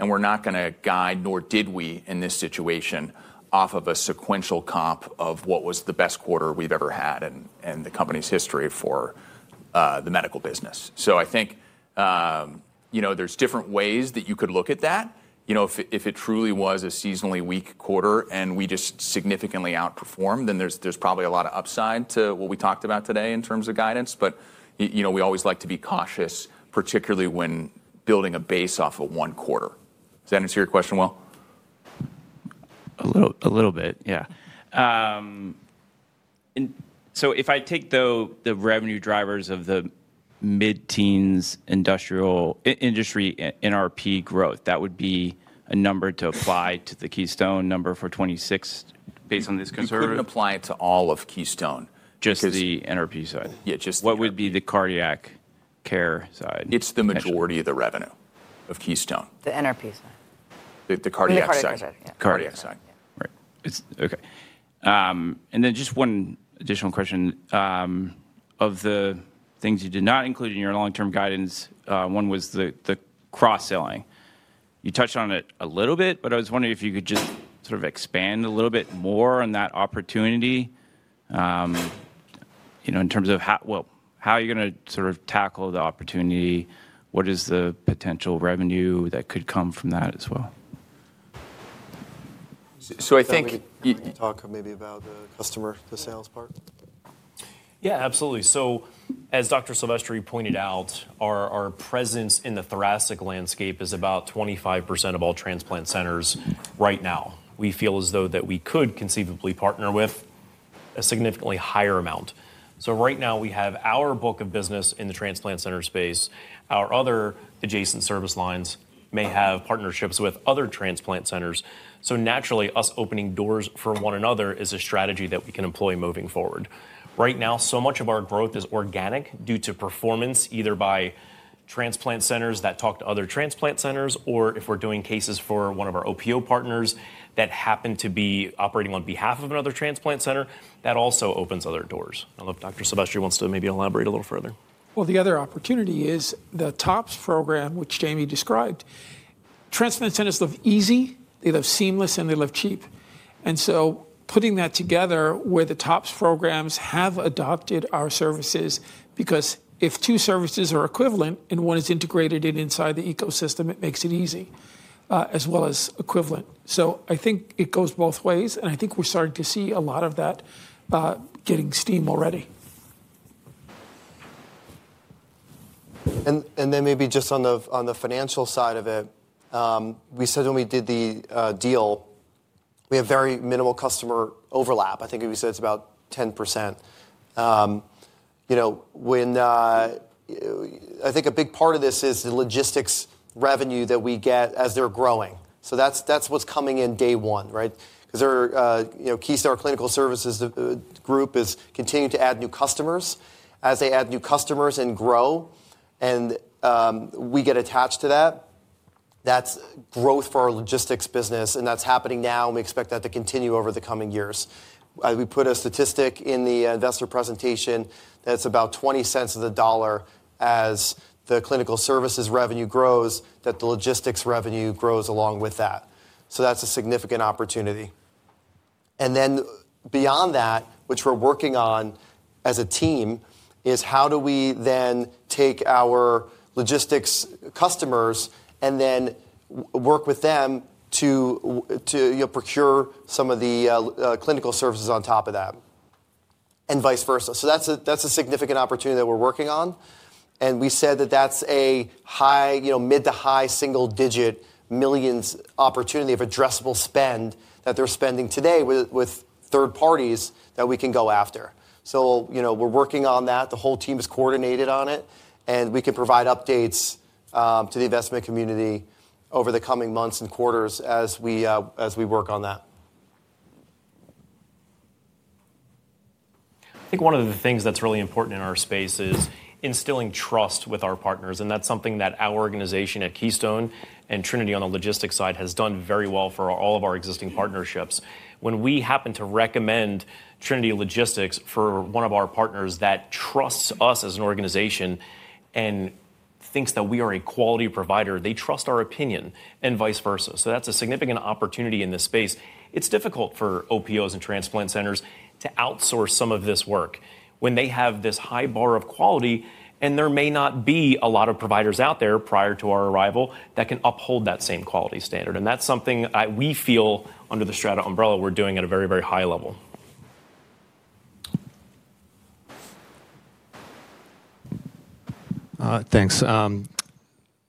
We're not going to guide, nor did we in this situation, off of a sequential comp of what was the best quarter we've ever had in the company's history for the medical business. I think there's different ways that you could look at that. If it truly was a seasonally weak quarter and we just significantly outperformed, then there's probably a lot of upside to what we talked about today in terms of guidance. We always like to be cautious, particularly when building a base off of one quarter. Does that answer your question, Will? A little bit, yeah. If I take, though, the revenue drivers of the mid-teens industrial NRP growth, that would be a number to apply to the Keystone number for 2026 based on this concern? You couldn't apply it to all of Keystone. Just the NRP side. Yeah, just the NRP. What would be the cardiac care side? It's the majority of the revenue of Keystone. The NRP side. The cardiac side. The cardiac side. Yeah. Cardiac side. Right. Okay. Just one additional question. Of the things you did not include in your long-term guidance, one was the cross-selling. You touched on it a little bit, but I was wondering if you could just sort of expand a little bit more on that opportunity in terms of how you're going to sort of tackle the opportunity. What is the potential revenue that could come from that as well? I think. Can you talk maybe about the customer, the sales part? Yeah, absolutely. As Dr. Silvestri pointed out, our presence in the thoracic landscape is about 25% of all transplant centers right now. We feel as though we could conceivably partner with a significantly higher amount. Right now we have our book of business in the transplant center space. Our other adjacent service lines may have partnerships with other transplant centers. Naturally, us opening doors for one another is a strategy that we can employ moving forward. Right now, so much of our growth is organic due to performance, either by transplant centers that talk to other transplant centers, or if we're doing cases for one of our OPO partners that happen to be operating on behalf of another transplant center, that also opens other doors. I don't know if Dr. Silvestri wants to maybe elaborate a little further. The other opportunity is the TOPS program, which Jamie described. Transplant centers live easy. They live seamless, and they live cheap. Putting that together where the TOPS programs have adopted our services, because if two services are equivalent and one is integrated inside the ecosystem, it makes it easy, as well as equivalent. I think it goes both ways. I think we're starting to see a lot of that getting steam already. Maybe just on the financial side of it, we said when we did the deal, we have very minimal customer overlap. I think we said it's about 10%. I think a big part of this is the logistics revenue that we get as they're growing. That's what's coming in day one, right? Because Keystone Clinical Services Group is continuing to add new customers. As they add new customers and grow, and we get attached to that, that's growth for our logistics business. That's happening now. We expect that to continue over the coming years. We put a statistic in the investor presentation that it's about $0.20 of the dollar as the clinical services revenue grows, that the logistics revenue grows along with that. That's a significant opportunity. Beyond that, which we're working on as a team, is how do we then take our logistics customers and then work with them to procure some of the clinical services on top of that, and vice versa. That is a significant opportunity that we're working on. We said that that's a mid to high single-digit millions opportunity of addressable spend that they're spending today with third parties that we can go after. We're working on that. The whole team is coordinated on it. We can provide updates to the investment community over the coming months and quarters as we work on that. I think one of the things that's really important in our space is instilling trust with our partners. That's something that our organization at Keystone and Trinity on the logistics side has done very well for all of our existing partnerships. When we happen to recommend Trinity Logistics for one of our partners that trusts us as an organization and thinks that we are a quality provider, they trust our opinion and vice versa. That's a significant opportunity in this space. It's difficult for OPOs and transplant centers to outsource some of this work when they have this high bar of quality. There may not be a lot of providers out there prior to our arrival that can uphold that same quality standard. That's something we feel under the Strata umbrella we're doing at a very, very high level. Thanks.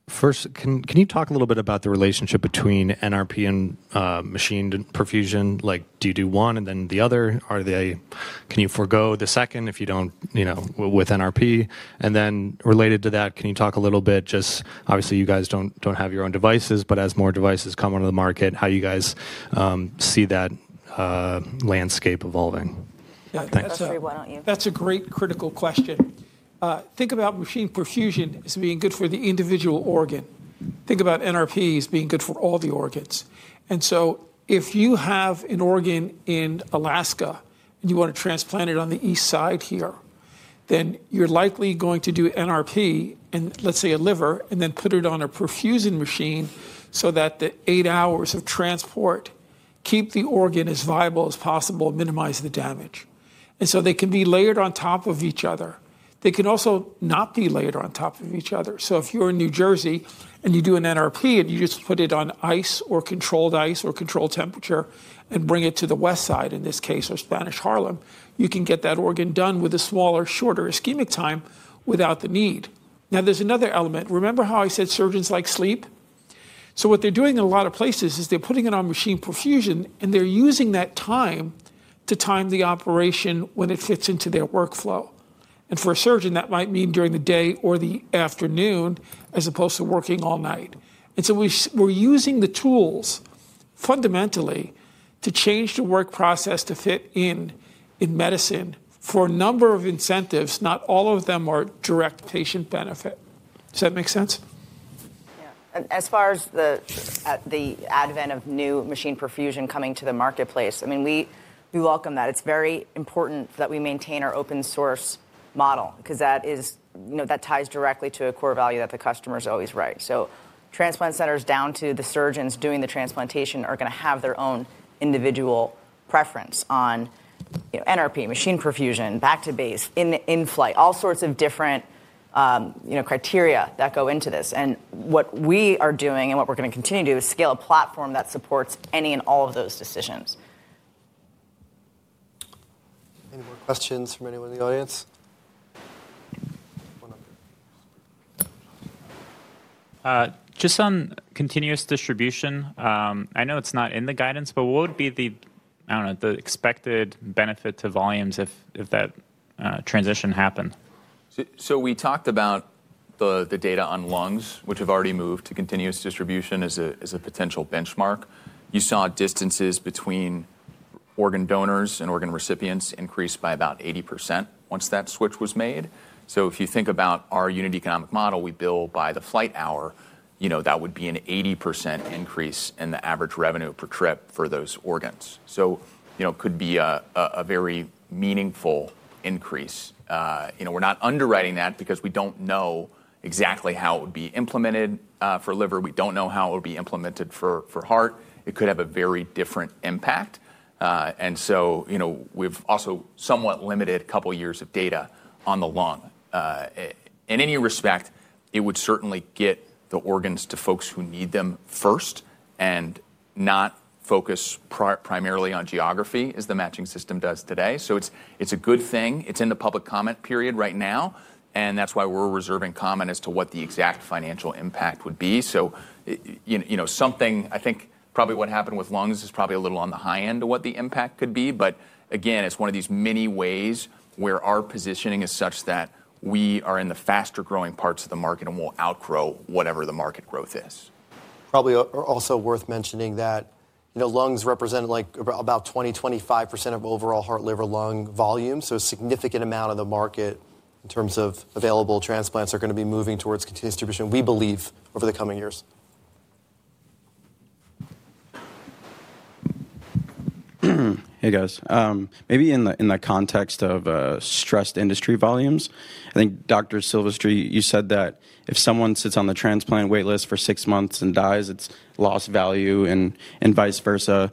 First, can you talk a little bit about the relationship between NRP and machine perfusion? Do you do one and then the other? Can you forgo the second if you do not with NRP? Related to that, can you talk a little bit? Just obviously, you guys do not have your own devices. As more devices come onto the market, how do you guys see that landscape evolving? Yeah. That's a great critical question. That's a great critical question. Think about machine perfusion as being good for the individual organ. Think about NRP as being good for all the organs. If you have an organ in Alaska and you want to transplant it on the east side here, you're likely going to do NRP and, let's say, a liver, and then put it on a perfusion machine so that the eight hours of transport keep the organ as viable as possible and minimize the damage. They can be layered on top of each other. They can also not be layered on top of each other. If you're in New Jersey and you do an NRP and you just put it on ice or controlled ice or controlled temperature and bring it to the west side, in this case, or Spanish Harlem, you can get that organ done with a smaller, shorter ischemic time without the need. Now, there's another element. Remember how I said surgeons like sleep? What they're doing in a lot of places is they're putting it on machine perfusion, and they're using that time to time the operation when it fits into their workflow. For a surgeon, that might mean during the day or the afternoon as opposed to working all night. We're using the tools fundamentally to change the work process to fit in medicine for a number of incentives. Not all of them are direct patient benefit. Does that make sense? Yeah. As far as the advent of new machine perfusion coming to the marketplace, I mean, we welcome that. It is very important that we maintain our open-source model because that ties directly to a core value that the customer is always right. Transplant centers down to the surgeons doing the transplantation are going to have their own individual preference on NRP, machine perfusion, back to base, in-flight, all sorts of different criteria that go into this. What we are doing and what we are going to continue to do is scale a platform that supports any and all of those decisions. Any more questions from anyone in the audience? Just on continuous distribution, I know it's not in the guidance, but what would be the, I don't know, the expected benefit to volumes if that transition happened? We talked about the data on lungs, which have already moved to continuous distribution as a potential benchmark. You saw distances between organ donors and organ recipients increase by about 80% once that switch was made. If you think about our unit economic model, we bill by the flight hour, that would be an 80% increase in the average revenue per trip for those organs. It could be a very meaningful increase. We're not underwriting that because we don't know exactly how it would be implemented for liver. We don't know how it would be implemented for heart. It could have a very different impact. We've also somewhat limited a couple of years of data on the lung. In any respect, it would certainly get the organs to folks who need them first and not focus primarily on geography, as the matching system does today. It is a good thing. It is in the public comment period right now. That is why we are reserving comment as to what the exact financial impact would be. Something, I think, probably what happened with lungs is probably a little on the high end of what the impact could be. Again, it is one of these many ways where our positioning is such that we are in the faster-growing parts of the market and will outgrow whatever the market growth is. Probably also worth mentioning that lungs represent about 20%-25% of overall heart, liver, lung volume. So a significant amount of the market in terms of available transplants are going to be moving towards distribution, we believe, over the coming years. Hey, guys. Maybe in the context of stressed industry volumes, I think, Dr. Silvestri, you said that if someone sits on the transplant waitlist for six months and dies, it's lost value and vice versa.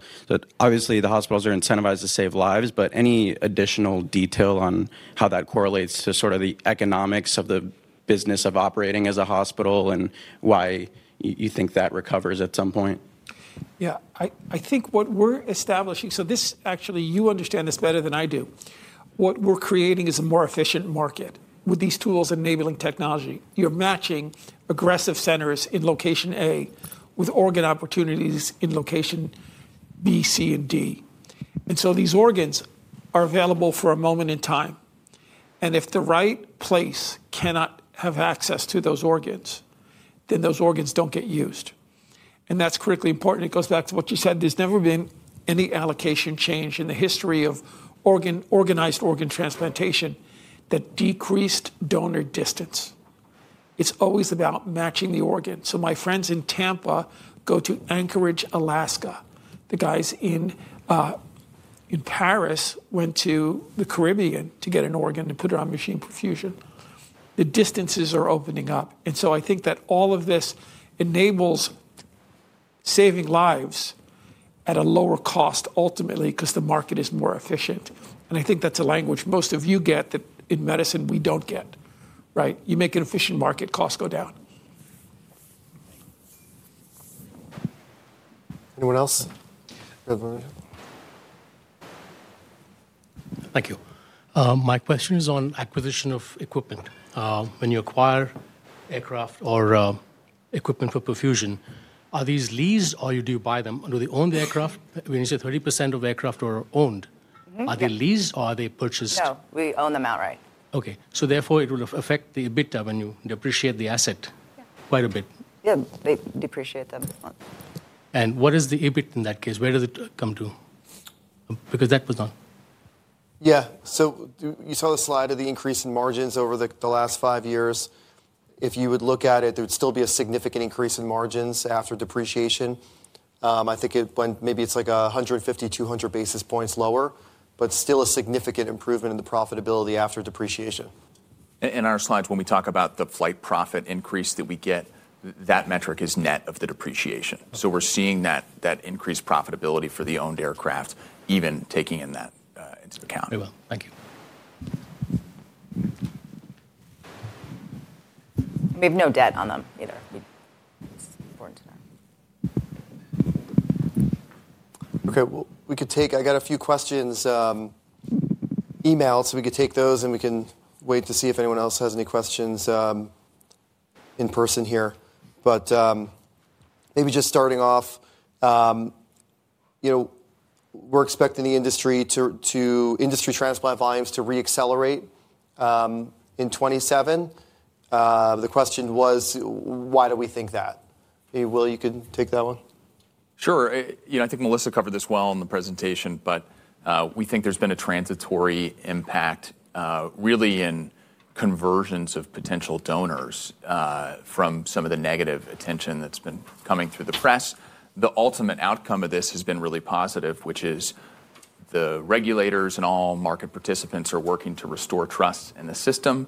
Obviously, the hospitals are incentivized to save lives. Any additional detail on how that correlates to sort of the economics of the business of operating as a hospital and why you think that recovers at some point? Yeah. I think what we're establishing, so this actually, you understand this better than I do. What we're creating is a more efficient market with these tools and enabling technology. You're matching aggressive centers in location A with organ opportunities in location B, C, and D. These organs are available for a moment in time. If the right place cannot have access to those organs, then those organs do not get used. That is critically important. It goes back to what you said. There has never been any allocation change in the history of organized organ transplantation that decreased donor distance. It is always about matching the organ. My friends in Tampa go to Anchorage, Alaska. The guys in Paris went to the Caribbean to get an organ and put it on machine perfusion. The distances are opening up. I think that all of this enables saving lives at a lower cost, ultimately, because the market is more efficient. I think that's a language most of you get that in medicine we don't get, right? You make an efficient market, costs go down. Anyone else? Thank you. My question is on acquisition of equipment. When you acquire aircraft or equipment for perfusion, are these leased, or do you buy them? Do they own the aircraft? When you say 30% of aircraft are owned, are they leased, or are they purchased? No. We own them outright. OK. Therefore, it will affect the EBITDA when you depreciate the asset quite a bit. Yeah. They depreciate them. What is the EBITDA in that case? Where does it come to? Because that was not. Yeah. You saw the slide of the increase in margins over the last five years. If you would look at it, there would still be a significant increase in margins after depreciation. I think maybe it is like 150-200 basis points lower, but still a significant improvement in the profitability after depreciation. In our slides, when we talk about the flight profit increase that we get, that metric is net of the depreciation. We are seeing that increased profitability for the owned aircraft, even taking that into account. They will. Thank you. We have no debt on them either. It's important to know. OK. We could take, I got a few questions emailed. We could take those, and we can wait to see if anyone else has any questions in person here. Maybe just starting off, we're expecting the industry transplant volumes to reaccelerate in 2027. The question was, why do we think that? Will, you can take that one. Sure. I think Melissa covered this well in the presentation. We think there's been a transitory impact, really, in conversions of potential donors from some of the negative attention that's been coming through the press. The ultimate outcome of this has been really positive, which is the regulators and all market participants are working to restore trust in the system,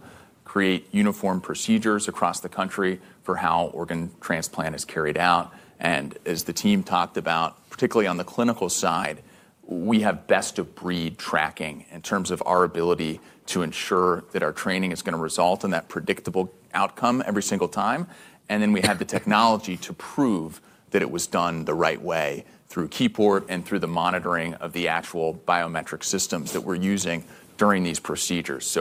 create uniform procedures across the country for how organ transplant is carried out. As the team talked about, particularly on the clinical side, we have best-of-breed tracking in terms of our ability to ensure that our training is going to result in that predictable outcome every single time. We have the technology to prove that it was done the right way through KeyPort and through the monitoring of the actual biometric systems that we're using during these procedures.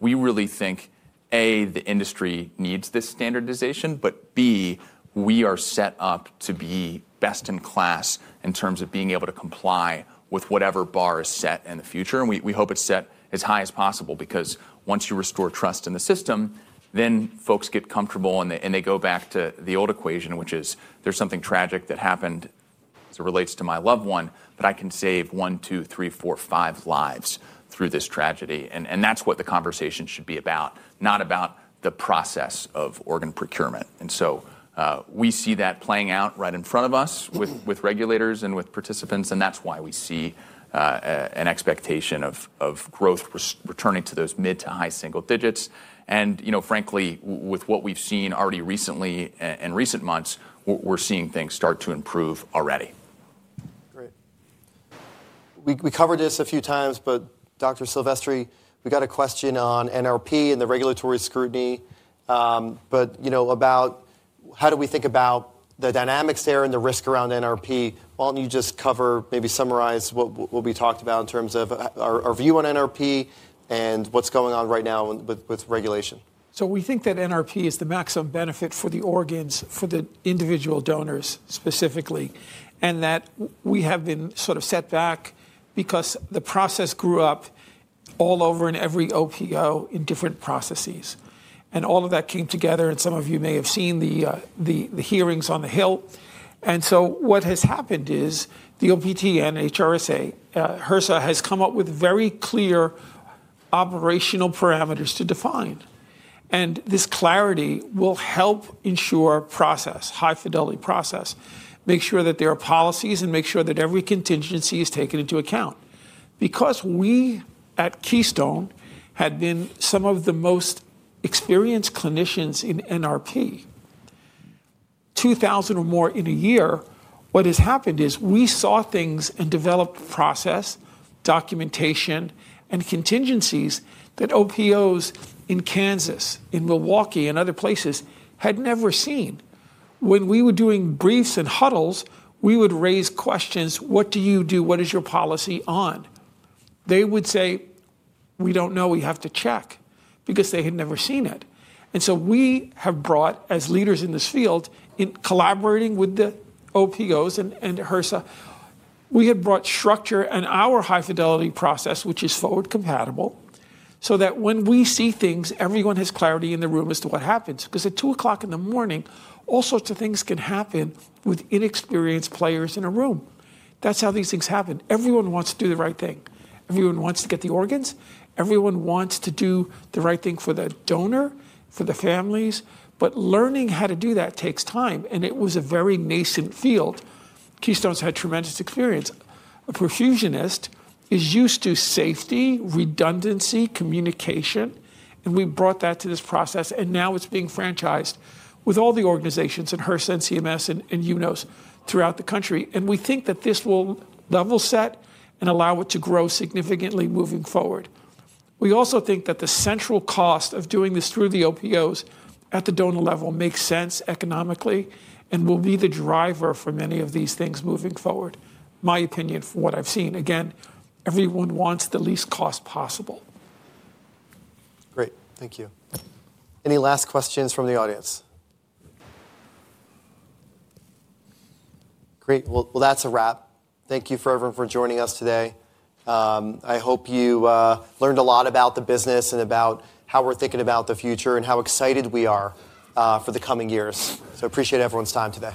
We really think, A, the industry needs this standardization. B, we are set up to be best in class in terms of being able to comply with whatever bar is set in the future. We hope it is set as high as possible because once you restore trust in the system, then folks get comfortable. They go back to the old equation, which is there is something tragic that happened as it relates to my loved one, but I can save one, two, three, four, five lives through this tragedy. That is what the conversation should be about, not about the process of organ procurement. We see that playing out right in front of us with regulators and with participants. That is why we see an expectation of growth returning to those mid to high single digits. Frankly, with what we've seen already recently in recent months, we're seeing things start to improve already. Great. We covered this a few times. Dr. Silvestri, we got a question on NRP and the regulatory scrutiny. About how do we think about the dynamics there and the risk around NRP? Why do you not just cover, maybe summarize what we talked about in terms of our view on NRP and what is going on right now with regulation? We think that NRP is the maximum benefit for the organs, for the individual donors specifically, and that we have been sort of set back because the process grew up all over and every OPO in different processes. All of that came together. Some of you may have seen the hearings on the Hill. What has happened is the OPTN, HRSA, HRSA has come up with very clear operational parameters to define. This clarity will help ensure process, high-fidelity process, make sure that there are policies, and make sure that every contingency is taken into account. Because we at Keystone had been some of the most experienced clinicians in NRP, 2,000 or more in a year, what has happened is we saw things and developed process, documentation, and contingencies that OPOs in Kansas, in Milwaukee, and other places had never seen. When we were doing briefs and huddles, we would raise questions, what do you do? What is your policy on? They would say, we don't know. We have to check because they had never seen it. We have brought, as leaders in this field, in collaborating with the OPOs and HRSA, we have brought structure and our high-fidelity process, which is forward compatible, so that when we see things, everyone has clarity in the room as to what happens. At 2:00 A.M., all sorts of things can happen with inexperienced players in a room. That's how these things happen. Everyone wants to do the right thing. Everyone wants to get the organs. Everyone wants to do the right thing for the donor, for the families. Learning how to do that takes time. It was a very nascent field. Keystone's had tremendous experience. A perfusionist is used to safety, redundancy, communication. We brought that to this process. Now it is being franchised with all the organizations and HRSA and CMS and UNOS throughout the country. We think that this will level set and allow it to grow significantly moving forward. We also think that the central cost of doing this through the OPOs at the donor level makes sense economically and will be the driver for many of these things moving forward, my opinion from what I have seen. Again, everyone wants the least cost possible. Great. Thank you. Any last questions from the audience? Great. That is a wrap. Thank you everyone for joining us today. I hope you learned a lot about the business and about how we are thinking about the future and how excited we are for the coming years. Appreciate everyone's time today.